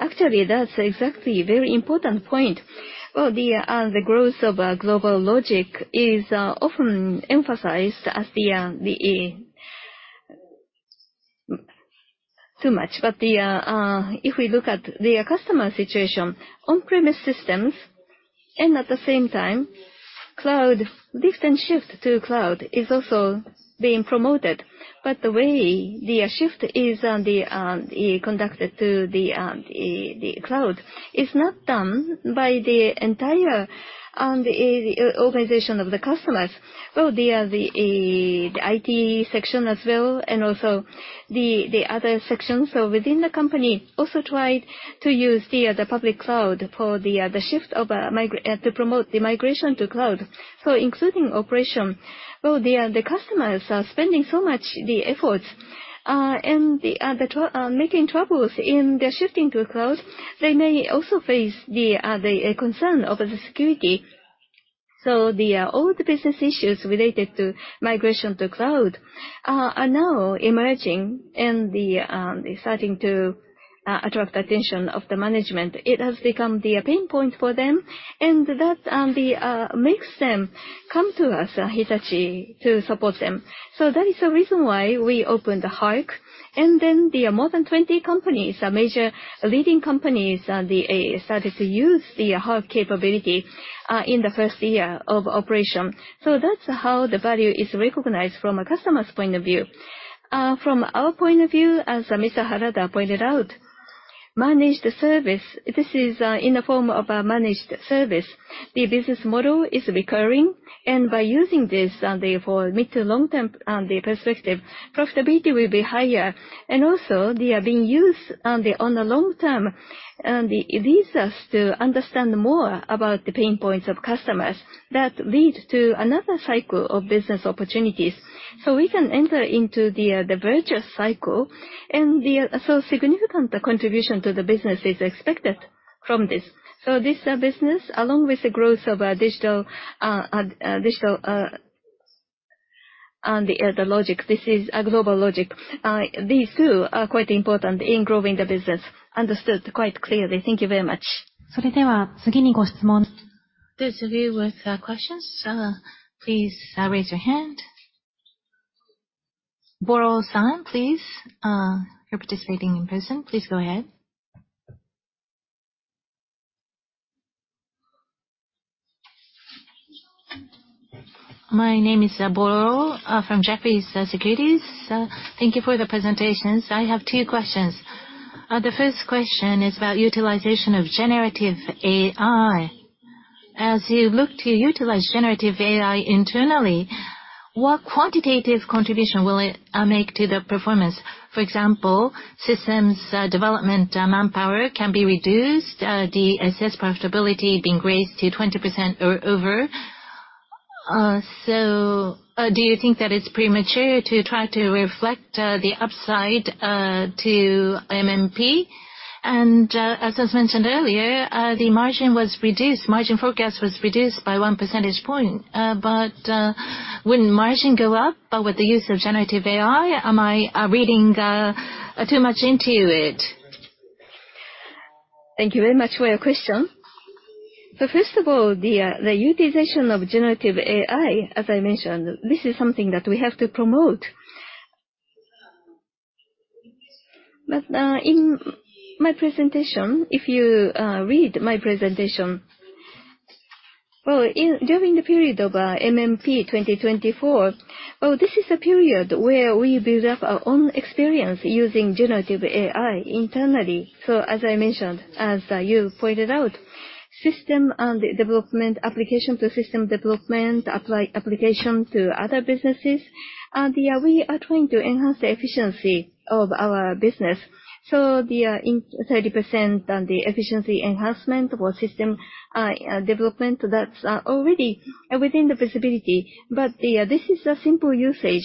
actually, that's exactly a very important point. Well, the growth of GlobalLogic is often emphasized as the... Too much, if we look at the customer situation, on-premise systems, and at the same time, cloud, lift and shift to cloud is also being promoted. The way the shift is conducted to the cloud, is not done by the entire organization of the customers. Well, the IT section as well, and also the other sections. So within the company, also try to use the public cloud for the shift of migration to cloud, so including operation. The customers are spending so much the efforts and making troubles in the shifting to the cloud, they may also face the concern over the security. The all the business issues related to migration to cloud are now emerging and starting to attract attention of the management. It has become the pain point for them, and that makes them come to us, Hitachi, to support them. That is the reason why we opened the HULC. The more than 20 companies, major leading companies, started to use the HULC capability in the first year of operation. That's how the value is recognized from a customer's point of view. From our point of view, as Mr. Harada pointed out, managed service, this is in the form of a managed service. The business model is recurring, and by using this on the, for mid to long term, the perspective, profitability will be higher. Also, they are being used on the long term, and it leads us to understand more about the pain points of customers. That leads to another cycle of business opportunities. We can enter into the virtuous cycle, and so significant contribution to the business is expected from this. This business, along with the growth of digital the logic, this is a GlobalLogic. These two are quite important in growing the business. Understood quite clearly. Thank you very much. This view with questions, please raise your hand. Boral-san, please, you're participating in person. Please go ahead. My name is Boral from Japanese Securities. Thank you for the presentations. I have two questions. The first question is about utilization of generative AI. As you look to utilize generative AI internally, what quantitative contribution will it make to the performance? For example, systems development, manpower can be reduced, the SS profitability being raised to 20% or over. Do you think that it's premature to try to reflect the upside to MMP? As was mentioned earlier, the margin was reduced, margin forecast was reduced by 1 percentage point. Wouldn't margin go up with the use of generative AI? Am I reading too much into it? Thank you very much for your question. First of all, the utilization of Generative AI, as I mentioned, this is something that we have to promote. In my presentation, if you read my presentation, well, during the period of MMP 2024, well, this is a period where we build up our own experience using Generative AI internally. As I mentioned, as you pointed out, system and development, application to system development, apply application to other businesses, and, yeah, we are trying to enhance the efficiency of our business. The in 30% and the efficiency enhancement for system development, that's already within the visibility. This is a simple usage.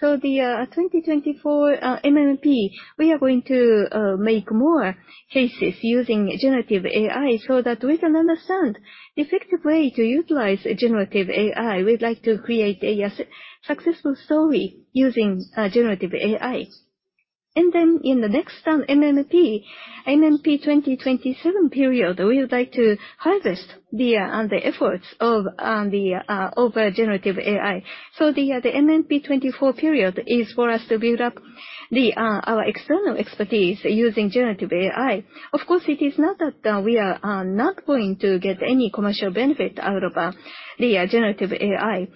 The 2024 MMP, we are going to make more cases using Generative AI so that we can understand effective way to utilize Generative AI. We'd like to create a successful story using generative AI. In the next MMP 2027 period, we would like to harvest the efforts of over generative AI. The MMP 2024 period is for us to build up our external expertise using generative AI. Of course, it is not that we are not going to get any commercial benefit out of the generative AI.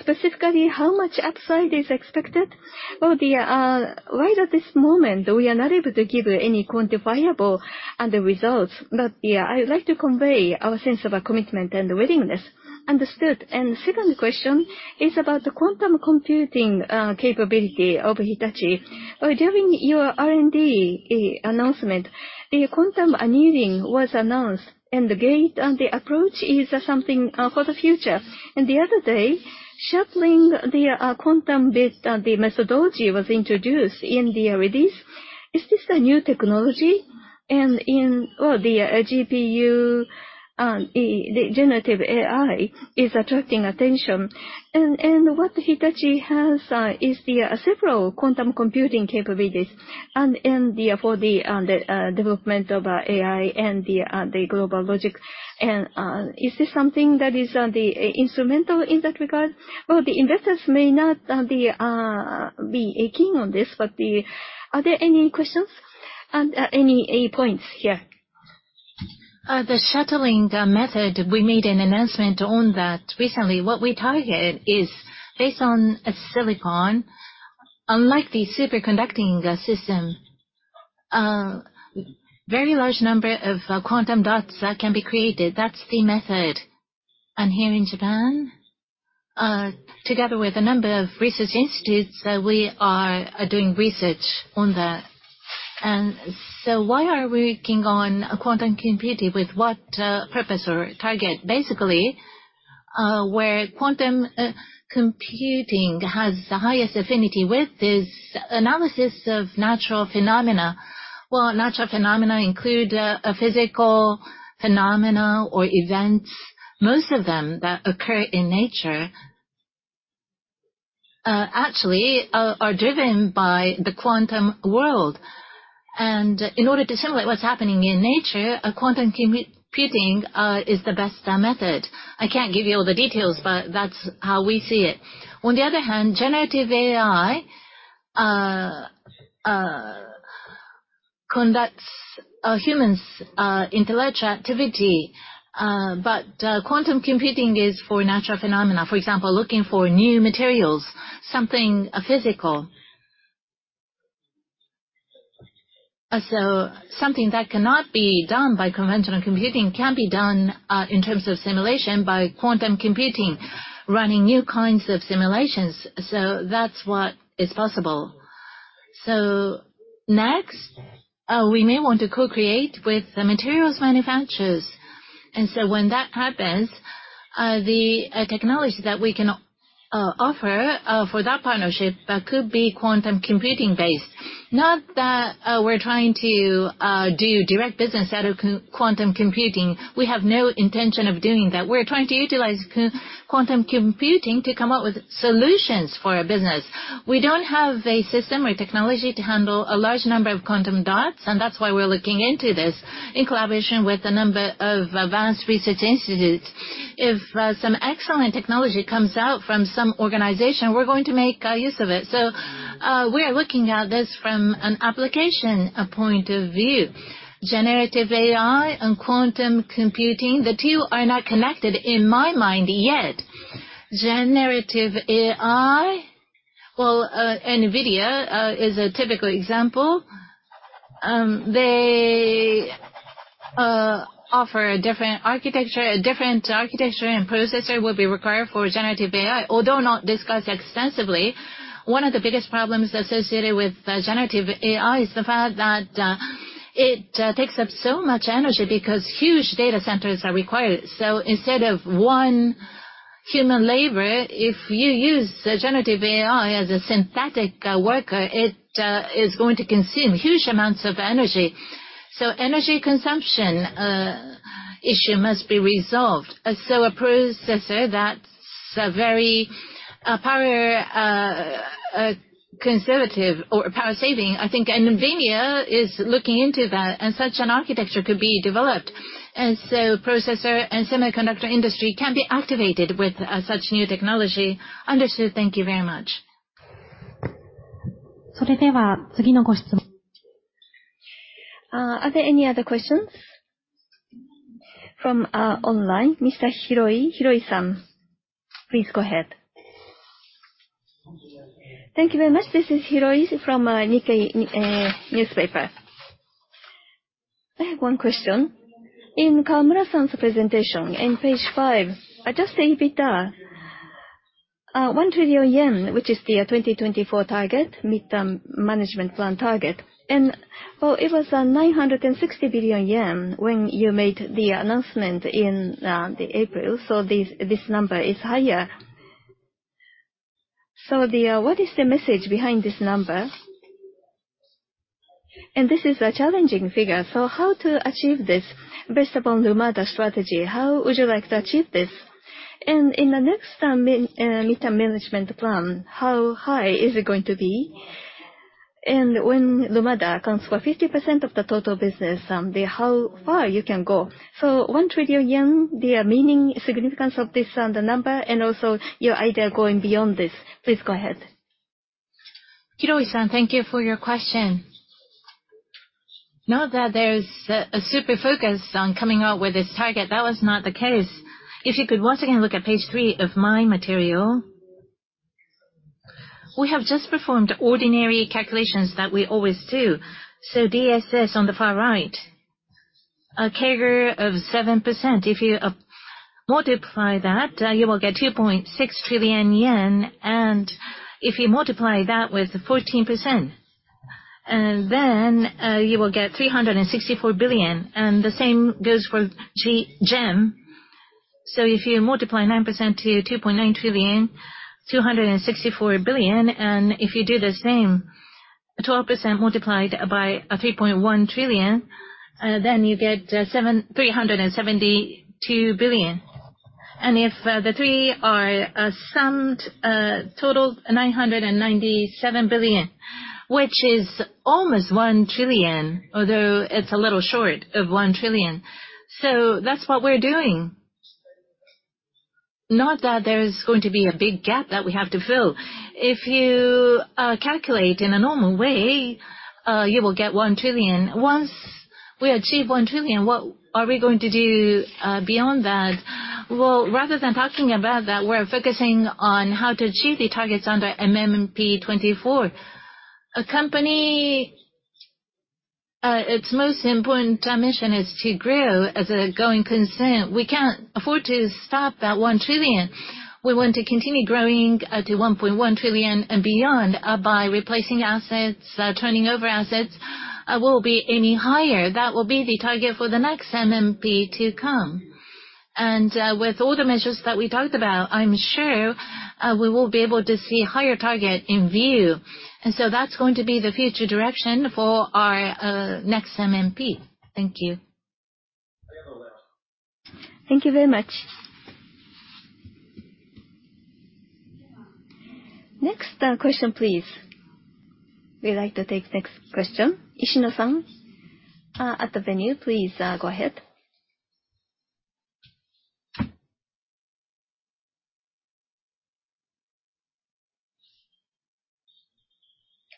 Specifically, how much upside is expected? Well, right at this moment, we are not able to give any quantifiable and the results, but, yeah, I would like to convey our sense of commitment and willingness. Understood. The second question is about the quantum computing capability of Hitachi. During your R&D announcement, the quantum annealing was announced, and the gate and the approach is something for the future. The other day, shuttling the quantum bit, the methodology was introduced in the release. Is this a new technology? The GPU, and the generative AI is attracting attention. What Hitachi has is the several quantum computing capabilities, and for the development of AI and the GlobalLogic. Is this something that is instrumental in that regard? The investors may not be keen on this, but are there any questions? Any points here? The shuttling method, we made an announcement on that recently. What we target is based on a silicon, unlike the superconducting system, very large number of quantum dots can be created. That's the method. Here in Japan, together with a number of research institutes, we are doing research on that. Why are we working on quantum computing, with what purpose or target? Basically, where quantum computing has the highest affinity with this analysis of natural phenomena. Well, natural phenomena include a physical phenomena or events, most of them that occur in nature, actually, are driven by the quantum world. In order to simulate what's happening in nature, a quantum computing is the best method. I can't give you all the details, but that's how we see it. On the other hand, generative AI conducts humans' intellectual activity, but quantum computing is for natural phenomena. For example, looking for new materials, something physical. Something that cannot be done by conventional computing can be done in terms of simulation by quantum computing, running new kinds of simulations. That's what is possible. Next, we may want to co-create with the materials manufacturers. When that happens, the technology that we can offer for that partnership could be quantum computing based. Not that we're trying to do direct business out of quantum computing. We have no intention of doing that. We're trying to utilize quantum computing to come up with solutions for our business. We don't have a system or technology to handle a large number of quantum dots, and that's why we're looking into this in collaboration with a number of advanced research institutes. If some excellent technology comes out from some organization, we're going to make use of it. We are looking at this from an application point of view. Generative AI and quantum computing, the two are not connected in my mind yet. Generative AI. Well, NVIDIA is a typical example. They offer a different architecture. A different architecture and processor will be required for generative AI. Although not discussed extensively, one of the biggest problems associated with generative AI is the fact that it takes up so much energy because huge data centers are required. Instead of one human labor, if you use the generative AI as a synthetic worker, it is going to consume huge amounts of energy. Energy consumption issue must be resolved. A processor that's very power conservative or power saving, I think NVIDIA is looking into that, and such an architecture could be developed. Processor and semiconductor industry can be activated with such new technology. Understood. Thank you very much. Are there any other questions? From online, Mr. Hiroi-san, please go ahead. Thank you very much. This is Hiroi from Nikkei Newspaper. I have one question. In Kawamura-san's presentation, in Page five, Adjusted EBITDA, 1 trillion yen, which is the 2024 target, Mid-term Management Plan target. Well, it was 960 billion yen when you made the announcement in April, so this number is higher. What is the message behind this number? This is a challenging figure, so how to achieve this based upon Lumada strategy, how would you like to achieve this? In the next term, Mid-term Management Plan, how high is it going to be? When Lumada accounts for 50% of the total business, how far you can go? 1 trillion yen, the meaning, significance of this, the number, and also your idea going beyond this, please go ahead. Hiroi-san, thank you for your question. Not that there's a super focus on coming out with this target, that was not the case. If you could once again look at Page three of my material, we have just performed ordinary calculations that we always do. DSS, on the far right, a CAGR of 7%. If you multiply that, you will get 2.6 trillion yen, if you multiply that with 14%, then you will get 364 billion, the same goes for GEM. If you multiply 9% to 2.9 trillion, 264 billion, if you do the same, 12% multiplied by 3.1 trillion, then you get 372 billion. If the three are summed, total 997 billion, which is almost 1 trillion, although it's a little short of 1 trillion. That's what we're doing. Not that there's going to be a big gap that we have to fill. If you calculate in a normal way, you will get 1 trillion. Once we achieve 1 trillion, what are we going to do beyond that? Rather than talking about that, we're focusing on how to achieve the targets under MMP 24. A company, its most important mission is to grow as a going concern. We can't afford to stop at 1 trillion. We want to continue growing to 1.1 trillion and beyond by replacing assets, turning over assets, will be any higher. That will be the target for the next MMP to come. With all the measures that we talked about, I'm sure, we will be able to see higher target in view. That's going to be the future direction for our next MMP. Thank you. Thank you very much. Next question, please. We'd like to take next question. Ishino-san at the venue, please go ahead.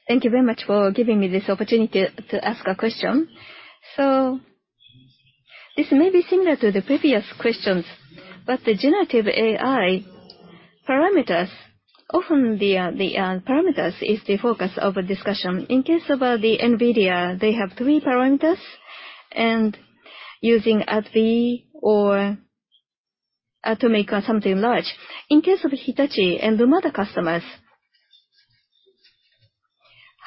Thank you very much for giving me this opportunity to ask a question. This may be similar to the previous questions, but the generative AI parameters, often the parameters is the focus of a discussion. In case of NVIDIA, they have three parameters, and using at the or to make something large. In case of Hitachi and Lumada customers,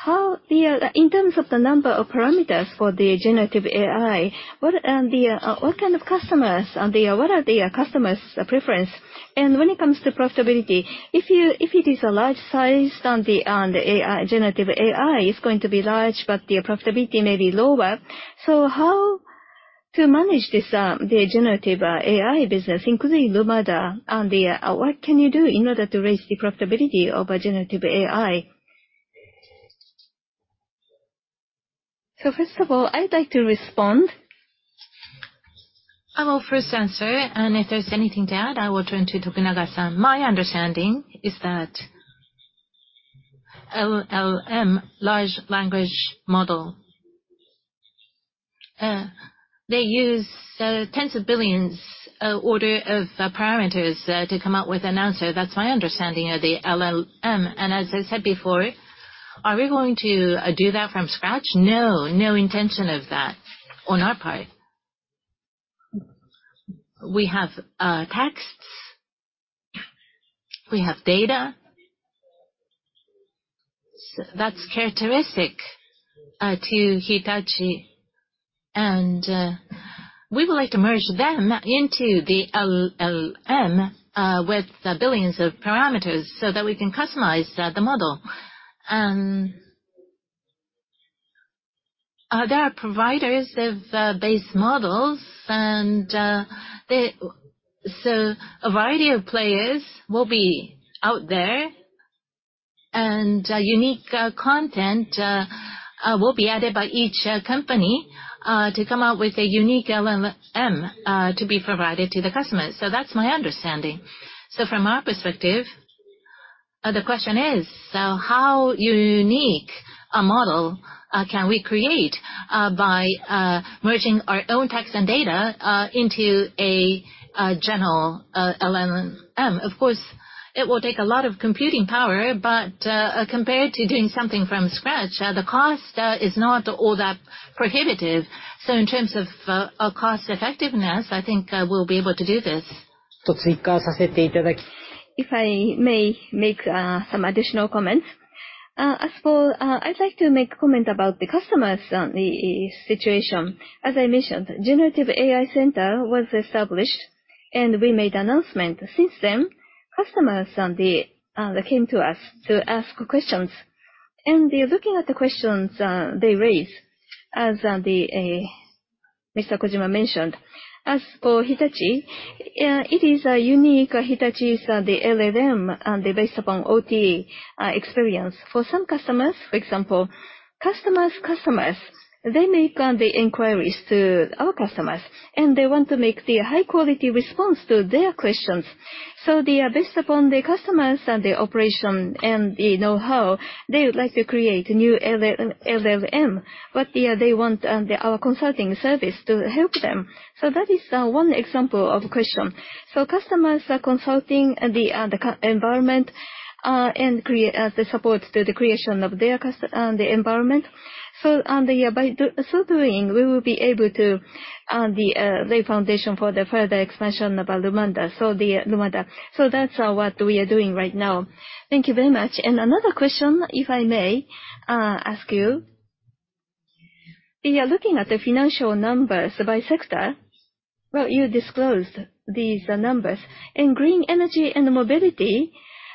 how in terms of the number of parameters for the generative AI, what kind of customers, and what are the customers' preference? When it comes to profitability, if it is a large size, then the AI, generative AI is going to be large, but the profitability may be lower. How to manage this generative AI business, including Lumada, and what can you do in order to raise the profitability of a generative AI? First of all, I'd like to respond. I will first answer, and if there's anything to add, I will turn to Tokunaga-san. My understanding is that LLM, large language model, they use tens of billions order of parameters to come up with an answer. That's my understanding of the LLM. As I said before, are we going to do that from scratch? No, no intention of that on our part. We have texts, we have data that's characteristic to Hitachi, and we would like to merge them into the LLM with the billions of parameters so that we can customize the model. There are providers of base models, so a variety of players will be out there, and unique content will be added by each company to come out with a unique LLM to be provided to the customer. That's my understanding. From our perspective, the question is, how unique a model can we create by merging our own text and data into a general LLM? Of course, it will take a lot of computing power, but compared to doing something from scratch, the cost is not all that prohibitive. In terms of cost effectiveness, I think we'll be able to do this. If I may make some additional comments. As for, I'd like to make a comment about the customers situation. As I mentioned, Generative AI Center was established, and we made announcement. Since then, customers and they came to us to ask questions, and they're looking at the questions, they raised, as, the, Mr. Kojima mentioned. As for Hitachi, it is a unique Hitachi's, the LLM, and they're based upon OT experience. For some customers, for example, customers' customers, they make the inquiries to our customers, and they want to make the high quality response to their questions. They are based upon the customers and the operation and the know-how, they would like to create new LLM, but, yeah, they want, the, our consulting service to help them. That is one example of question. Customers are consulting the environment and create the support to the creation of their environment. By so doing, we will be able to lay foundation for the further expansion about Lumada, so the Lumada. That's what we are doing right now. Thank you very much. Another question, if I may ask you. We are looking at the financial numbers by sector. Well, you disclosed these numbers. In Green Energy & Mobility,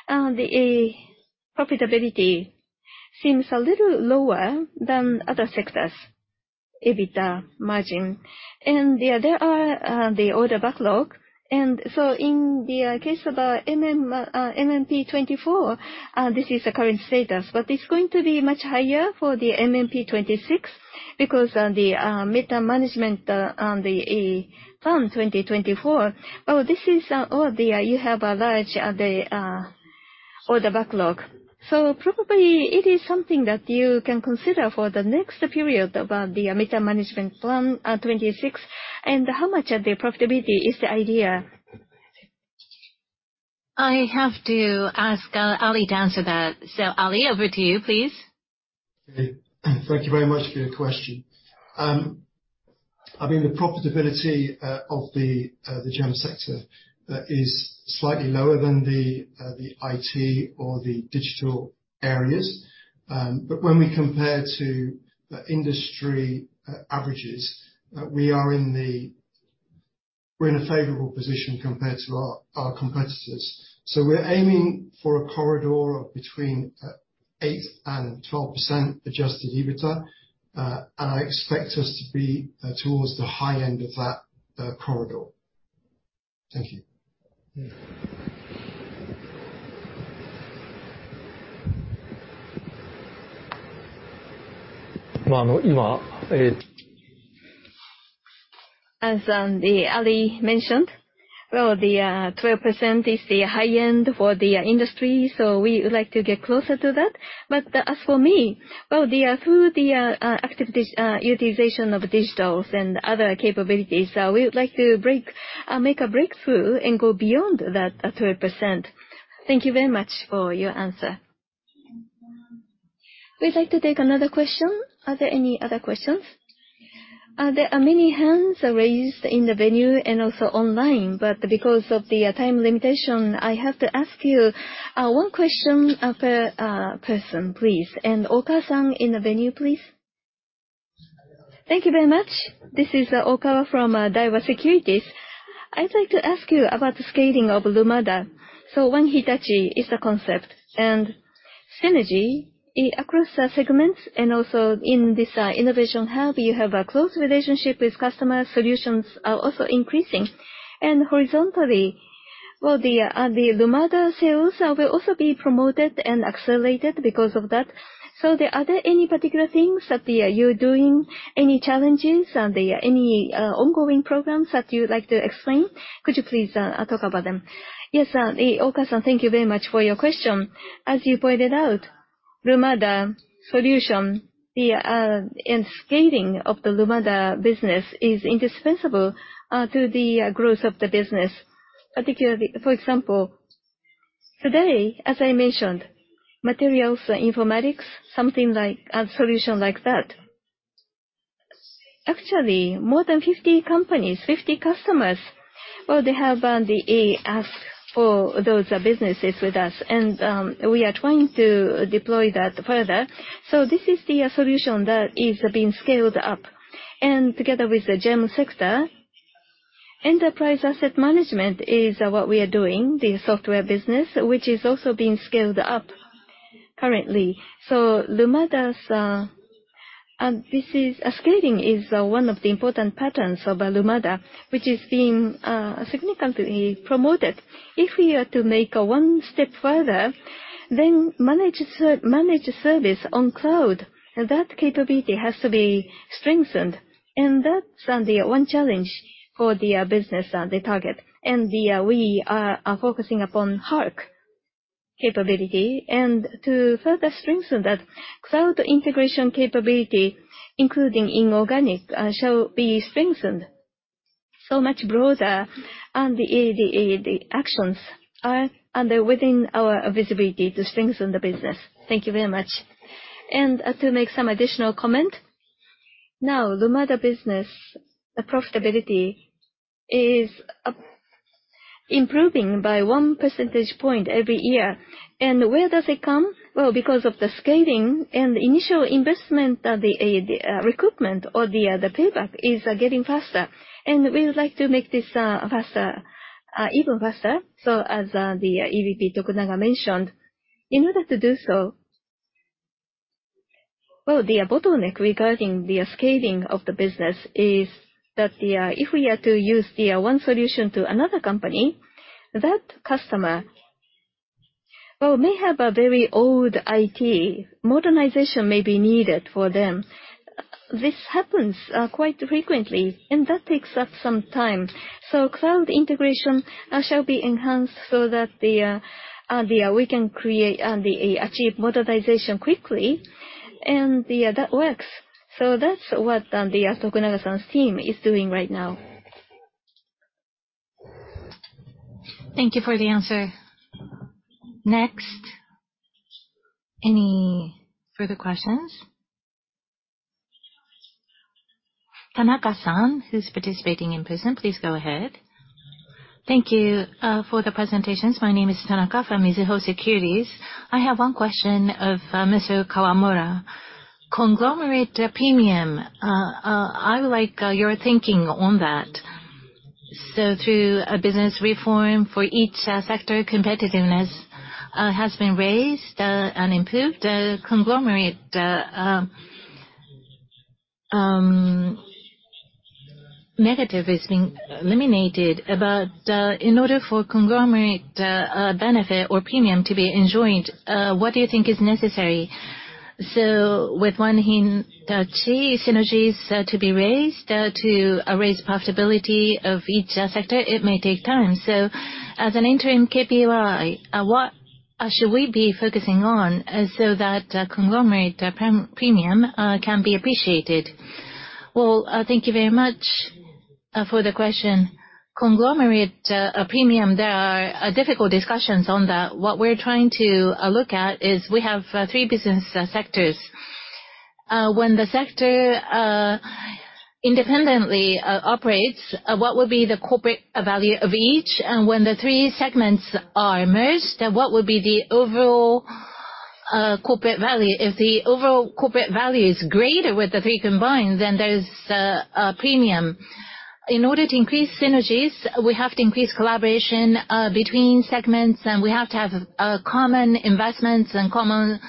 profitability seems a little lower than other sectors, EBITDA margin. Yeah, there are the order backlog, in the case of MMP 2024, this is the current status. It's going to be much higher for the MMP 2026, because the Mid-term Management Plan on the Mid-term Management Plan 2024, oh, this is all the, you have a large, the, order backlog. Probably it is something that you can consider for the next period about the Mid-term Management Plan 2026. How much of the profitability is the idea? I have to ask, Ali to answer that. Ali, over to you, please. Okay. Thank you very much for your question. I mean, the profitability of the general sector is slightly lower than the IT or the digital areas. When we compare to the industry averages, we're in a favorable position compared to our competitors. We're aiming for a corridor of between 8% and 12% Adjusted EBITDA, and I expect us to be towards the high end of that corridor. Thank you. As Ali mentioned, the 12% is the high end for the industry, so we would like to get closer to that. As for me, through the active utilization of digitals and other capabilities, we would like to make a breakthrough and go beyond that 12%. Thank you very much for your answer. We'd like to take another question. Are there any other questions? There are many hands raised in the venue and also online, but because of the time limitation, I have to ask you one question per person, please. Okawa in the venue, please. Thank you very much. This is Okawa from Daiwa Securities. I'd like to ask you about the scaling of Lumada. One Hitachi is the concept, and synergy across our segments and also in this innovation hub, you have a close relationship with customer. Solutions are also increasing. Horizontally, the Lumada sales will also be promoted and accelerated because of that. Are there any particular things that you're doing, any challenges, are there any ongoing programs that you'd like to explain? Could you please talk about them? Yes, Okawa-san, thank you very much for your question. As you pointed out, Lumada solution, the and scaling of the Lumada business is indispensable to the growth of the business. Particularly, for example, today, as I mentioned, materials informatics, something like a solution like that. Actually, more than 50 companies, 50 customers, well, they have the ask for those businesses with us, and we are trying to deploy that further. This is the solution that is being scaled up. Together with the GEM sector, enterprise asset management is what we are doing, the software business, which is also being scaled up currently. Lumada's scaling is one of the important patterns of Lumada, which is being significantly promoted. If we are to make one step further, then managed service on cloud, that capability has to be strengthened, and that's the one challenge for the business, the target. We are focusing upon HARC capability. To further strengthen that cloud integration capability, including inorganic shall be strengthened. So much broader, and the actions are under within our visibility to strengthen the business. Thank you very much. To make some additional comment, now, Lumada business, the profitability is improving by 1 percentage point every year. Where does it come? Well, because of the scaling and the initial investment of the recruitment or the payback is getting faster. We would like to make this faster, even faster. As the EVP Tokunaga mentioned, in order to do so, well, the bottleneck regarding the scaling of the business is that. If we are to use the one solution to another company, that customer, well, may have a very old IT. Modernization may be needed for them. This happens quite frequently, and that takes up some time. Cloud integration shall be enhanced so that we can create, achieve modernization quickly, and, yeah, that works. That's what Tokunaga-san's team is doing right now. Thank you for the answer. Any further questions? Tanaka-san, who is participating in person, please go ahead. Thank you for the presentations. My name is Tanaka from Mizuho Securities. I have one question of Mr. Kawamura. Conglomerate premium, I like your thinking on that. Through a business reform for each sector, competitiveness has been raised and improved. The conglomerate negative is being eliminated, in order for conglomerate benefit or premium to be enjoyed, what do you think is necessary? With one in three synergies to be raised to raise profitability of each sector, it may take time. As an interim KPI, what should we be focusing on so that conglomerate premium can be appreciated? Thank you very much for the question. Conglomerate, premium, there are difficult discussions on that. What we're trying to look at is we have three business sectors. When the sector independently operates, what would be the corporate value of each? When the three segments are merged, then what would be the overall corporate value? If the overall corporate value is greater with the three combined, then there's a premium. In order to increase synergies, we have to increase collaboration between segments, and we have to have common investments and common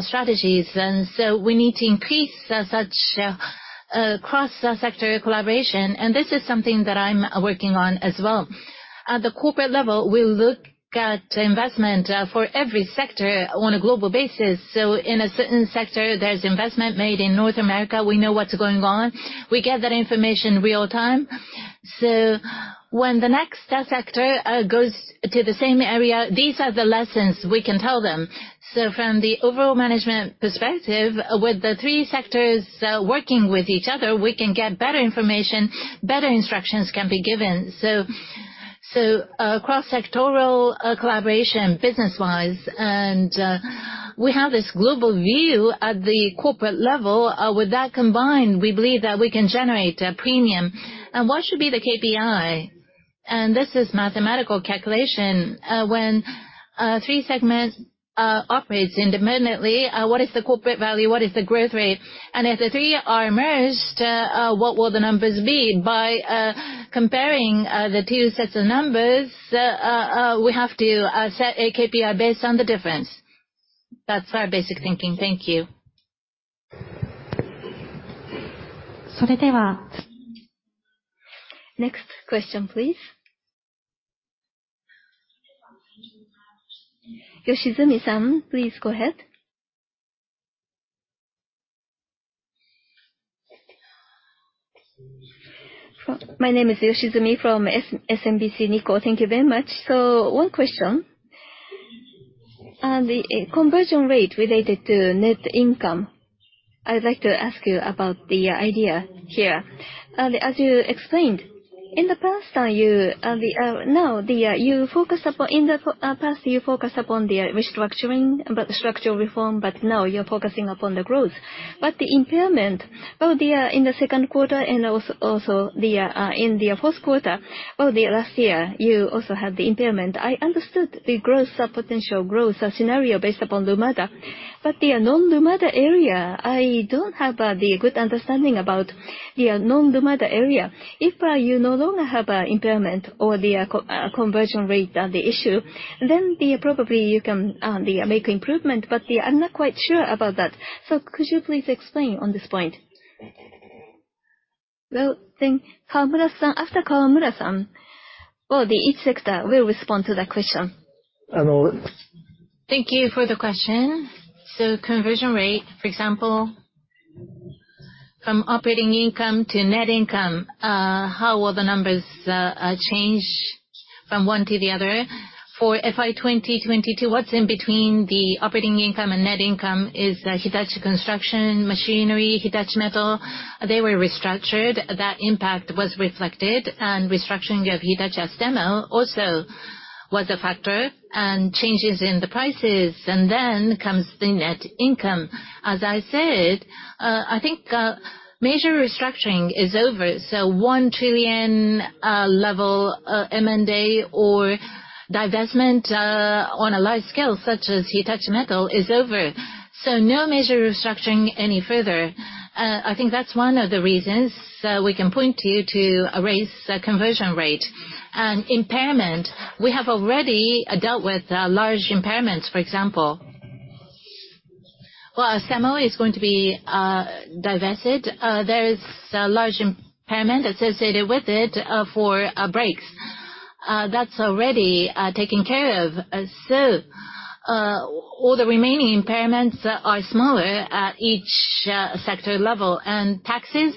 strategies. So we need to increase such cross-sector collaboration, and this is something that I'm working on as well. At the corporate level, we look at investment for every sector on a global basis. In a certain sector, there's investment made in North America, we know what's going on. We get that information real time. When the next sector goes to the same area, these are the lessons we can tell them. From the overall management perspective, with the three sectors working with each other, we can get better information, better instructions can be given. Cross-sectoral collaboration business-wise, and we have this global view at the corporate level. With that combined, we believe that we can generate a premium. What should be the KPI? This is mathematical calculation. When three segment operates independently, what is the corporate value? What is the growth rate? If the three are merged, what will the numbers be? By comparing the two sets of numbers, we have to set a KPI based on the difference. That's our basic thinking. Thank you. Next question, please. Yoshizumi-san, please go ahead. My name is Yoshizumi from SMBC Nikko. Thank you very much. One question, on the conversion rate related to net income, I'd like to ask you about the idea here. As you explained, in the past, you focused upon the restructuring, but structural reform. Now you're focusing upon the growth. The impairment, well, in the second quarter, and also in the fourth quarter of the last year, you also had the impairment. I understood the growth potential growth scenario based upon Lumada. The non-Lumada area, I don't have the good understanding about the non-Lumada area. If you no longer have impairment or the conversion rate, the issue, then probably you can make improvement, but I'm not quite sure about that. Could you please explain on this point? Well, Kawamura-san, after Kawamura-san, the each sector will respond to that question. Thank you for the question. Conversion rate, for example, from operating income to net income, how will the numbers change from one to the other? For FY2022, what's in between the operating income and net income is the Hitachi Construction Machinery, Hitachi Metal. They were restructured. That impact was reflected, and restructuring of Hitachi Astemo also was a factor, and changes in the prices, and then comes the net income. As I said, I think major restructuring is over. 1 trillion level M&A or divestment on a large scale, such as Hitachi Metal, is over. No major restructuring any further. I think that's one of the reasons we can point to you to raise the conversion rate. Impairment, we have already dealt with large impairments. For example, Astemo is going to be divested. There is a large impairment associated with it for brakes. That's already taken care of. All the remaining impairments are smaller at each sector level. Taxes,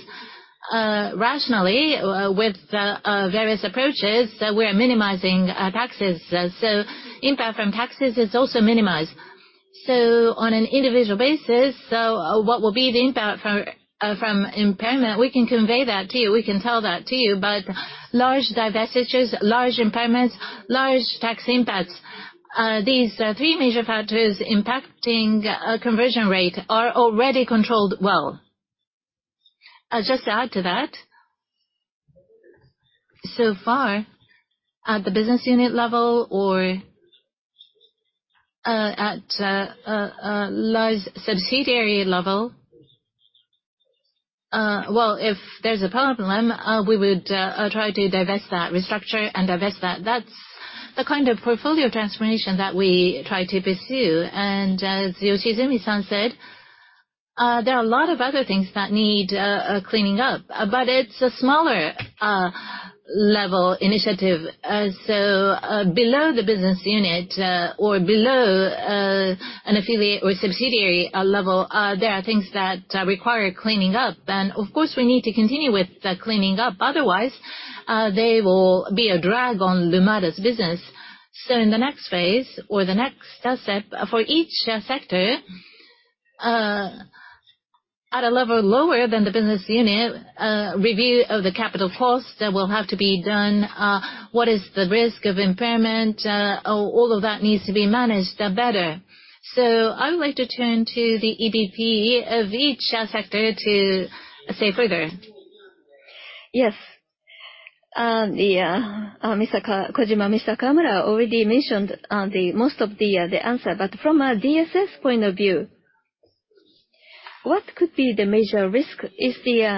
rationally, with various approaches, we're minimizing taxes. Impact from taxes is also minimized. On an individual basis, what will be the impact from impairment? We can convey that to you. We can tell that to you, but large divestitures, large impairments, large tax impacts, these three major factors impacting conversion rate are already controlled well. I'll just add to that. Far, at the business unit level or at a large subsidiary level, well, if there's a problem, we would try to divest that, restructure and divest that. That's the kind of portfolio transformation that we try to pursue. As Yoshizumi-san said, there are a lot of other things that need cleaning up, but it's a smaller level initiative. Below the business unit or below an affiliate or subsidiary level, there are things that require cleaning up. Of course, we need to continue with the cleaning up, otherwise, they will be a drag on Lumada's business. In the next phase, or the next step, for each sector, at a level lower than the business unit, review of the capital cost will have to be done. What is the risk of impairment? All of that needs to be managed better. I would like to turn to the EBP of each sector to say further. Yes. Mr. Kojima, Mr. Kawamura already mentioned the most of the answer. From a DSS point of view, what could be the major risk is the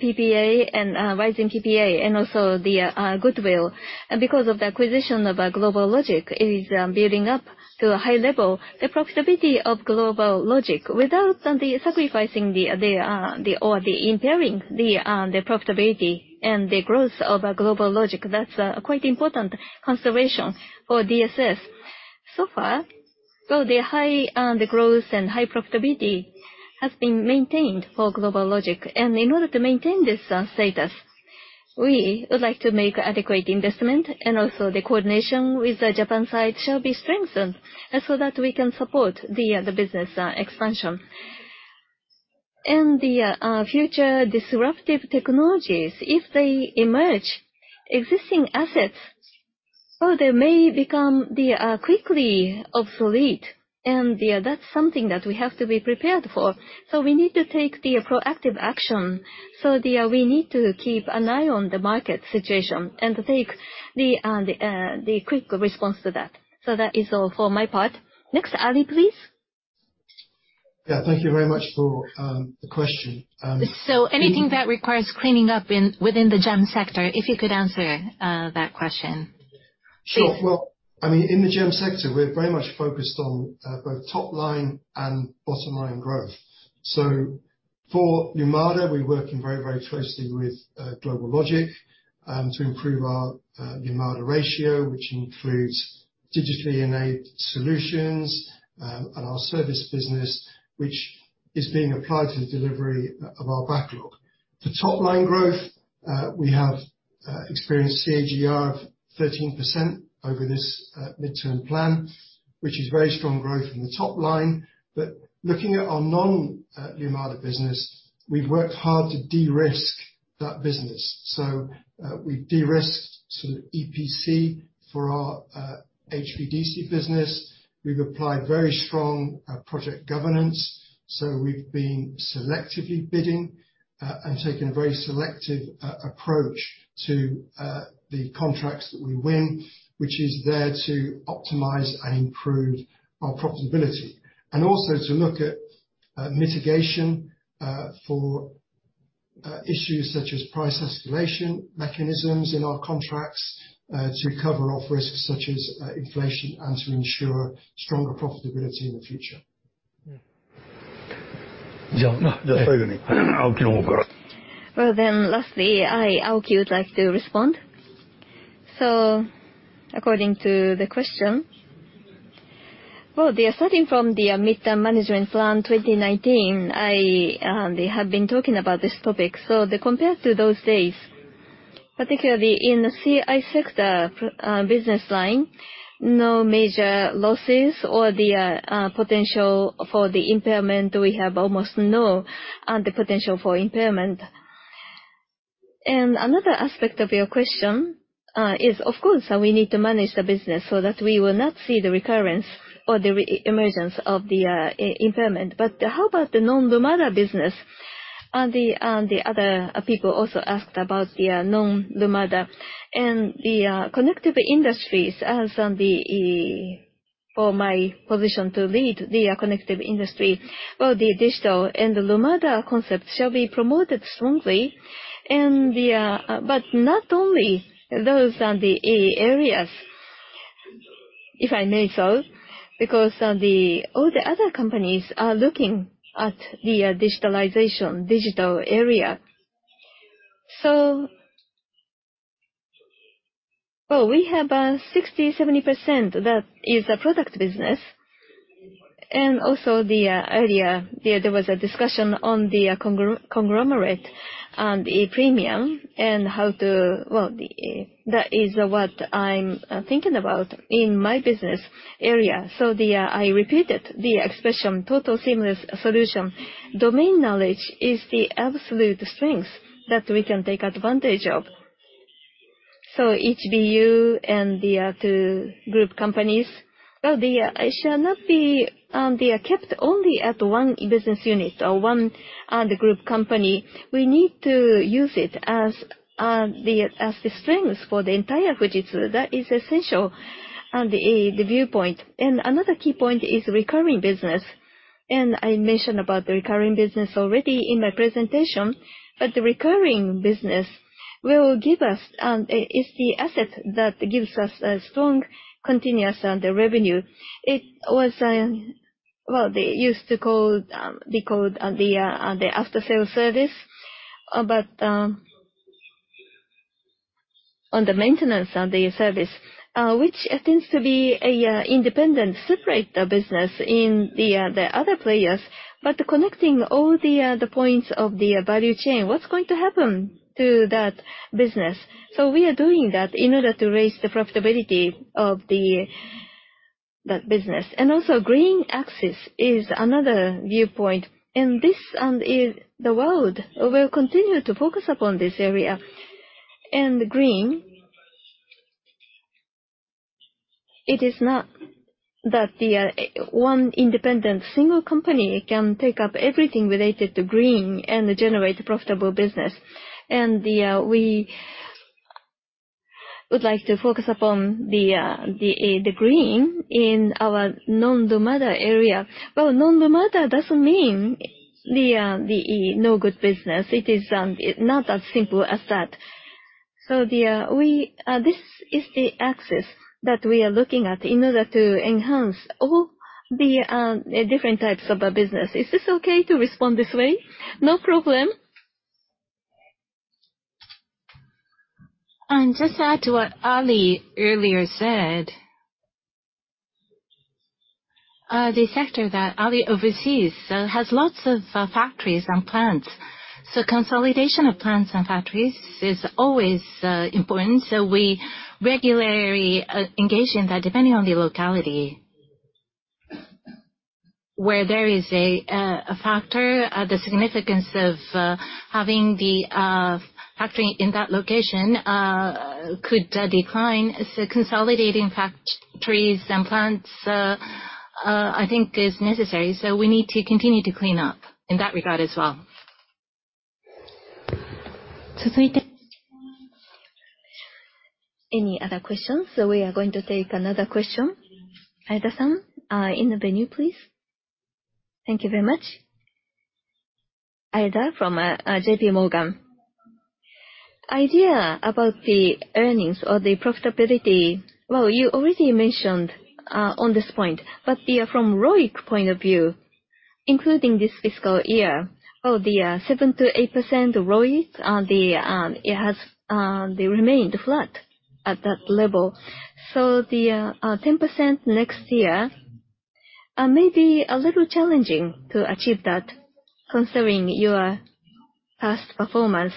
PPA and rising PPA, and also the goodwill. Because of the acquisition of GlobalLogic, it is building up to a high level. The profitability of GlobalLogic, without sacrificing the or impairing the profitability and the growth of GlobalLogic, that's a quite important consideration for DSS. So far, well, the high growth and high profitability has been maintained for GlobalLogic. In order to maintain this status, we would like to make adequate investment, and also the coordination with the Japan side shall be strengthened so that we can support the business expansion. The future disruptive technologies, if they emerge, existing assets, well, they are quickly obsolete, and that's something that we have to be prepared for. We need to take the proactive action, so we need to keep an eye on the market situation and take the quick response to that. That is all for my part. Next, Ali, please. Yeah, thank you very much for the question. Anything that requires cleaning up in, within the GEM sector, if you could answer that question? Sure. Well, I mean, in the GEM sector, we're very much focused on both top line and bottom line growth. For Lumada, we're working very, very closely with GlobalLogic to improve our Lumada ratio, which includes digitally enabled solutions and our service business, which is being applied to the delivery of our backlog. The top line growth, we have experienced CAGR of 13% over this Mid-term Management Plan, which is very strong growth in the top line. Looking at our non Lumada business, we've worked hard to de-risk that business. We've de-risked sort of EPC for our HVDC business. We've applied very strong project governance, so we've been selectively bidding, and taking a very selective approach to the contracts that we win, which is there to optimize and improve our profitability. Also to look at mitigation for issues such as price escalation mechanisms in our contracts, to recover off risks such as inflation, and to ensure stronger profitability in the future. Lastly, I, Aoki, would like to respond. According to the question, they are starting from the Mid-term Management Plan 2019, they have been talking about this topic. Compared to those days, particularly in the CI sector, business line, no major losses or the potential for the impairment, we have almost no potential for impairment. Another aspect of your question is of course, we need to manage the business so that we will not see the recurrence or the re-emergence of the impairment. How about the non-Lumada business? The other people also asked about the non-Lumada and the Connected Industries as. For my position to lead the Connected Industry, the digital and the Lumada concept shall be promoted strongly and the. Not only those are the areas, if I may so, because all the other companies are looking at the digitalization, digital area. Well, we have 60-70% that is a product business. Also earlier, there was a discussion on the conglomerate and EBITDA and how to well, that is what I'm thinking about in my business area. I repeated the expression, Total Seamless Solution. Domain knowledge is the absolute strength that we can take advantage of. Each BU and the two group companies, well, it shall not be they are kept only at one business unit or one group company. We need to use it as the strength for the entire Hitachi. That is essential, and the viewpoint. Another key point is recurring business. I mentioned about the recurring business already in my presentation, but the recurring business will give us, is the asset that gives us a strong, continuous revenue. It was, well, they used to call, we call the after-sale service, but on the maintenance of the service, which tends to be a independent, separate business in the other players. Connecting all the points of the value chain, what's going to happen to that business? We are doing that in order to raise the profitability of that business. Also, green access is another viewpoint, and this is, the world will continue to focus upon this area. Green, it is not that the one independent single company can take up everything related to green and generate profitable business. We would like to focus upon the green in our non-Lumada area. Well, non-Lumada doesn't mean the no-good business. It is not as simple as that. This is the access that we are looking at in order to enhance all the different types of business. Is this okay to respond this way? No problem? Just to add to what Ali earlier said, the sector that Ali oversees, has lots of factories and plants. Consolidation of plants and factories is always important, so we regularly engage in that, depending on the locality. Where there is a factor, the significance of having the factory in that location, could decline. Consolidating factories and plants, I think is necessary, so we need to continue to clean up in that regard as well. Any other questions? We are going to take another question. Aida-san, in the venue, please. Thank you very much. Aida from JP Morgan. Idea about the earnings or the profitability, well, you already mentioned on this point, but from ROIC point of view, including this fiscal year, the 7%-8% ROIC, they remained flat at that level. The 10% next year may be a little challenging to achieve that considering your past performance.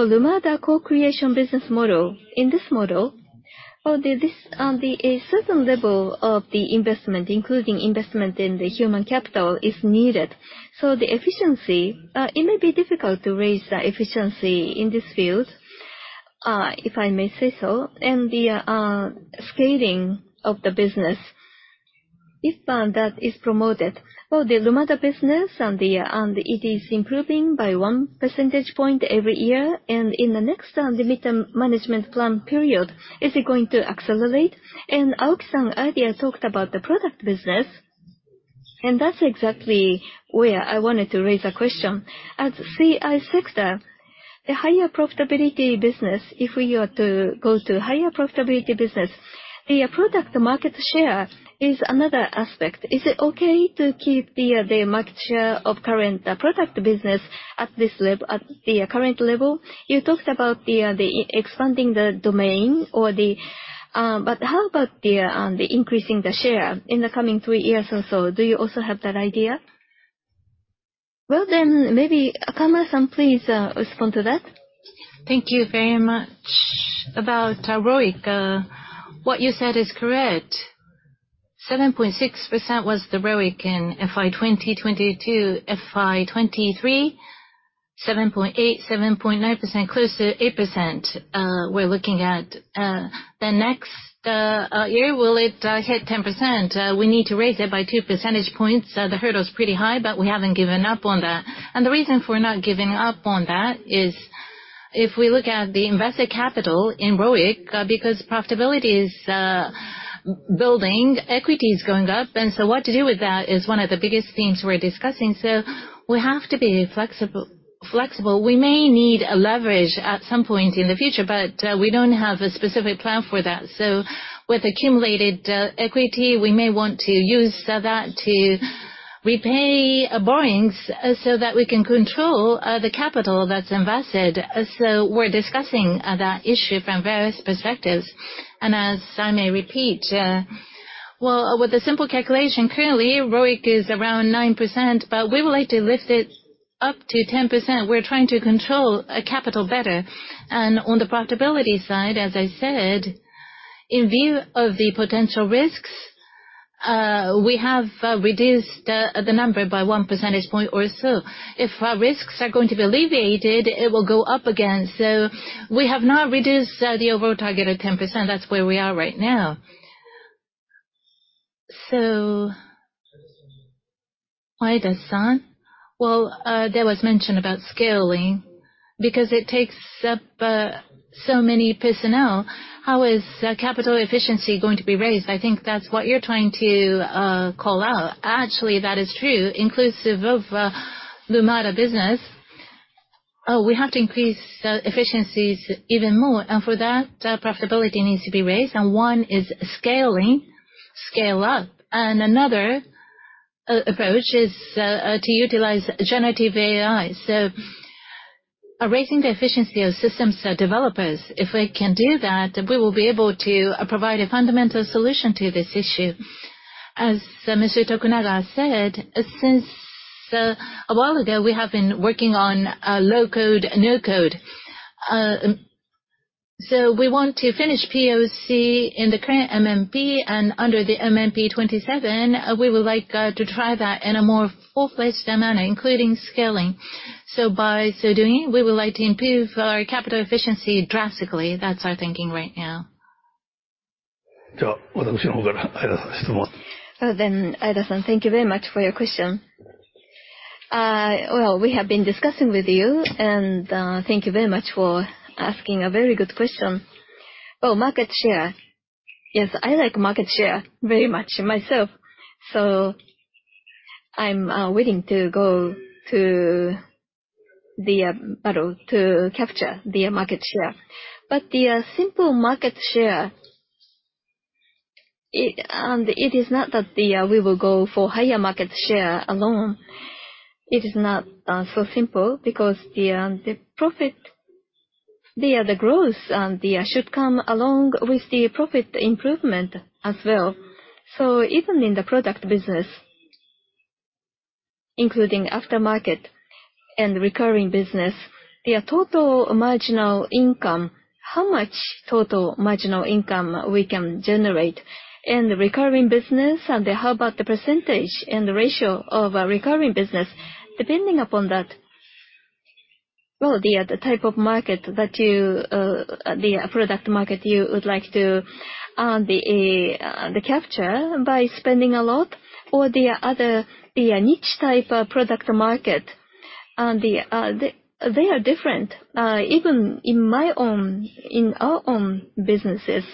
Lumada co-creation business model, in this model, well, a certain level of the investment, including investment in the human capital, is needed. The efficiency, it may be difficult to raise the efficiency in this field, if I may say so, and the scaling of the business, if that is promoted. The Lumada business and it is improving by 1 percentage point every year, and in the next limited management plan period, is it going to accelerate? Aoki-san earlier talked about the product business, and that's exactly where I wanted to raise a question. As CI sector, the higher profitability business, if we are to go to higher profitability business, the product market share is another aspect. Is it okay to keep the market share of current product business at the current level? You talked about the expanding the domain or the. How about the increasing the share in the coming 3 years or so? Do you also have that idea? Maybe Akama-san, please respond to that. Thank you very much. About ROIC, what you said is correct. 7.6% was the ROIC in FY 2022. FY 2023, 7.8%, 7.9%, close to 8%. We're looking at the next year, will it hit 10%? We need to raise it by 2 percentage points, the hurdle is pretty high, we haven't given up on that. The reason for not giving up on that is, if we look at the invested capital in ROIC, because profitability is building, equity is going up, what to do with that is one of the biggest things we're discussing. We have to be flexible. We may need a leverage at some point in the future, we don't have a specific plan for that. With accumulated equity, we may want to use that to repay borrowings so that we can control the capital that's invested. We're discussing that issue from various perspectives. As I may repeat, well, with a simple calculation, currently, ROIC is around 9%, but we would like to lift it up to 10%. We're trying to control capital better. On the profitability side, as I said, in view of the potential risks, we have reduced the number by 1 percentage point or so. If our risks are going to be alleviated, it will go up again. We have not reduced the overall target of 10%. That's where we are right now. Aida-san, well, there was mention about scaling, because it takes up so many personnel, how is capital efficiency going to be raised? I think that's what you're trying to call out. Actually, that is true, inclusive of Lumada business. We have to increase efficiencies even more, and for that, profitability needs to be raised, and one is scaling, scale up. Another approach is to utilize generative AI. Raising the efficiency of systems developers, if we can do that, we will be able to provide a fundamental solution to this issue. As Mr. Tokunaga said, since a while ago, we have been working on low-code, no-code. We want to finish POC in the current MMP, and under the MMP 2027, we would like to try that in a more full-fledged manner, including scaling. By so doing, we would like to improve our capital efficiency drastically. That's our thinking right now. Aida-san, thank you very much for your question. We have been discussing with you, thank you very much for asking a very good question. Market share. Yes, I like market share very much myself, I'm willing to go to the battle to capture the market share. The simple market share, it is not that we will go for higher market share alone. It is not so simple because the profit, the growth, should come along with the profit improvement as well. Even in the product business, including aftermarket and recurring business, the total marginal income, how much total marginal income we can generate in the recurring business, and how about the percentage and the ratio of our recurring business? Depending upon that, well, the type of market that you, the product market you would like to capture by spending a lot or the other, the niche type of product market, and they are different. Even in my own, in our own businesses,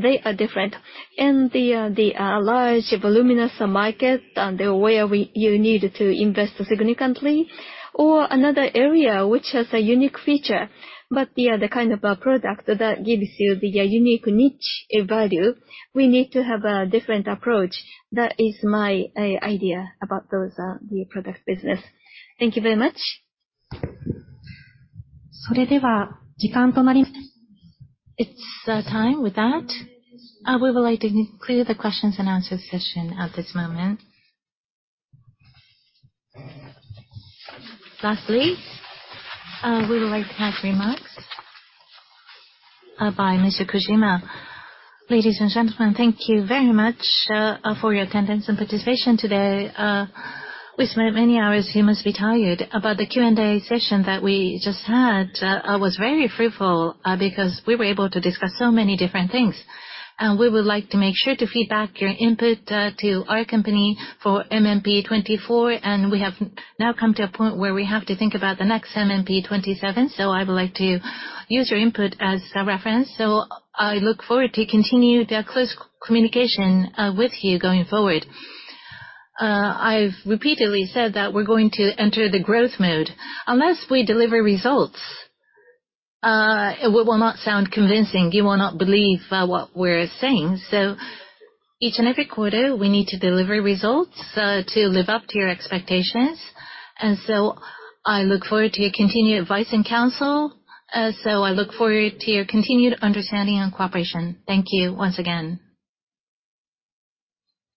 they are different. The large, voluminous market, where you need to invest significantly, or another area which has a unique feature, but the kind of a product that gives you the unique niche value, we need to have a different approach. That is my idea about those, the product business. Thank you very much. It's time. With that, we would like to clear the questions and answer session at this moment. Lastly, we would like to have remarks by Keiji Kojima. Ladies and gentlemen, thank you very much for your attendance and participation today. We spent many hours, you must be tired, but the Q&A session that we just had was very fruitful because we were able to discuss so many different things. We would like to make sure to feed back your input to our company for MMP 2024, and we have now come to a point where we have to think about the next MMP 2027. I would like to use your input as a reference. I look forward to continue the close communication with you going forward. I've repeatedly said that we're going to enter the growth mode. Unless we deliver results, it will not sound convincing. You will not believe what we're saying. Each and every quarter, we need to deliver results, to live up to your expectations. I look forward to your continued advice and counsel. I look forward to your continued understanding and cooperation. Thank you once again!